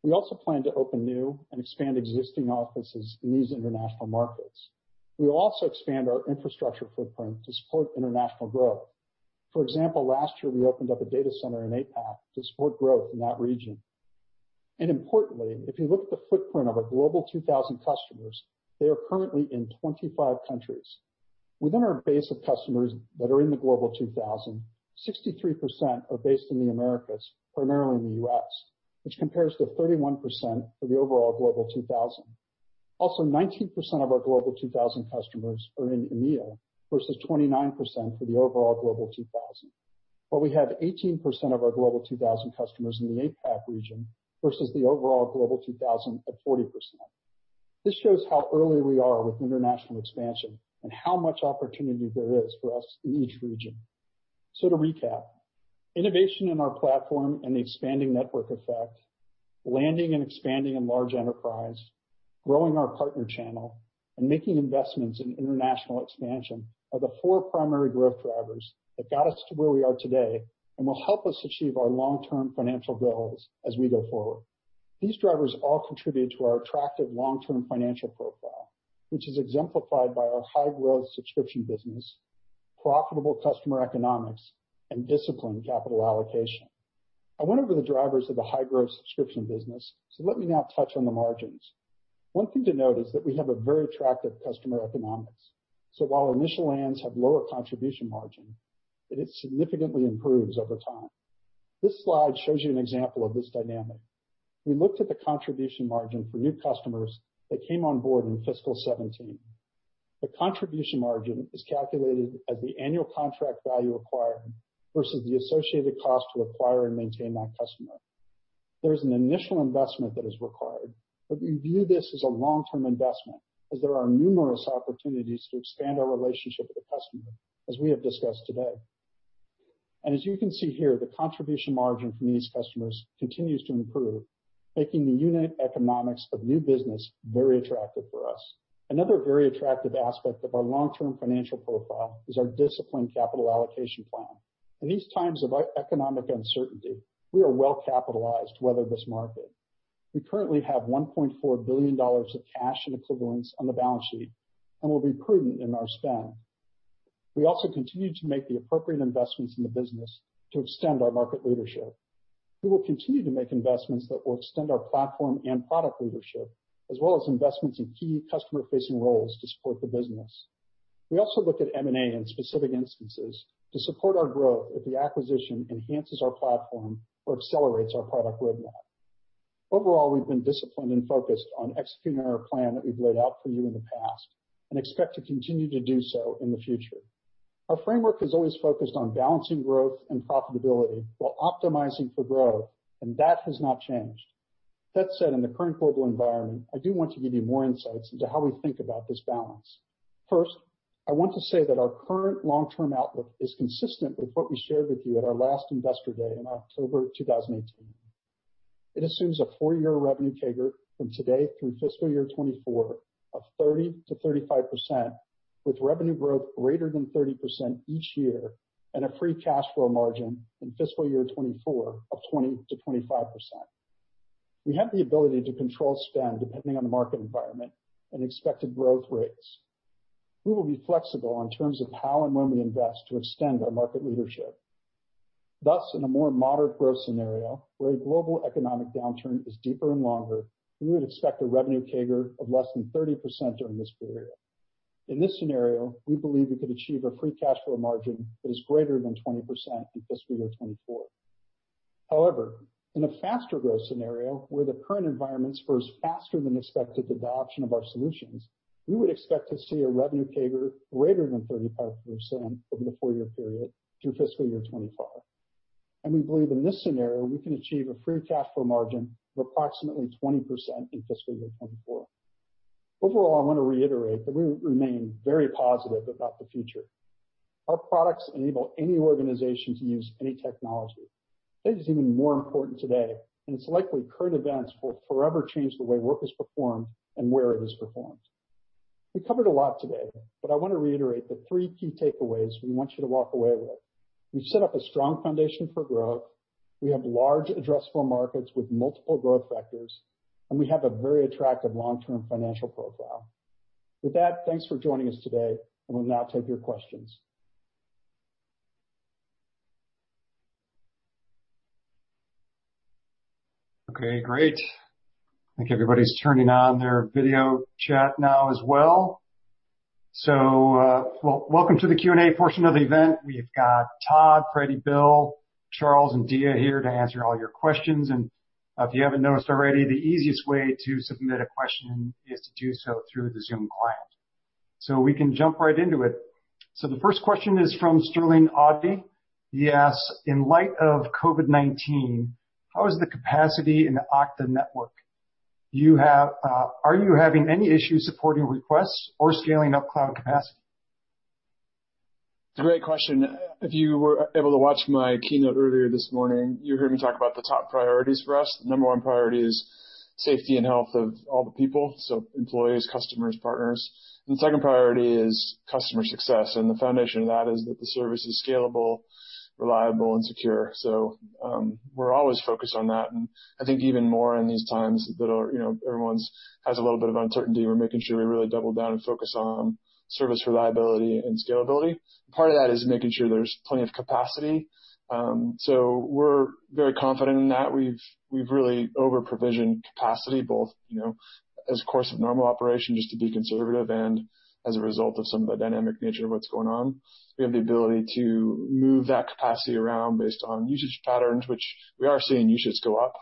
We also plan to open new and expand existing offices in these international markets. We will also expand our infrastructure footprint to support international growth. For example, last year, we opened up a data center in APAC to support growth in that region. Importantly, if you look at the footprint of our Global 2000 customers, they are currently in 25 countries. Within our base of customers that are in the Global 2000, 63% are based in the Americas, primarily in the U.S., which compares to 31% for the overall Global 2000. Also, 19% of our Global 2000 customers are in EMEA versus 29% for the overall Global 2000. We have 18% of our Global 2000 customers in the APAC region versus the overall Global 2000 at 40%. This shows how early we are with international expansion and how much opportunity there is for us in each region. To recap, innovation in our platform and the expanding network effect, landing and expanding in large enterprise, growing our partner channel, and making investments in international expansion are the four primary growth drivers that got us to where we are today and will help us achieve our long-term financial goals as we go forward. These drivers all contribute to our attractive long-term financial profile, which is exemplified by our high-growth subscription business, profitable customer economics, and disciplined capital allocation. I went over the drivers of the high-growth subscription business, so let me now touch on the margins. One thing to note is that we have a very attractive customer economics. While initial lands have lower contribution margin, it significantly improves over time. This slide shows you an example of this dynamic. We looked at the contribution margin for new customers that came on board in fiscal 2017. The contribution margin is calculated as the annual contract value acquired versus the associated cost to acquire and maintain that customer. There is an initial investment that is required, but we view this as a long-term investment as there are numerous opportunities to expand our relationship with the customer, as we have discussed today. As you can see here, the contribution margin from these customers continues to improve, making the unit economics of new business very attractive for us. Another very attractive aspect of our long-term financial profile is our disciplined capital allocation plan. In these times of economic uncertainty, we are well-capitalized to weather this market. We currently have $1.4 billion of cash and equivalents on the balance sheet, and we'll be prudent in our spend. We also continue to make the appropriate investments in the business to extend our market leadership. We will continue to make investments that will extend our platform and product leadership, as well as investments in key customer-facing roles to support the business. We also look at M&A in specific instances to support our growth if the acquisition enhances our platform or accelerates our product roadmap. Overall, we've been disciplined and focused on executing our plan that we've laid out for you in the past, and expect to continue to do so in the future. Our framework has always focused on balancing growth and profitability while optimizing for growth, and that has not changed. That said, in the current global environment, I do want to give you more insights into how we think about this balance. First, I want to say that our current long-term outlook is consistent with what we shared with you at our last Investor Day in October 2018. It assumes a four-year revenue CAGR from today through fiscal year 2024 of 30%-35%, with revenue growth greater than 30% each year and a free cash flow margin in fiscal year 2024 of 20%-25%. We have the ability to control spend depending on the market environment and expected growth rates. We will be flexible in terms of how and when we invest to extend our market leadership. In a more moderate growth scenario, where a global economic downturn is deeper and longer, we would expect a revenue CAGR of less than 30% during this period. In this scenario, we believe we could achieve a free cash flow margin that is greater than 20% in fiscal year 2024. However, in a faster growth scenario where the current environment spurs faster than expected adoption of our solutions, we would expect to see a revenue CAGR greater than 35% over the four-year period through fiscal year 2025. We believe in this scenario, we can achieve a free cash flow margin of approximately 20% in fiscal year 2024. Overall, I want to reiterate that we remain very positive about the future. Our products enable any organization to use any technology. That is even more important today, and it's likely current events will forever change the way work is performed and where it is performed. We covered a lot today, but I want to reiterate the three key takeaways we want you to walk away with. We've set up a strong foundation for growth, we have large addressable markets with multiple growth vectors, and we have a very attractive long-term financial profile. With that, thanks for joining us today, we'll now take your questions. Okay, great. I think everybody's turning on their video chat now as well. Welcome to the Q&A portion of the event. We've got Todd, Frederic, Bill, Charles, and Diya here to answer all your questions. If you haven't noticed already, the easiest way to submit a question is to do so through the Zoom client. We can jump right into it. The first question is from Sterling Auty. He asks, "In light of COVID-19, how is the capacity in the Okta network? Are you having any issues supporting requests or scaling up cloud capacity?
It's a great question. If you were able to watch my keynote earlier this morning, you heard me talk about the top priorities for us. The number one priority is safety and health of all the people, so employees, customers, partners. The second priority is customer success, and the foundation of that is that the service is scalable, reliable, and secure. We're always focused on that, and I think even more in these times that everyone has a little bit of uncertainty. We're making sure we really double down and focus on service reliability and scalability. Part of that is making sure there's plenty of capacity. We're very confident in that. We've really over-provisioned capacity both as a course of normal operation, just to be conservative, and as a result of some of the dynamic nature of what's going on. We have the ability to move that capacity around based on usage patterns, which we are seeing usage go up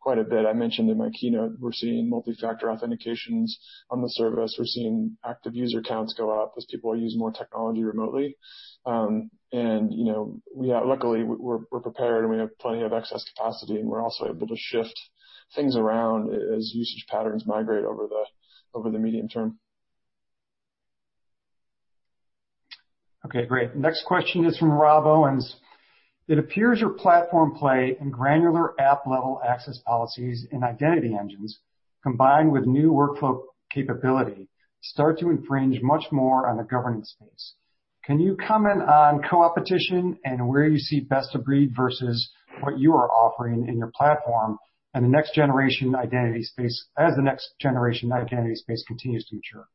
quite a bit. I mentioned in my keynote, we're seeing multi-factor authentications on the service. We're seeing active user counts go up as people use more technology remotely. Luckily, we're prepared, and we have plenty of excess capacity, and we're also able to shift things around as usage patterns migrate over the medium term.
Great. Next question is from Rob Owens. It appears your platform play in granular app-level access policies and identity engines, combined with new workflow capability, start to infringe much more on the governance space. Can you comment on co-opetition and where you see best of breed versus what you are offering in your platform as the next generation identity space continues to mature?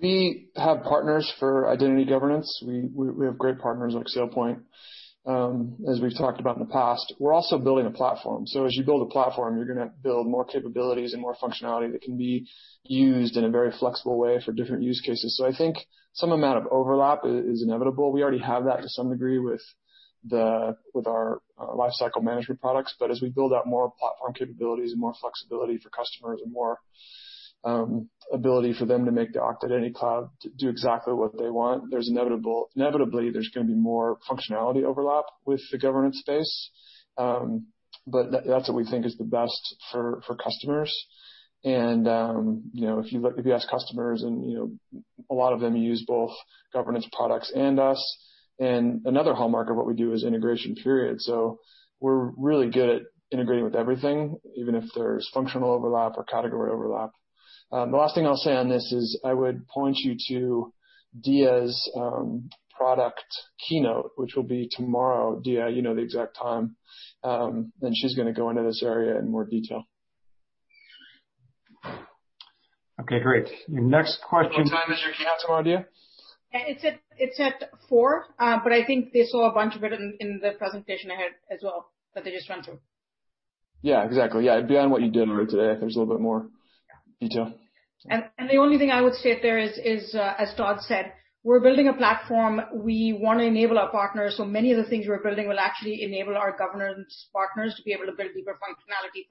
We have partners for identity governance. We have great partners like SailPoint, as we've talked about in the past. We're also building a platform. As you build a platform, you're going to build more capabilities and more functionality that can be used in a very flexible way for different use cases. I think some amount of overlap is inevitable. We already have that to some degree with our lifecycle management products. As we build out more platform capabilities and more flexibility for customers and more ability for them to make the Okta Identity Cloud do exactly what they want, inevitably there's going to be more functionality overlap with the governance space. That's what we think is the best for customers. If you ask customers, and a lot of them use both governance products and us, and another hallmark of what we do is integration, period. We're really good at integrating with everything, even if there's functional overlap or category overlap. The last thing I'll say on this is I would point you to Diya's product keynote, which will be tomorrow. Diya, you know the exact time. She's going to go into this area in more detail.
Okay, great. Your next question.
What time is your keynote tomorrow, Diya?
It's at 4:00, but I think they saw a bunch of it in the presentation I had as well, that they just ran through.
Yeah, exactly. Beyond what you did today, I think there's a little bit more detail.
The only thing I would say there is, as Todd said, we're building a platform. We want to enable our partners, so many of the things we're building will actually enable our governance partners to be able to build deeper functionality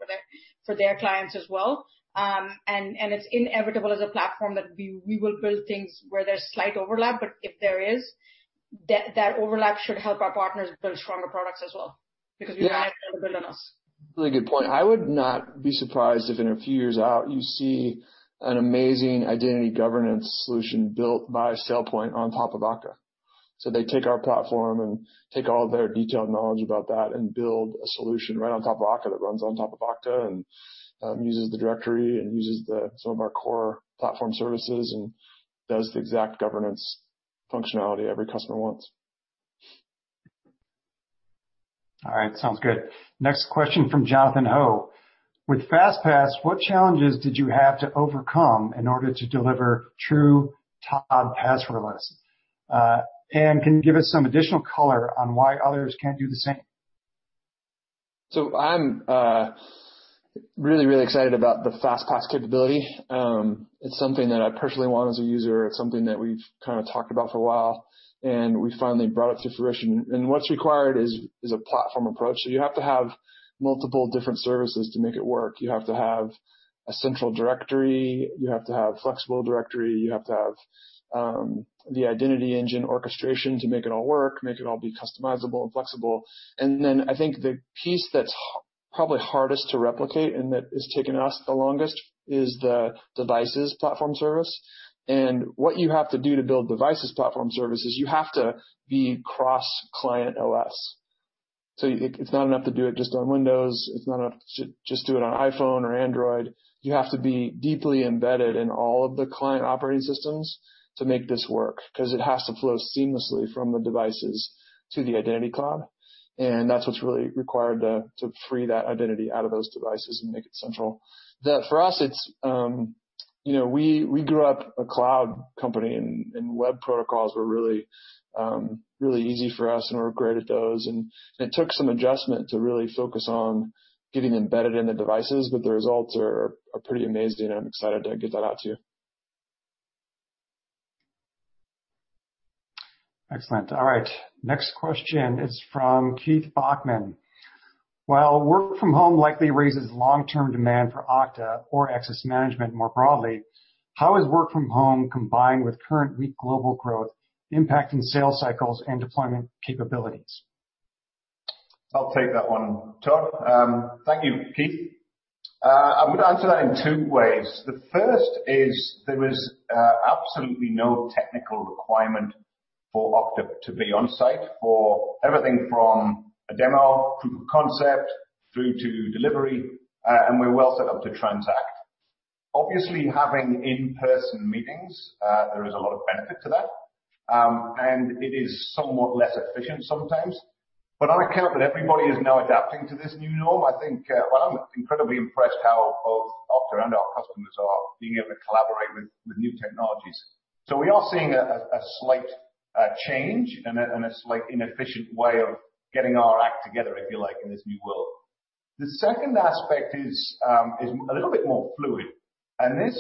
for their clients as well. It's inevitable as a platform that we will build things where there's slight overlap, but if there is, that overlap should help our partners build stronger products as well, because we rely on them building us.
Really good point. I would not be surprised if in a few years out, you see an amazing identity governance solution built by SailPoint on top of Okta. They take our platform and take all their detailed knowledge about that and build a solution right on top of Okta, that runs on top of Okta, and uses the directory and uses some of our core platform services and does the exact governance functionality every customer wants.
All right. Sounds good. Next question from Jonathan Ho. With passwords, what challenges did you have to overcome in order to deliver true total passwordless? Can you give us some additional color on why others can't do the same?
I'm really excited about the FastPass capability. It's something that I personally want as a user. It's something that we've kind of talked about for a while, and we finally brought it to fruition. What's required is a platform approach. You have to have multiple different services to make it work. You have to have a central directory, you have to have flexible directory, you have to have the Identity Engine orchestration to make it all work, make it all be customizable and flexible. I think the piece that's probably hardest to replicate, and that has taken us the longest, is the devices platform service. What you have to do to build devices platform service is you have to be cross-client OS. It's not enough to do it just on Windows. It's not enough to just do it on iPhone or Android. You have to be deeply embedded in all of the client operating systems to make this work, because it has to flow seamlessly from the devices to the Okta Identity Cloud. That's what's really required to free that identity out of those devices and make it central. For us, we grew up a cloud company, and web protocols were really easy for us, and we're great at those. It took some adjustment to really focus on getting embedded in the devices, but the results are pretty amazing, and I'm excited to get that out to you.
Excellent. All right. Next question is from Keith Bachman. While work from home likely raises long-term demand for Okta or access management more broadly, how is work from home combined with current weak global growth impacting sales cycles and deployment capabilities?
I'll take that one, Todd. Thank you, Keith. I'm going to answer that in two ways. The first is there is absolutely no technical requirement for Okta to be on-site for everything from a demo, proof of concept, through to delivery, and we're well set up to transact. Obviously, having in-person meetings, there is a lot of benefit to that, and it is somewhat less efficient sometimes. On account that everybody is now adapting to this new norm, I think, well, I'm incredibly impressed how both Okta and our customers are being able to collaborate with new technologies. We are seeing a slight change and a slight inefficient way of getting our act together, if you like, in this new world. The second aspect is a little bit more fluid, and this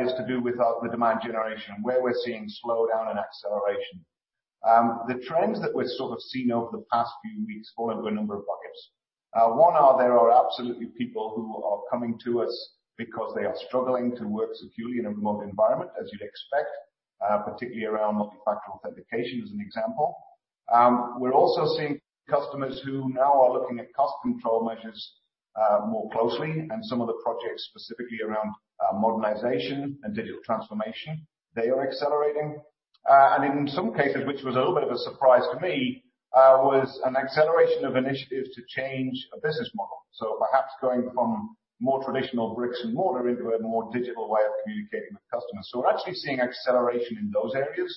is to do with the demand generation, where we're seeing slowdown and acceleration. The trends that we're sort of seeing over the past few weeks fall into a number of buckets. One are there are absolutely people who are coming to us because they are struggling to work securely in a remote environment, as you'd expect, particularly around multifactor authentication, as an example. We're also seeing customers who now are looking at cost control measures more closely. Some of the projects specifically around modernization and digital transformation, they are accelerating. In some cases, which was a little bit of a surprise to me, was an acceleration of initiatives to change a business model. Perhaps going from more traditional bricks and mortar into a more digital way of communicating with customers. We're actually seeing acceleration in those areas.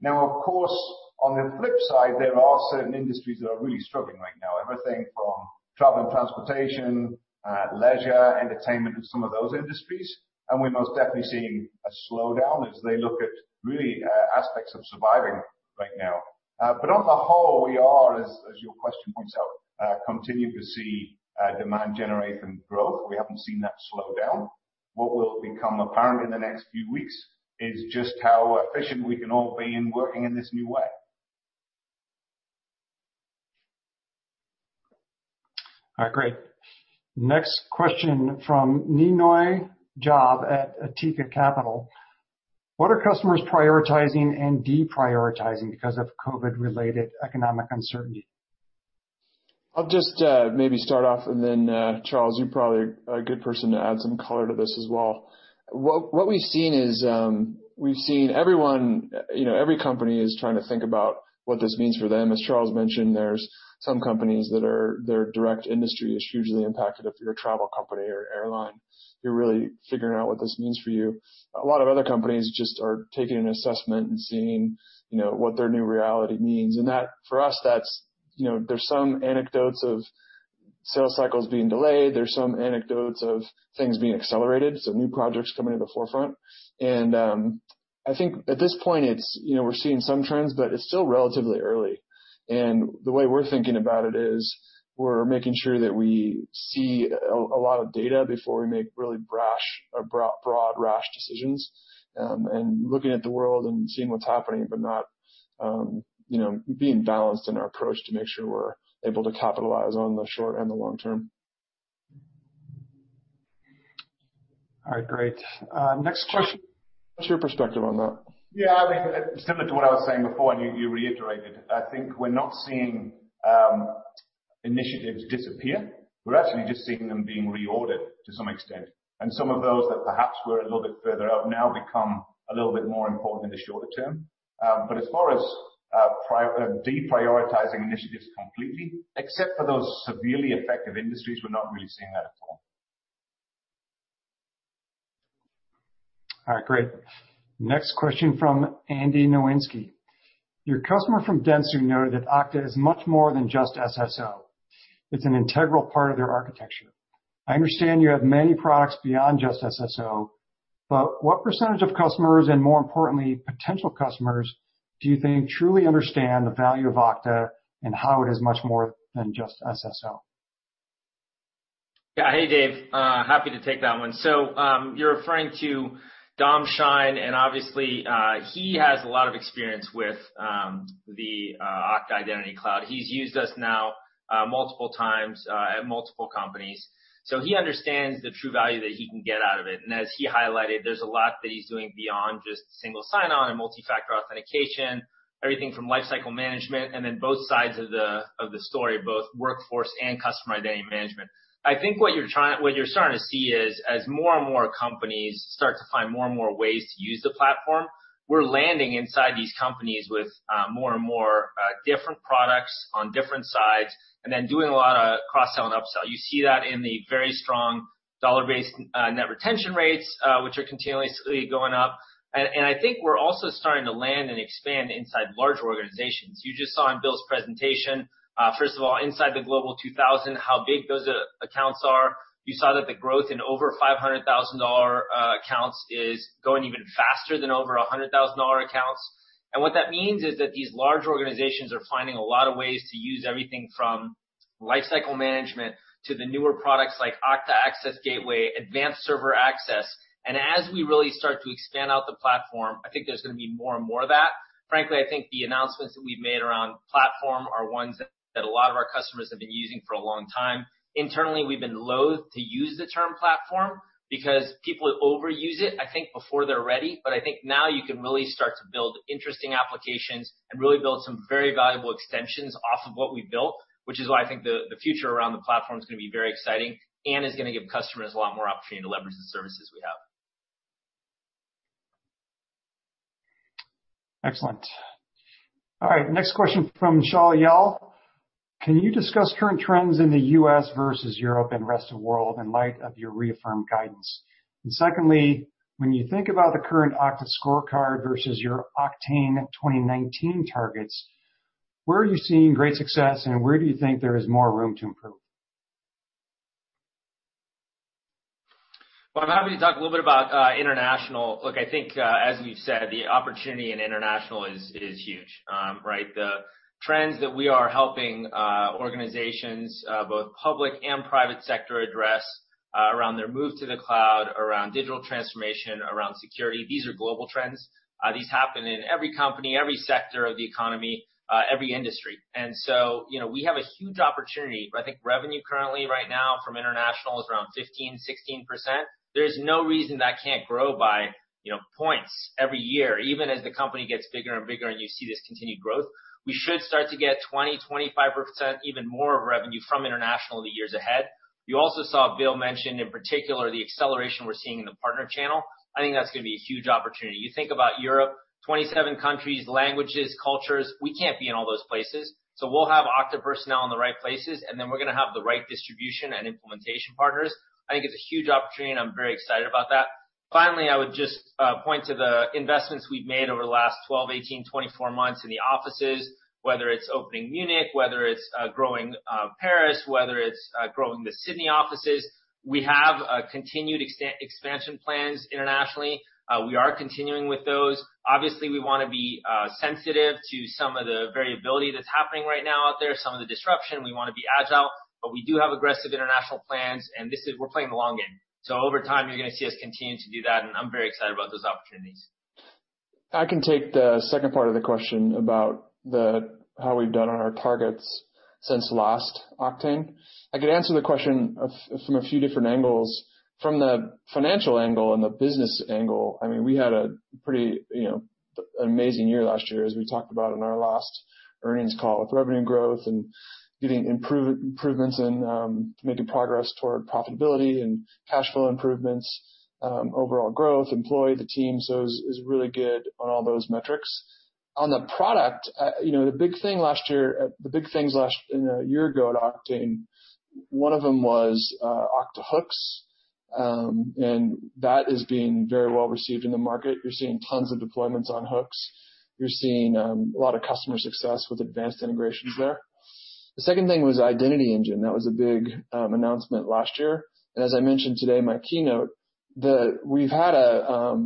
Now, of course, on the flip side, there are certain industries that are really struggling right now. Everything from travel and transportation, leisure, entertainment, and some of those industries. We're most definitely seeing a slowdown as they look at really aspects of surviving right now. On the whole, we are, as your question points out, continuing to see demand generation growth. We haven't seen that slow down. What will become apparent in the next few weeks is just how efficient we can all be in working in this new way.
All right, great. Next question from Ninoi Job at Atika Capital. What are customers prioritizing and deprioritizing because of COVID-related economic uncertainty?
I'll just maybe start off and then, Charles, you're probably a good person to add some color to this as well. What we've seen every company is trying to think about what this means for them. As Charles mentioned, there's some companies that their direct industry is hugely impacted. If you're a travel company or airline, you're really figuring out what this means for you. A lot of other companies just are taking an assessment and seeing what their new reality means. That for us, there's some anecdotes of sales cycles being delayed, there's some anecdotes of things being accelerated, so new projects coming to the forefront. I think at this point, we're seeing some trends, but it's still relatively early. The way we're thinking about it is we're making sure that we see a lot of data before we make really brash or broad, rash decisions, and looking at the world and seeing what's happening, but being balanced in our approach to make sure we're able to capitalize on the short and the long term.
All right, great. Next question.
What's your perspective on that?
Yeah, I think similar to what I was saying before, and you reiterated, I think we're not seeing initiatives disappear. We're actually just seeing them being reordered to some extent, and some of those that perhaps were a little bit further out now become a little bit more important in the shorter term. As far as deprioritizing initiatives completely, except for those severely affected industries, we're not really seeing that at all.
All right, great. Next question from Andy Nowinski. Your customer from Dentsu noted that Okta is much more than just SSO. It's an integral part of their architecture. I understand you have many products beyond just SSO, but what percentage of customers, and more importantly, potential customers, do you think truly understand the value of Okta and how it is much more than just SSO?
Yeah. Hey, Dave. Happy to take that one. You're referring to Dominic Shine, and obviously, he has a lot of experience with the Okta Identity Cloud. He's used us now multiple times, at multiple companies. As he highlighted, there's a lot that he's doing beyond just single sign-on and multi-factor authentication, everything from Lifecycle Management, and then both sides of the story, both workforce and customer identity management. I think what you're starting to see is, as more and more companies start to find more and more ways to use the platform, we're landing inside these companies with more and more different products on different sides, and then doing a lot of cross-sell and upsell. You see that in the very strong dollar-based net retention rates, which are continuously going up. I think we're also starting to land and expand inside larger organizations. You just saw in Bill's presentation, first of all, inside the Global 2000, how big those accounts are. You saw that the growth in over $500,000 accounts is going even faster than over $100,000 accounts. What that means is that these large organizations are finding a lot of ways to use everything from lifecycle management to the newer products like Okta Access Gateway, Advanced Server Access. As we really start to expand out the platform, I think there's going to be more and more of that. Frankly, I think the announcements that we've made around platform are ones that a lot of our customers have been using for a long time. Internally, we've been loathe to use the term platform because people overuse it, I think, before they're ready. I think now you can really start to build interesting applications and really build some very valuable extensions off of what we've built, which is why I think the future around the platform is going to be very exciting and is going to give customers a lot more opportunity to leverage the services we have.
Excellent. All right, next question from Shaul Eyal. Can you discuss current trends in the U.S. versus Europe and rest of world in light of your reaffirmed guidance? Secondly, when you think about the current Okta scorecard versus your Oktane 2019 targets, where are you seeing great success and where do you think there is more room to improve?
Well, I'm happy to talk a little bit about international. Look, I think, as we've said, the opportunity in international is huge, right? The trends that we are helping organizations, both public and private sector address, around their move to the cloud, around digital transformation, around security, these are global trends. These happen in every company, every sector of the economy, every industry. We have a huge opportunity. I think revenue currently right now from international is around 15%-16%. There's no reason that can't grow by points every year, even as the company gets bigger and bigger and you see this continued growth. We should start to get 20%-25%, even more of revenue from international in the years ahead. You also saw Bill mention, in particular, the acceleration we're seeing in the partner channel. I think that's going to be a huge opportunity. You think about Europe, 27 countries, languages, cultures, we can't be in all those places. We'll have Okta personnel in the right places, and then we're going to have the right distribution and implementation partners. I think it's a huge opportunity, and I'm very excited about that. Finally, I would just point to the investments we've made over the last 12, 18, 24 months in the offices, whether it's opening Munich, whether it's growing Paris, whether it's growing the Sydney offices. We have continued expansion plans internationally. We are continuing with those. Obviously, we want to be sensitive to some of the variability that's happening right now out there, some of the disruption. We want to be agile, but we do have aggressive international plans, and we're playing the long game. Over time, you're going to see us continue to do that, and I'm very excited about those opportunities.
I can take the second part of the question about how we've done on our targets since last Oktane. I could answer the question from a few different angles. From the financial angle and the business angle, we had a pretty amazing year last year, as we talked about in our last earnings call, with revenue growth and getting improvements and making progress toward profitability and cash flow improvements, overall growth, employee, the team. It was really good on all those metrics. On the product, the big things a year ago at Oktane, one of them was Okta Hooks. That is being very well received in the market. You're seeing tons of deployments on hooks. You're seeing a lot of customer success with advanced integrations there. The second thing was Identity Engine. That was a big announcement last year. As I mentioned today in my keynote, we've had a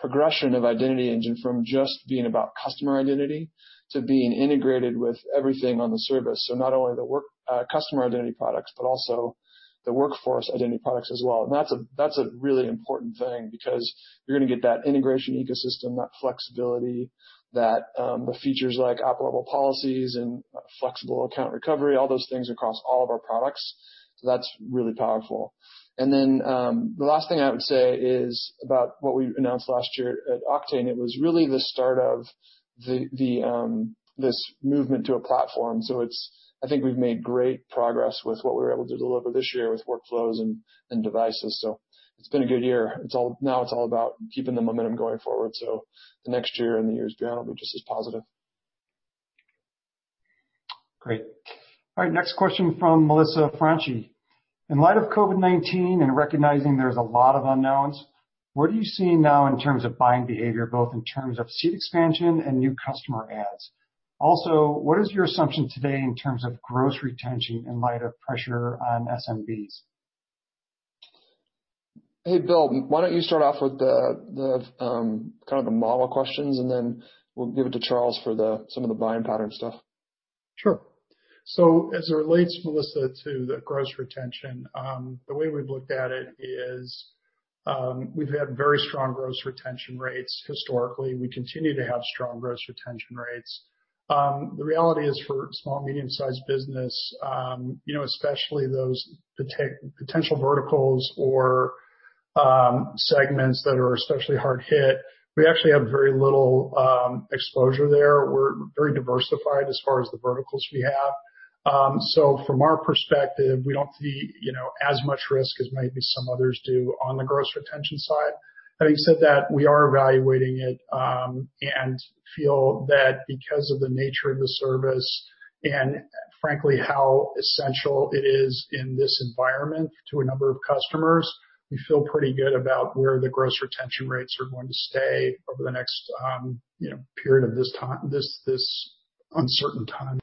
progression of Okta Identity Engine from just being about customer identity to being integrated with everything on the service. Not only the customer identity products, but also the workforce identity products as well. That's a really important thing because you're going to get that integration ecosystem, that flexibility, the features like app-level policies and flexible account recovery, all those things across all of our products. That's really powerful. The last thing I would say is about what we announced last year at Oktane. It was really the start of this movement to a platform. I think we've made great progress with what we were able to deliver this year with Okta Workflows and Okta Devices. It's been a good year. Now it's all about keeping the momentum going forward. The next year and the years beyond will be just as positive.
Great. All right. Next question from Melissa Franchi. "In light of COVID-19 and recognizing there's a lot of unknowns, what are you seeing now in terms of buying behavior, both in terms of seat expansion and new customer adds? Also, what is your assumption today in terms of gross retention in light of pressure on SMBs?
Hey, Bill, why don't you start off with the model questions, and then we'll give it to Charles for some of the buying pattern stuff.
Sure. As it relates, Melissa, to the gross retention, the way we've looked at it is, we've had very strong gross retention rates historically, and we continue to have strong gross retention rates. The reality is for small, medium-sized business, especially those potential verticals or segments that are especially hard hit, we actually have very little exposure there. We're very diversified as far as the verticals we have. From our perspective, we don't see as much risk as maybe some others do on the gross retention side. Having said that, we are evaluating it, and feel that because of the nature of the service, and frankly how essential it is in this environment to a number of customers, we feel pretty good about where the gross retention rates are going to stay over the next period of this uncertain time.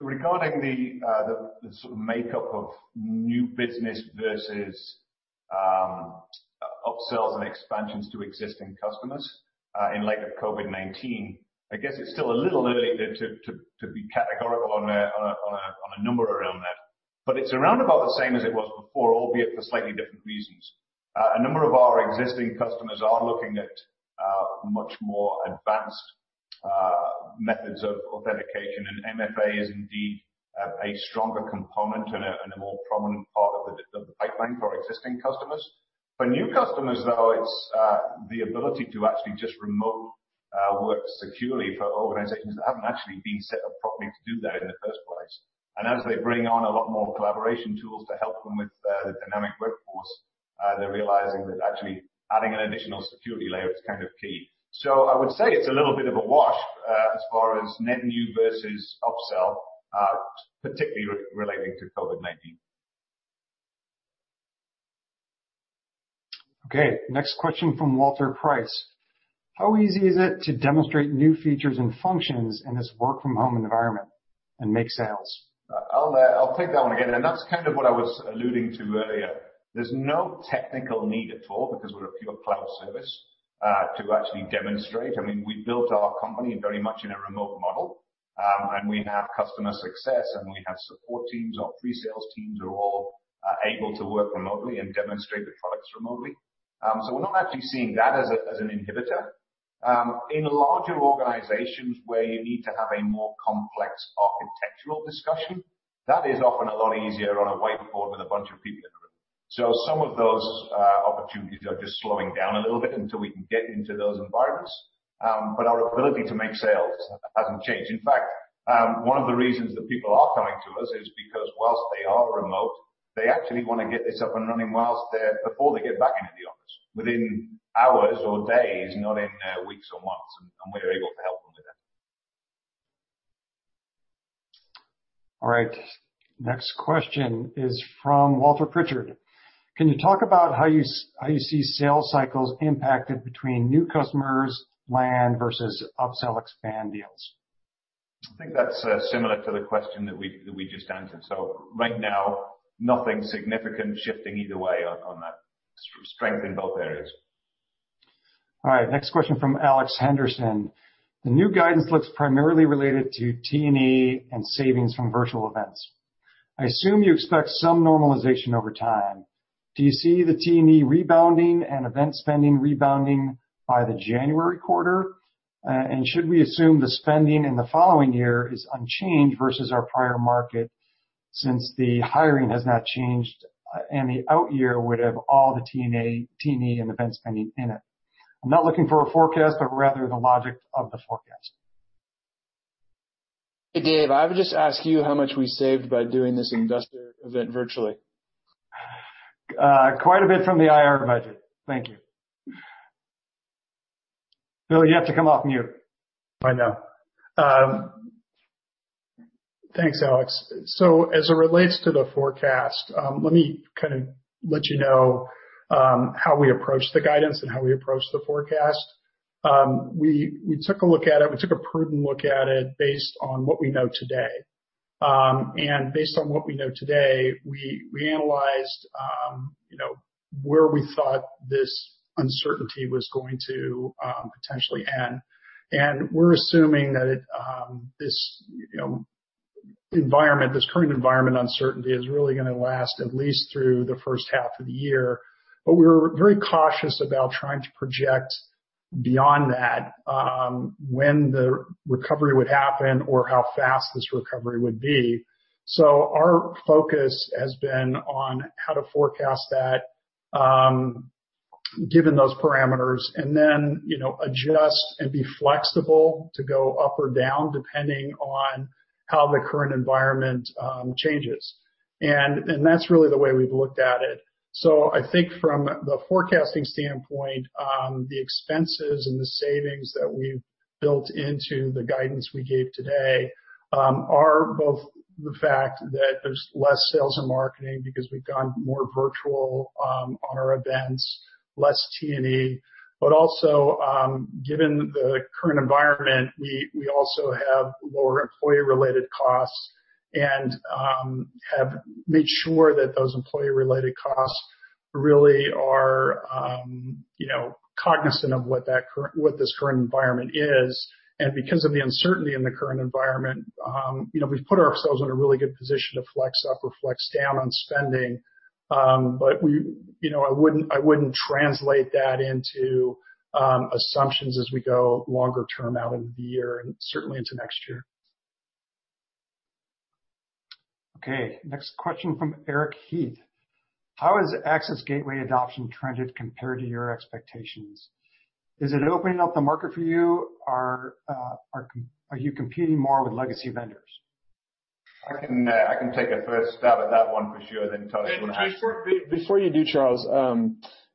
Regarding the sort of makeup of new business versus upsells and expansions to existing customers in light of COVID-19, I guess it's still a little early to be categorical on a number around that. It's around about the same as it was before, albeit for slightly different reasons. A number of our existing customers are looking at much more advanced methods of authentication, and MFA is indeed a stronger component and a more prominent part of the pipeline for existing customers. For new customers, though, it's the ability to actually just remote work securely for organizations that haven't actually been set up properly to do that in the first place. As they bring on a lot more collaboration tools to help them with the dynamic workforce, they're realizing that actually adding an additional security layer is kind of key. I would say it's a little bit of a wash as far as net new versus upsell, particularly relating to COVID-19.
Okay. Next question from Walter Pritchard. How easy is it to demonstrate new features and functions in this work-from-home environment and make sales?
I'll take that one again, and that's kind of what I was alluding to earlier. There's no technical need at all because we're a pure cloud service to actually demonstrate. We built our company very much in a remote model, and we have customer success, and we have support teams. Our pre-sales teams are all able to work remotely and demonstrate the products remotely. We're not actually seeing that as an inhibitor. In larger organizations where you need to have a more complex architectural discussion, that is often a lot easier on a whiteboard with a bunch of people in the room. Some of those opportunities are just slowing down a little bit until we can get into those environments. Our ability to make sales hasn't changed. In fact, one of the reasons that people are coming to us is because while they are remote, they actually want to get this up and running before they get back into the office, within hours or days, not in weeks or months. We're able to help them with that.
All right. Next question is from Walter Pritchard. Can you talk about how you see sales cycles impacted between new customers, land versus upsell expand deals?
I think that's similar to the question that we just answered. Right now, nothing significant shifting either way on that. Strength in both areas.
All right. Next question from Alex Henderson. "The new guidance looks primarily related to T&E and savings from virtual events. I assume you expect some normalization over time. Do you see the T&E rebounding and event spending rebounding by the January quarter? Should we assume the spending in the following year is unchanged versus our prior market since the hiring has not changed and the out-year would have all the T&E and event spending in it? I'm not looking for a forecast, but rather the logic of the forecast.
Hey, Dave, I would just ask you how much we saved by doing this investor event virtually?
Quite a bit from the IR budget. Thank you. Bill, you have to come off mute.
I know. Thanks, Alex. As it relates to the forecast, let me kind of let you know how we approach the guidance and how we approach the forecast. We took a look at it. We took a prudent look at it based on what we know today. Based on what we know today, we analyzed where we thought this uncertainty was going to potentially end. We're assuming that this current environment uncertainty is really going to last at least through the first half of the year. We're very cautious about trying to project beyond that, when the recovery would happen or how fast this recovery would be. Our focus has been on how to forecast that given those parameters, and then adjust and be flexible to go up or down depending on how the current environment changes. That's really the way we've looked at it. I think from the forecasting standpoint, the expenses and the savings that we've built into the guidance we gave today are both the fact that there's less sales and marketing because we've gone more virtual on our events, less T&E. Also, given the current environment, we also have lower employee-related costs and have made sure that those employee-related costs really are cognizant of what this current environment is. Because of the uncertainty in the current environment, we've put ourselves in a really good position to flex up or flex down on spending. I wouldn't translate that into assumptions as we go longer term out into the year and certainly into next year.
Okay, next question from Eric Heath. How has Access Gateway adoption trended compared to your expectations? Is it opening up the market for you? Are you competing more with legacy vendors?
I can take a first stab at that one for sure, then Todd, you want to?
Before you do, Charles,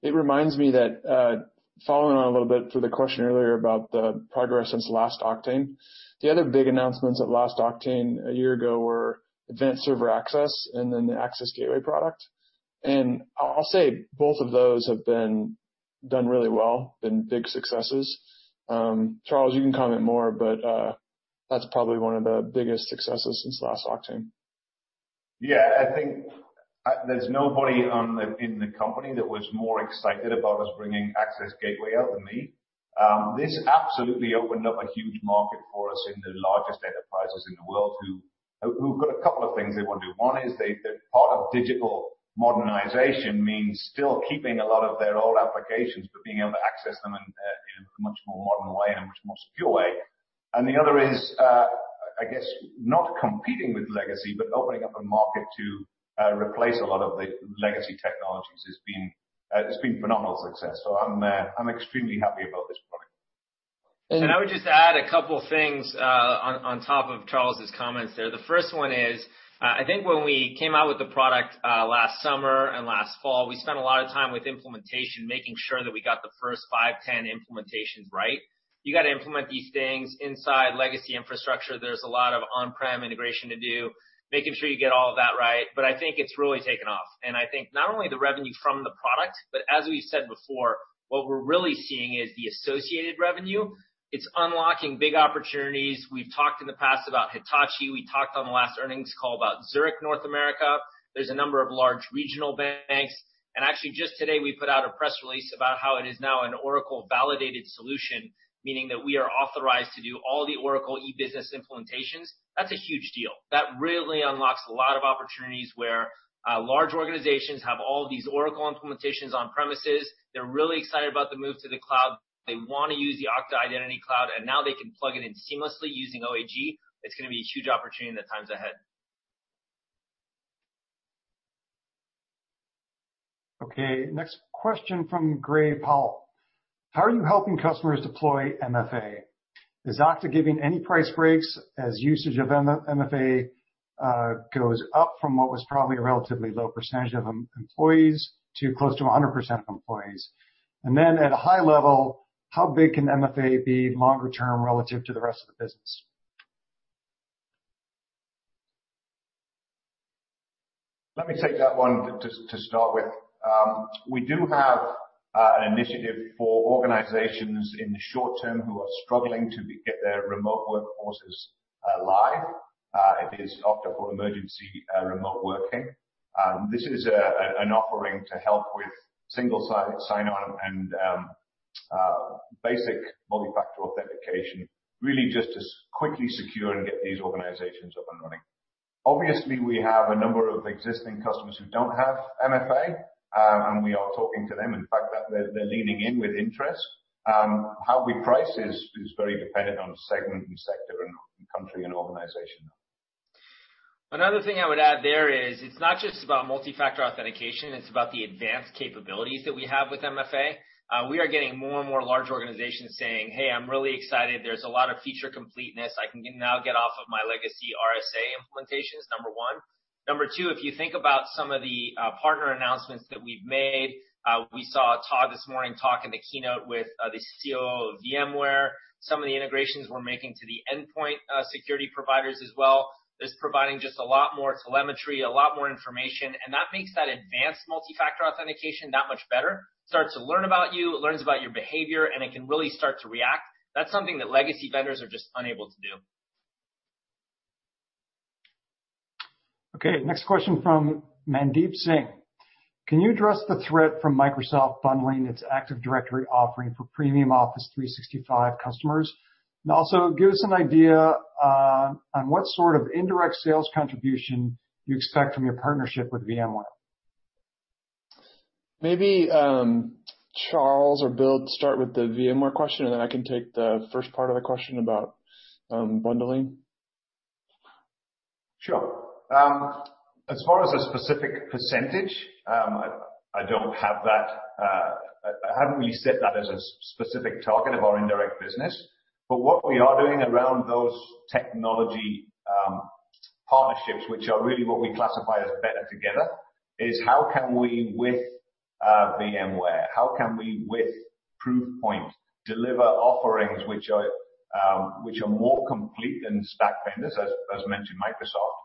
it reminds me that, following on a little bit to the question earlier about the progress since last Oktane, the other big announcements at last Oktane a year ago were Advanced Server Access and then the Access Gateway product. I'll say both of those have done really well, been big successes. Charles, you can comment more, but that's probably one of the biggest successes since last Oktane.
Yeah, I think there's nobody in the company that was more excited about us bringing Access Gateway out than me. This absolutely opened up a huge market for us in the largest enterprises in the world who've got a couple of things they want to do. One is part of digital modernization means still keeping a lot of their old applications, but being able to access them in a much more modern way and a much more secure way. The other is, I guess, not competing with legacy, but opening up a market to replace a lot of the legacy technologies. It's been phenomenal success. I'm extremely happy about this product.
And-
I would just add a couple things on top of Charles' comments there. The first one is, I think when we came out with the product last summer and last fall, we spent a lot of time with implementation, making sure that we got the first five, 10 implementations right. You got to implement these things inside legacy infrastructure. There's a lot of on-prem integration to do, making sure you get all of that right. I think it's really taken off. I think not only the revenue from the product, but as we've said before, what we're really seeing is the associated revenue. It's unlocking big opportunities. We've talked in the past about Hitachi. We talked on the last earnings call about Zurich North America. There's a number of large regional banks. Actually, just today, we put out a press release about how it is now an Oracle-validated solution, meaning that we are authorized to do all the Oracle E-Business implementations. That's a huge deal. That really unlocks a lot of opportunities where large organizations have all these Oracle implementations on premises. They're really excited about the move to the cloud. They want to use the Okta Identity Cloud, and now they can plug it in seamlessly using OAG. It's going to be a huge opportunity in the times ahead.
Next question from Gray Powell. How are you helping customers deploy MFA? Is Okta giving any price breaks as usage of MFA goes up from what was probably a relatively low percentage of employees to close to 100% of employees? At a high level, how big can MFA be longer term relative to the rest of the business?
Let me take that one to start with. We do have an initiative for organizations in the short term who are struggling to get their remote workforces live. It is Okta for Emergency Remote Work. This is an offering to help with single sign-on and basic multi-factor authentication, really just to quickly secure and get these organizations up and running. Obviously, we have a number of existing customers who don't have MFA. We are talking to them. In fact, they're leaning in with interest. How we price is very dependent on segment and sector and country and organization.
Another thing I would add there is it's not just about multifactor authentication, it's about the advanced capabilities that we have with MFA. We are getting more and more large organizations saying, "Hey, I'm really excited. There's a lot of feature completeness. I can now get off of my legacy RSA implementations," number one. Number two, if you think about some of the partner announcements that we've made, we saw Todd this morning talk in the keynote with the COO of VMware. Some of the integrations we're making to the endpoint security providers as well is providing just a lot more telemetry, a lot more information, and that makes that advanced multifactor authentication that much better. It starts to learn about you, it learns about your behavior, and it can really start to react. That's something that legacy vendors are just unable to do.
Okay, next question from Mandeep Singh. Can you address the threat from Microsoft bundling its Active Directory offering for premium Office 365 customers? Also give us an idea on what sort of indirect sales contribution you expect from your partnership with VMware.
Maybe Charles or Bill start with the VMware question, and then I can take the first part of the question about bundling.
As far as a specific percentage, I don't have that. I haven't really set that as a specific target of our indirect business. What we are doing around those technology partnerships, which are really what we classify as better together, is how can we with VMware, how can we with Proofpoint deliver offerings which are more complete than stack vendors, as mentioned, Microsoft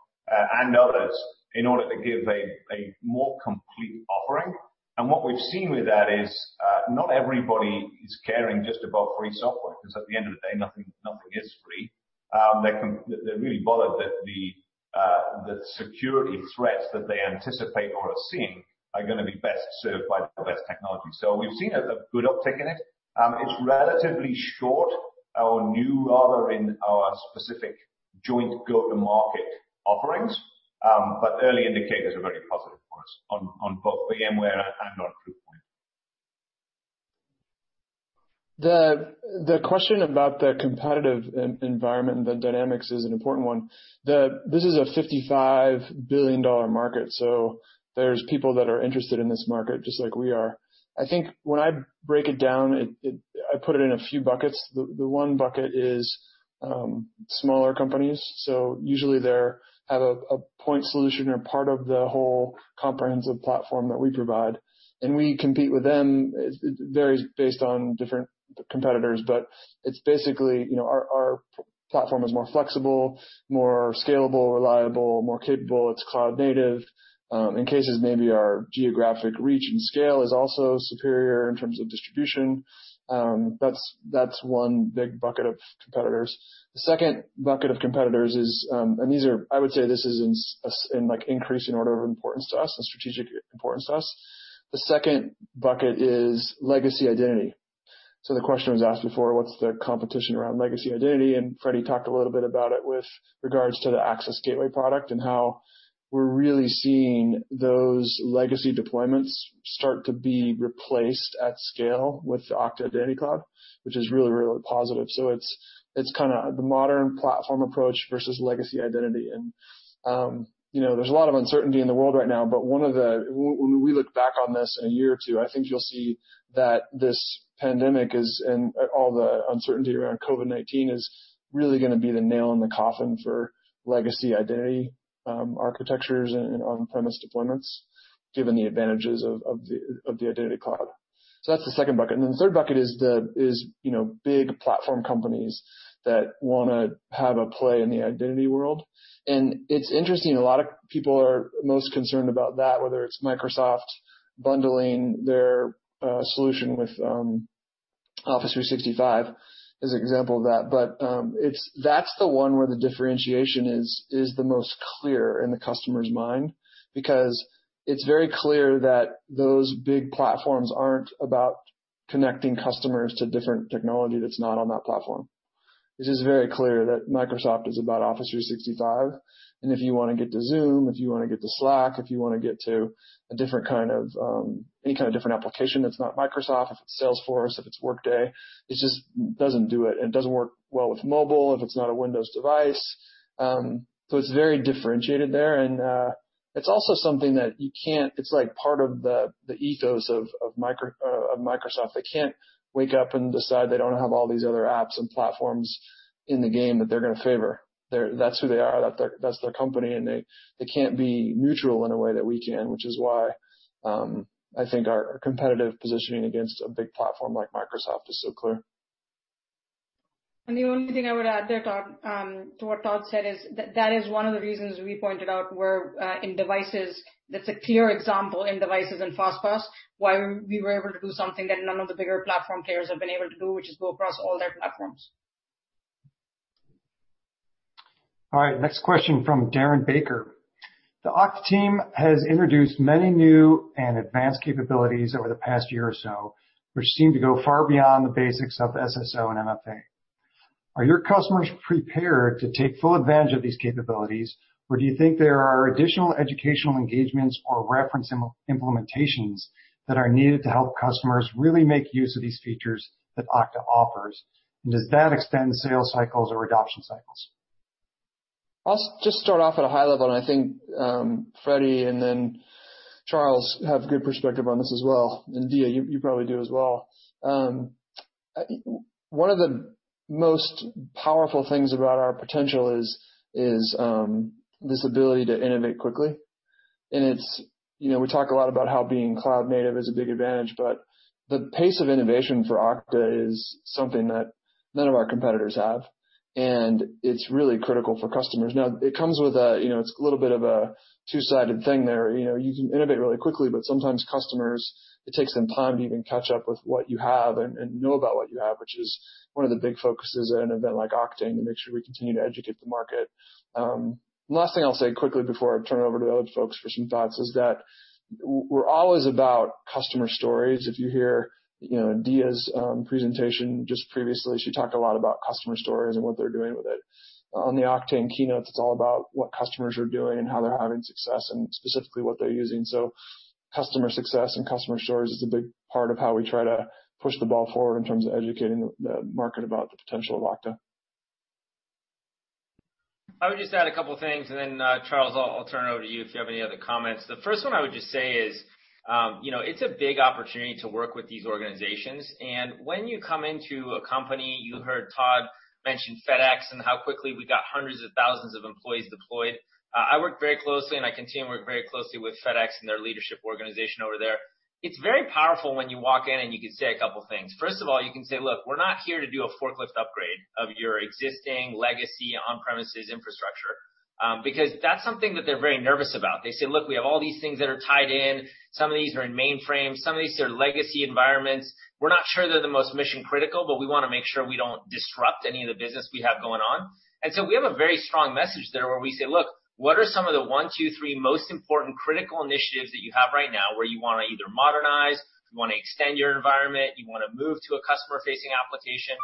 and others, in order to give a more complete offering. What we've seen with that is not everybody is caring just about free software, because at the end of the day, nothing is free. They're really bothered that the security threats that they anticipate or are seeing are going to be best served by the best technology. We've seen a good uptick in it. It's relatively short in our specific joint go-to-market offerings. Early indicators are very positive for us on both VMware and on Proofpoint.
The question about the competitive environment and the dynamics is an important one. This is a $55 billion market, so there's people that are interested in this market just like we are. I think when I break it down, I put it in a few buckets. The one bucket is smaller companies. Usually they have a point solution or part of the whole comprehensive platform that we provide. We compete with them. It varies based on different competitors, but it's basically our platform is more flexible, more scalable, reliable, more capable. It's cloud native. In cases, maybe our geographic reach and scale is also superior in terms of distribution. That's one big bucket of competitors. The second bucket of competitors is, and I would say this is in increasing order of importance to us and strategic importance to us. The second bucket is legacy identity. The question was asked before, what's the competition around legacy identity, and Frederic talked a little bit about it with regards to the Okta Access Gateway product and how we're really seeing those legacy deployments start to be replaced at scale with the Okta Identity Cloud, which is really positive. It's the modern platform approach versus legacy identity. There's a lot of uncertainty in the world right now. When we look back on this in a year or two, I think you'll see that this pandemic is, and all the uncertainty around COVID-19 is really going to be the nail in the coffin for legacy identity architectures and on-premise deployments, given the advantages of the Identity Cloud. That's the second bucket. The third bucket is big platform companies that want to have a play in the identity world. It's interesting, a lot of people are most concerned about that, whether it's Microsoft bundling their solution with Office 365 as an example of that. That's the one where the differentiation is the most clear in the customer's mind, because it's very clear that those big platforms aren't about connecting customers to different technology that's not on that platform. It is very clear that Microsoft is about Office 365, and if you want to get to Zoom, if you want to get to Slack, if you want to get to any kind of different application that's not Microsoft, if it's Salesforce, if it's Workday, it just doesn't do it and doesn't work well with mobile if it's not a Windows device. It's very differentiated there and it's also something that it's part of the ethos of Microsoft. They can't wake up and decide they don't have all these other apps and platforms in the game that they're going to favor. That's who they are. That's their company, and they can't be neutral in a way that we can, which is why I think our competitive positioning against a big platform like Microsoft is so clear.
The only thing I would add there, Todd, to what Todd said is that is one of the reasons we pointed out where in devices, that's a clear example in devices and FastPass, why we were able to do something that none of the bigger platform players have been able to do, which is go across all their platforms.
All right, next question from Darren Baker. The Okta team has introduced many new and advanced capabilities over the past year or so, which seem to go far beyond the basics of SSO and MFA. Are your customers prepared to take full advantage of these capabilities, or do you think there are additional educational engagements or reference implementations that are needed to help customers really make use of these features that Okta offers? Does that extend sales cycles or adoption cycles?
I'll just start off at a high level. I think Freddy and then Charles have good perspective on this as well. Diya, you probably do as well. One of the most powerful things about our potential is this ability to innovate quickly. We talk a lot about how being cloud-native is a big advantage, but the pace of innovation for Okta is something that none of our competitors have, and it's really critical for customers. Now, it's a little bit of a two-sided thing there. You can innovate really quickly, but sometimes customers, it takes them time to even catch up with what you have and know about what you have, which is one of the big focuses at an event like Oktane, to make sure we continue to educate the market. Last thing I'll say quickly before I turn it over to the other folks for some thoughts is that we're always about customer stories. If you hear Diya's presentation just previously, she talked a lot about customer stories and what they're doing with it. On the Oktane keynotes, it's all about what customers are doing and how they're having success, and specifically what they're using. Customer success and customer stories is a big part of how we try to push the ball forward in terms of educating the market about the potential of Okta.
I would just add a couple things, then, Charles, I'll turn it over to you if you have any other comments. The first one I would just say is, it's a big opportunity to work with these organizations. When you come into a company, you heard Todd mention FedEx and how quickly we got hundreds of thousands of employees deployed. I work very closely, and I continue to work very closely with FedEx and their leadership organization over there. It's very powerful when you walk in and you can say a couple things. First of all, you can say, "Look, we're not here to do a forklift upgrade of your existing legacy on-premises infrastructure." That's something that they're very nervous about. They say, "Look, we have all these things that are tied in. Some of these are in mainframe. Some of these are legacy environments. We're not sure they're the most mission-critical, but we want to make sure we don't disrupt any of the business we have going on. We have a very strong message there where we say, "Look, what are some of the one, two, three most important critical initiatives that you have right now where you want to either modernize, you want to extend your environment, you want to move to a customer-facing application?"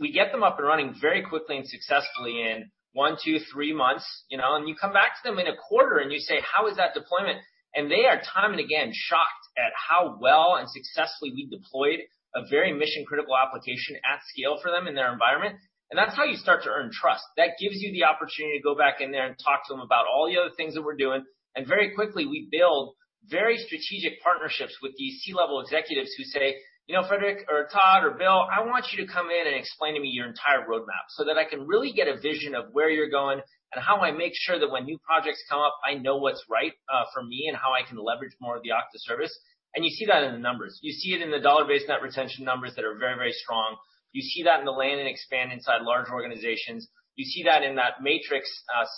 We get them up and running very quickly and successfully in one, two, three months. You come back to them in a quarter and you say, "How is that deployment?" They are, time and again, shocked at how well and successfully we deployed a very mission-critical application at scale for them in their environment. That's how you start to earn trust. That gives you the opportunity to go back in there and talk to them about all the other things that we're doing. Very quickly, we build very strategic partnerships with these C-level executives who say, "You know, Frederic or Todd or Bill, I want you to come in and explain to me your entire roadmap so that I can really get a vision of where you're going and how I make sure that when new projects come up, I know what's right for me and how I can leverage more of the Okta service." You see that in the numbers. You see it in the dollar-based net retention numbers that are very, very strong. You see that in the land and expand inside large organizations. You see that in that matrix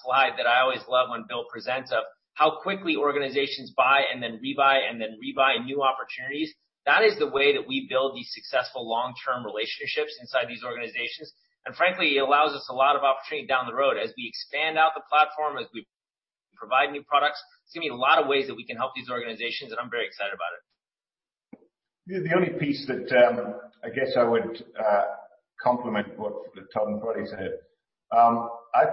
slide that I always love when Bill presents of how quickly organizations buy and then rebuy and then rebuy new opportunities. That is the way that we build these successful long-term relationships inside these organizations. Frankly, it allows us a lot of opportunity down the road as we expand out the platform, as we provide new products. It's giving a lot of ways that we can help these organizations, and I'm very excited about it.
The only piece that I guess I would complement what Todd and Frederic said. I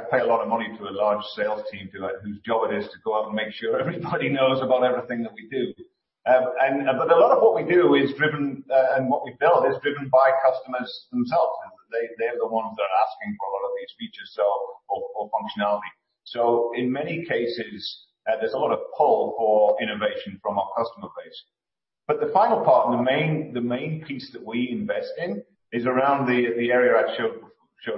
pay a lot of money to a large sales team whose job it is to go out and make sure everybody knows about everything that we do. A lot of what we do and what we build is driven by customers themselves. They're the ones that are asking for a lot of these features or functionality. In many cases, there's a lot of pull for innovation from our customer base. The final part and the main piece that we invest in is around the area I showed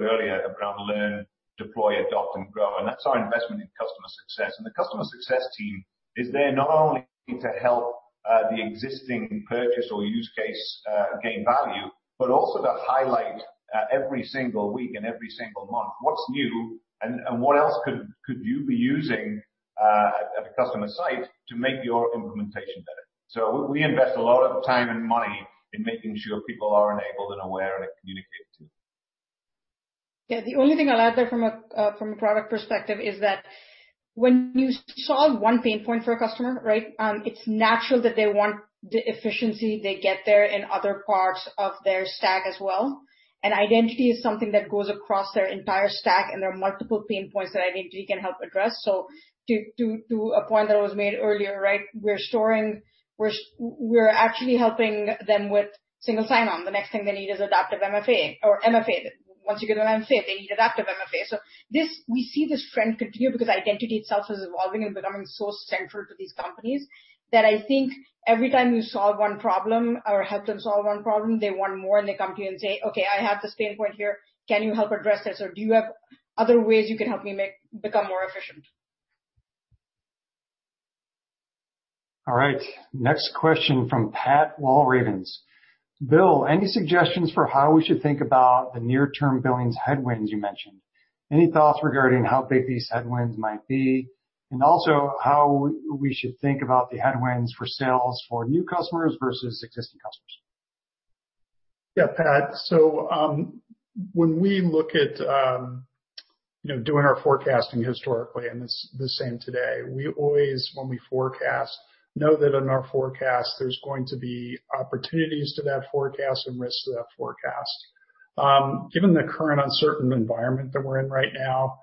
earlier around learn, deploy, adopt, and grow, and that's our investment in customer success. The customer success team is there not only to help the existing purchase or use case gain value, but also to highlight every single week and every single month what's new and what else could you be using at the customer site to make your implementation better. We invest a lot of time and money in making sure people are enabled and aware and communicated to.
Yeah. The only thing I'll add there from a product perspective is that when you solve one pain point for a customer, it's natural that they want the efficiency they get there in other parts of their stack as well. Identity is something that goes across their entire stack, and there are multiple pain points that identity can help address. To a point that was made earlier, we're actually helping them with single sign-on. The next thing they need is adaptive MFA or MFA. Once you get MFA, they need adaptive MFA. We see this trend continue because identity itself is evolving and becoming so central to these companies that I think every time you solve one problem or help them solve one problem, they want more and they come to you and say, "Okay, I have this pain point here. Can you help address this?" Or, "Do you have other ways you can help me become more efficient?
All right. Next question from Patrick Walravens. "Bill, any suggestions for how we should think about the near-term billings headwinds you mentioned? Any thoughts regarding how big these headwinds might be, and also how we should think about the headwinds for sales for new customers versus existing customers?
Yeah, Pat. When we look at doing our forecasting historically, and it's the same today, we always, when we forecast, know that in our forecast, there's going to be opportunities to that forecast and risks to that forecast, given the current uncertain environment that we're in right now.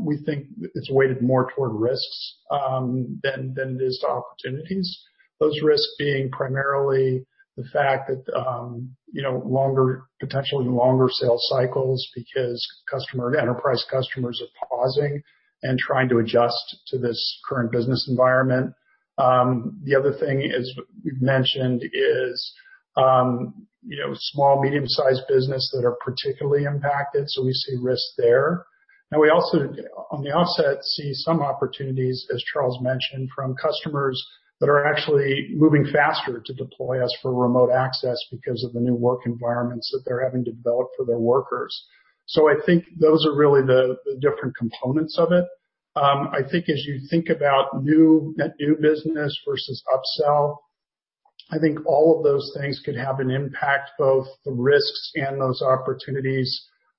We think it's weighted more toward risks than it is to opportunities. Those risks being primarily the fact that potentially longer sales cycles because enterprise customers are pausing and trying to adjust to this current business environment. The other thing is, we've mentioned is small, medium-sized business that are particularly impacted, so we see risk there. Now we also, on the offset, see some opportunities, as Charles mentioned, from customers that are actually moving faster to deploy us for remote access because of the new work environments that they're having to develop for their workers. I think those are really the different components of it. I think as you think about net new business versus upsell, I think all of those things could have an impact, both the risks and those opportunities,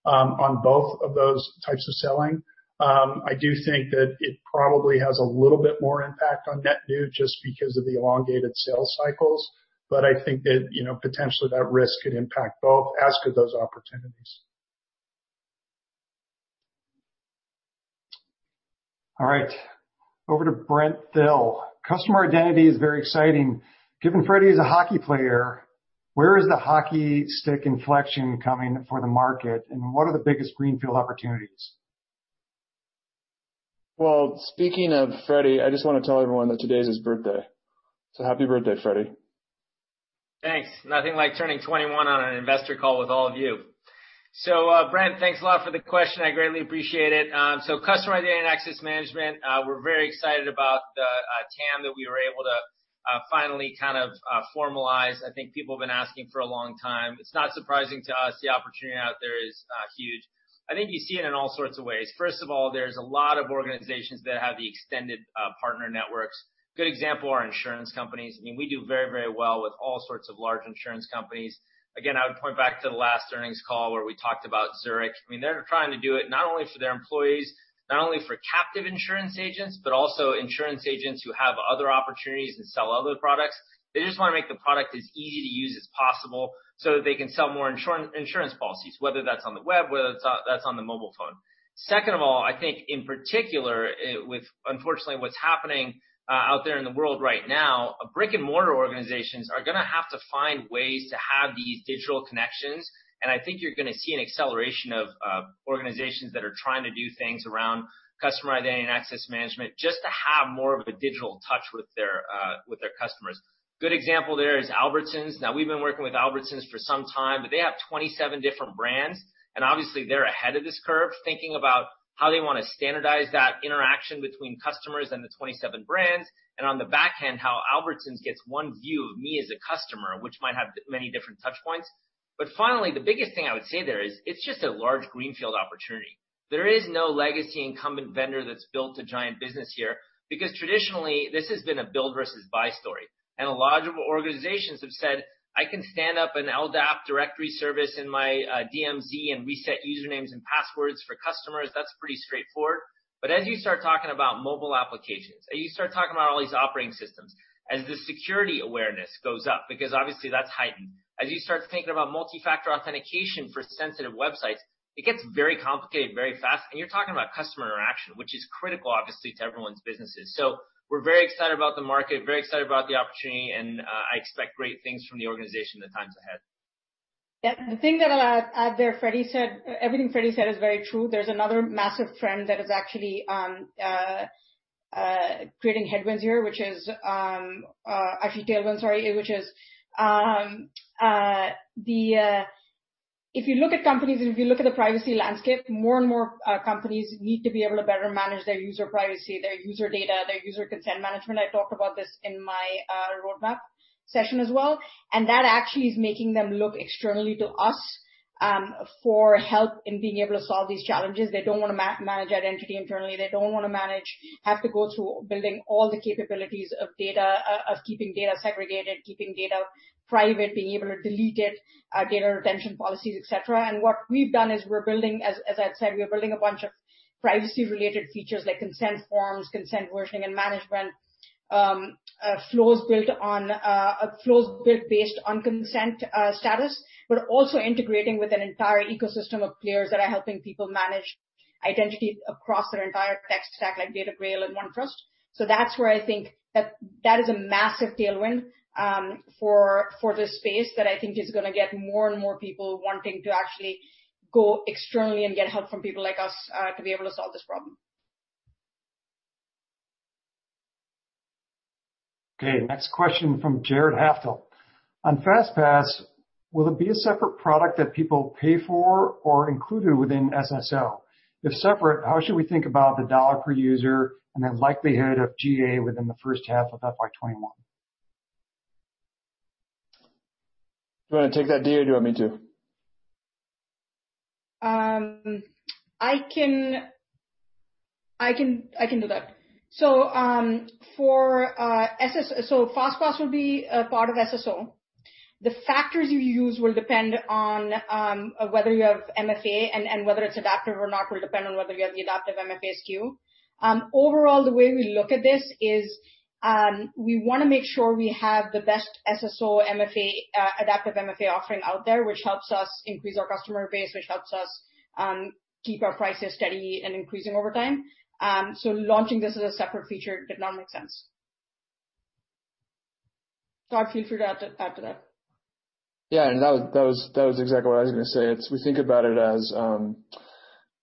on both of those types of selling.
I do think that it probably has a little bit more impact on net new just because of the elongated sales cycles. I think that potentially that risk could impact both, as could those opportunities. All right, over to Brent Thill. "Customer identity is very exciting. Given Freddy is a hockey player, where is the hockey stick inflection coming for the market, and what are the biggest greenfield opportunities?
Speaking of Frederic, I just want to tell everyone that today is his birthday. Happy Birthday, Frederic.
Thanks. Nothing like turning 21 on an investor call with all of you. Brent, thanks a lot for the question, I greatly appreciate it. Customer Identity and Access Management, we're very excited about the TAM that we were able to finally kind of formalize. I think people have been asking for a long time. It's not surprising to us, the opportunity out there is huge. I think you see it in all sorts of ways. First of all, there's a lot of organizations that have the extended partner networks. Good example are insurance companies. We do very well with all sorts of large insurance companies. Again, I would point back to the last earnings call where we talked about Zurich. They're trying to do it not only for their employees, not only for captive insurance agents, but also insurance agents who have other opportunities and sell other products. They just want to make the product as easy to use as possible so that they can sell more insurance policies, whether that's on the web, whether that's on the mobile phone. Second of all, I think in particular with unfortunately what's happening out there in the world right now, brick and mortar organizations are going to have to find ways to have these digital connections. I think you're going to see an acceleration of organizations that are trying to do things around customer identity and access management just to have more of a digital touch with their customers. Good example there is Albertsons. Now we've been working with Albertsons for some time, but they have 27 different brands. Obviously they're ahead of this curve, thinking about how they want to standardize that interaction between customers and the 27 brands. On the back end, how Albertsons gets one view of me as a customer, which might have many different touch points. Finally, the biggest thing I would say there is, it's just a large greenfield opportunity. There is no legacy incumbent vendor that's built a giant business here. Because traditionally, this has been a build versus buy story. A lot of organizations have said, "I can stand up an LDAP directory service in my DMZ and reset usernames and passwords for customers." As you start talking about mobile applications, as you start talking about all these operating systems, as the security awareness goes up, because obviously that's heightened. As you start thinking about multi-factor authentication for sensitive websites, it gets very complicated very fast. You're talking about customer interaction, which is critical, obviously, to everyone's businesses. We're very excited about the market, very excited about the opportunity, and I expect great things from the organization in the times ahead.
Yeah. The thing that I'll add there, everything Freddy said is very true. There's another massive trend that is actually creating headwinds here, which is Actually tailwind, sorry. Which is, if you look at companies and if you look at the privacy landscape, more and more companies need to be able to better manage their user privacy, their user data, their user consent management. I talked about this in my roadmap session as well. That actually is making them look externally to us for help in being able to solve these challenges. They don't want to manage identity internally. They don't want to manage, have to go through building all the capabilities of keeping data segregated, keeping data private, being able to delete it, data retention policies, et cetera. What we've done is we're building, as I'd said, we're building a bunch of privacy-related features like consent forms, consent wording and management, flows built based on consent status. We're also integrating with an entire ecosystem of players that are helping people manage identity across their entire tech stack, like DataGrail and OneTrust. That's where I think that is a massive tailwind for this space that I think is going to get more and more people wanting to actually go externally and get help from people like us to be able to solve this problem.
Okay, next question from Jared Haftel. On FastPass, will it be a separate product that people pay for or included within SSO? If separate, how should we think about the dollar per user and the likelihood of GA within the first half of FY 2021?
Do you want to take that, Diya, or do you want me to?
I can do that. FastPass will be a part of SSO. The factors you use will depend on whether you have MFA, and whether it's adaptive or not will depend on whether you have the adaptive MFA SKU. Overall, the way we look at this is, we want to make sure we have the best SSO adaptive MFA offering out there, which helps us increase our customer base, which helps us keep our prices steady and increasing over time. Launching this as a separate feature did not make sense. Todd, feel free to add to that.
Yeah, that was exactly what I was going to say. We think about it as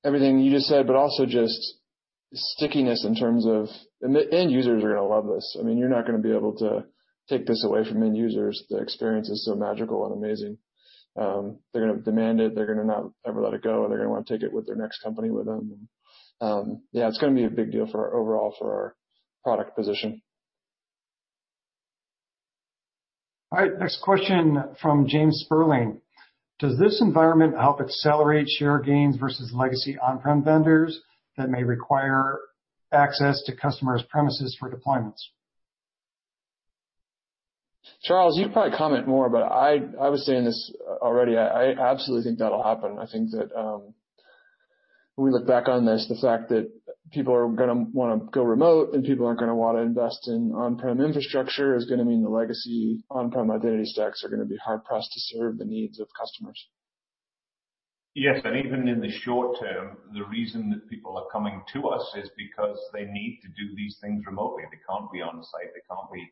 everything you just said, but also just stickiness in terms of end users are going to love this. You're not going to be able to take this away from end users, the experience is so magical and amazing. They're going to demand it. They're going to not ever let it go, and they're going to want to take it with their next company with them. Yeah, it's going to be a big deal overall for our product position.
All right, next question from James Spurling. Does this environment help accelerate share gains versus legacy on-prem vendors that may require access to customers' premises for deployments?
Charles, you can probably comment more, but I was saying this already, I absolutely think that'll happen. I think that when we look back on this, the fact that people are going to want to go remote and people aren't going to want to invest in on-prem infrastructure is going to mean the legacy on-prem identity stacks are going to be hard-pressed to serve the needs of customers.
Yes, even in the short term, the reason that people are coming to us is because they need to do these things remotely. They can't be on-site. They can't be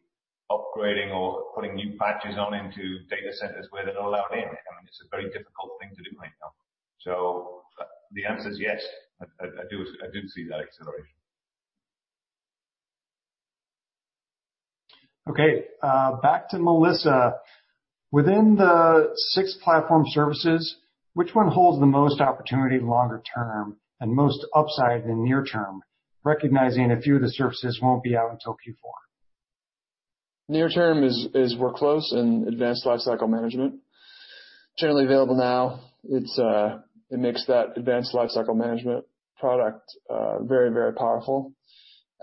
upgrading or putting new patches on into data centers where they're not allowed in. It's a very difficult thing to do right now. The answer is yes. I do see that acceleration.
Okay. Back to Melissa. Within the six platform services, which one holds the most opportunity longer term and most upside in near term, recognizing a few of the services won't be out until Q4?
Near term is Workflows and Advanced Lifecycle Management, generally available now. It makes that Advanced Lifecycle Management product very powerful.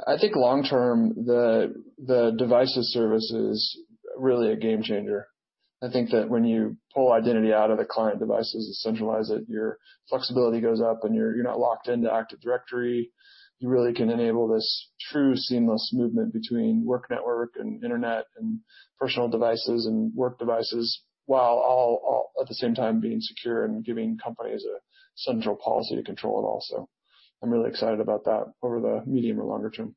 I think long term, the Devices service is really a game changer. I think that when you pull identity out of the client devices and centralize it, your flexibility goes up and you're not locked into Active Directory. You really can enable this true seamless movement between work network and internet and personal devices and work devices, while all at the same time being secure and giving companies a central policy to control it all. I'm really excited about that over the medium or longer term.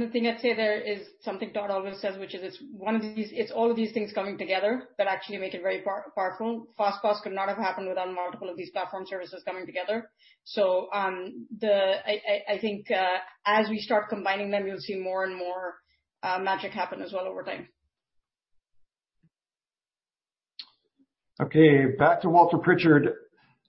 The thing I'd say there is something Todd always says, which is, it's all of these things coming together that actually make it very powerful. FastPass could not have happened without multiple of these platform services coming together. I think as we start combining them, you'll see more and more magic happen as well over time.
Okay. Back to Walter Pritchard.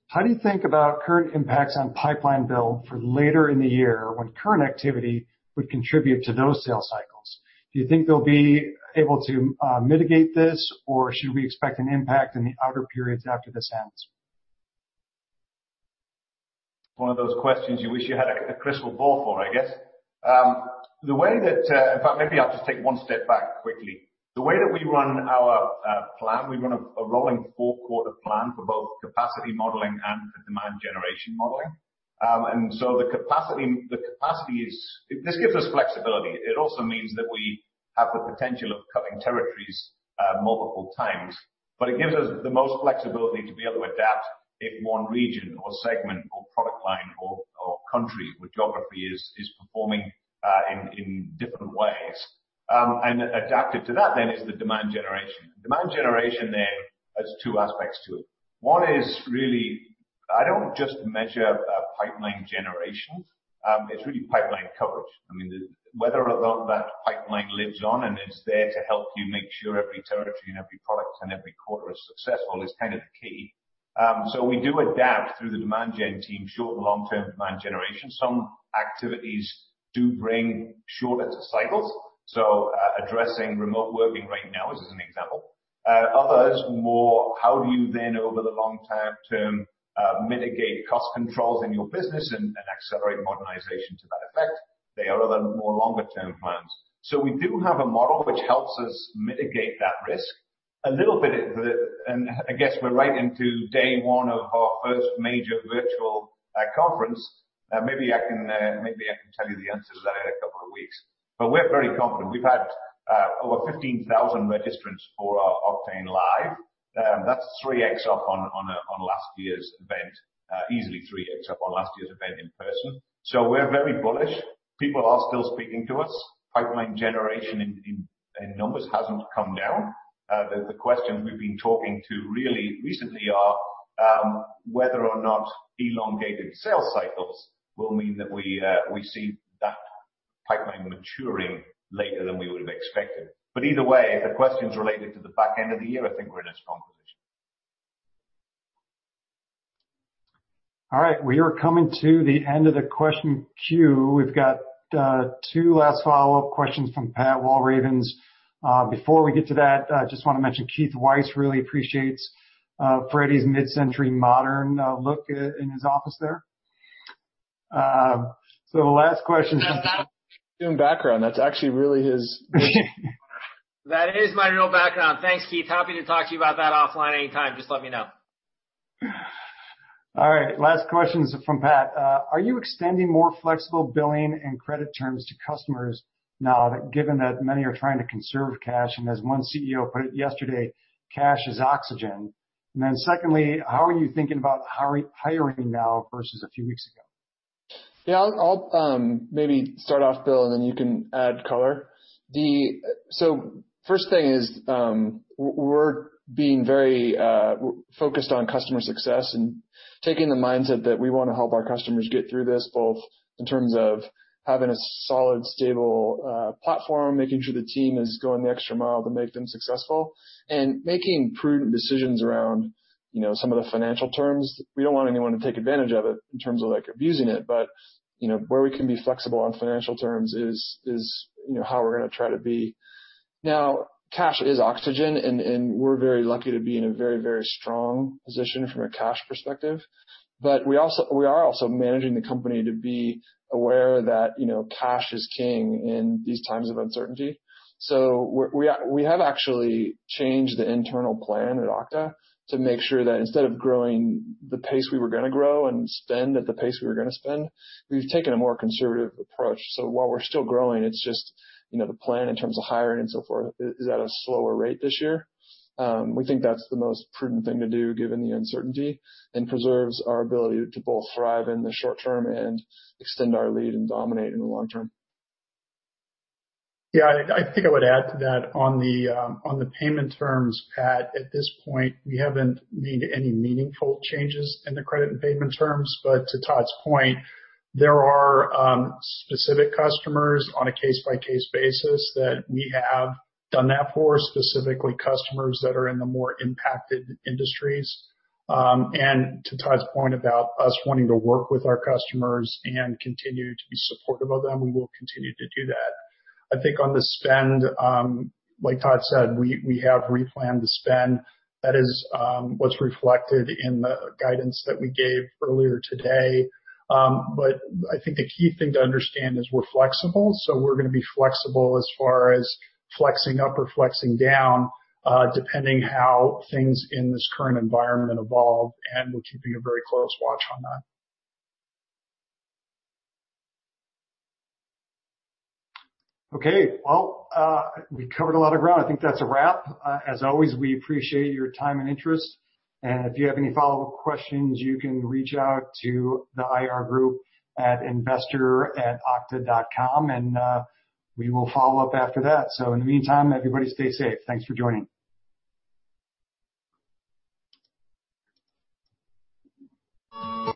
How do you think about current impacts on pipeline bill for later in the year when current activity would contribute to those sales cycles? Do you think they'll be able to mitigate this, or should we expect an impact in the outer periods after this ends?
One of those questions you wish you had a crystal ball for, I guess. In fact, maybe I'll just take one step back quickly. The way that we run our plan, we run a rolling four-quarter plan for both capacity modeling and for demand generation modeling. The capacity is, this gives us flexibility. It also means that we have the potential of covering territories multiple times, but it gives us the most flexibility to be able to adapt if one region or segment or product line or country with geography is performing in different ways. Adapted to that then is the demand generation. Demand generation then has two aspects to it. One is really, I don't just measure pipeline generation, it's really pipeline coverage. Whether or not that pipeline lives on and is there to help you make sure every territory and every product and every quarter is successful is kind of the key. We do adapt through the demand gen team, short and long-term demand generation. Some activities do bring shorter cycles. Addressing remote working right now as an example. Others more, how do you then over the long term mitigate cost controls in your business and accelerate modernization to that effect? They are the more longer-term plans. We do have a model which helps us mitigate that risk a little bit. I guess we're right into day one of our first major virtual conference. Maybe I can tell you the answer to that in a couple of weeks. We're very confident. We've had over 15,000 registrants for our Oktane Live. That's 3x up on last year's event, easily 3x up on last year's event in person. We're very bullish. People are still speaking to us. Pipeline generation in numbers hasn't come down. The questions we've been talking to really recently are, whether or not elongated sales cycles will mean that we see that pipeline maturing later than we would've expected. Either way, the questions related to the back end of the year, I think we're in a strong position.
All right. We are coming to the end of the question queue. We've got two last follow-up questions from Patrick Walravens. Before we get to that, I just want to mention Keith Weiss really appreciates Freddy's mid-century modern look in his office there. The last question.
Zoom background. That's actually really his-
That is my real background. Thanks, Keith. Happy to talk to you about that offline anytime. Just let me know.
All right, last question is from Pat. Are you extending more flexible billing and credit terms to customers now, given that many are trying to conserve cash, and as one CEO put it yesterday, cash is oxygen? Secondly, how are you thinking about hiring now versus a few weeks ago?
Yeah, I'll maybe start off, Bill. Then you can add color. First thing is, we're being very focused on customer success and taking the mindset that we want to help our customers get through this, both in terms of having a solid, stable platform, making sure the team is going the extra mile to make them successful, and making prudent decisions around some of the financial terms. We don't want anyone to take advantage of it in terms of abusing it. Where we can be flexible on financial terms is how we're going to try to be. Cash is oxygen, and we're very lucky to be in a very strong position from a cash perspective. We are also managing the company to be aware that cash is king in these times of uncertainty. We have actually changed the internal plan at Okta to make sure that instead of growing the pace we were going to grow and spend at the pace we were going to spend, we've taken a more conservative approach. While we're still growing, it's just the plan in terms of hiring and so forth is at a slower rate this year. We think that's the most prudent thing to do given the uncertainty, and preserves our ability to both thrive in the short term and extend our lead and dominate in the long term.
Yeah, I think I would add to that on the payment terms, Pat. At this point, we haven't made any meaningful changes in the credit and payment terms. To Todd's point, there are specific customers on a case-by-case basis that we have done that for, specifically customers that are in the more impacted industries. To Todd's point about us wanting to work with our customers and continue to be supportive of them, we will continue to do that. I think on the spend, like Todd said, we have replanned the spend. That is what's reflected in the guidance that we gave earlier today. I think the key thing to understand is we're flexible. We're going to be flexible as far as flexing up or flexing down, depending how things in this current environment evolve, and we're keeping a very close watch on that.
Okay, well, we covered a lot of ground. I think that's a wrap. As always, we appreciate your time and interest. If you have any follow-up questions, you can reach out to the IR group at investoratokta.com and we will follow up after that. In the meantime, everybody stay safe. Thanks for joining.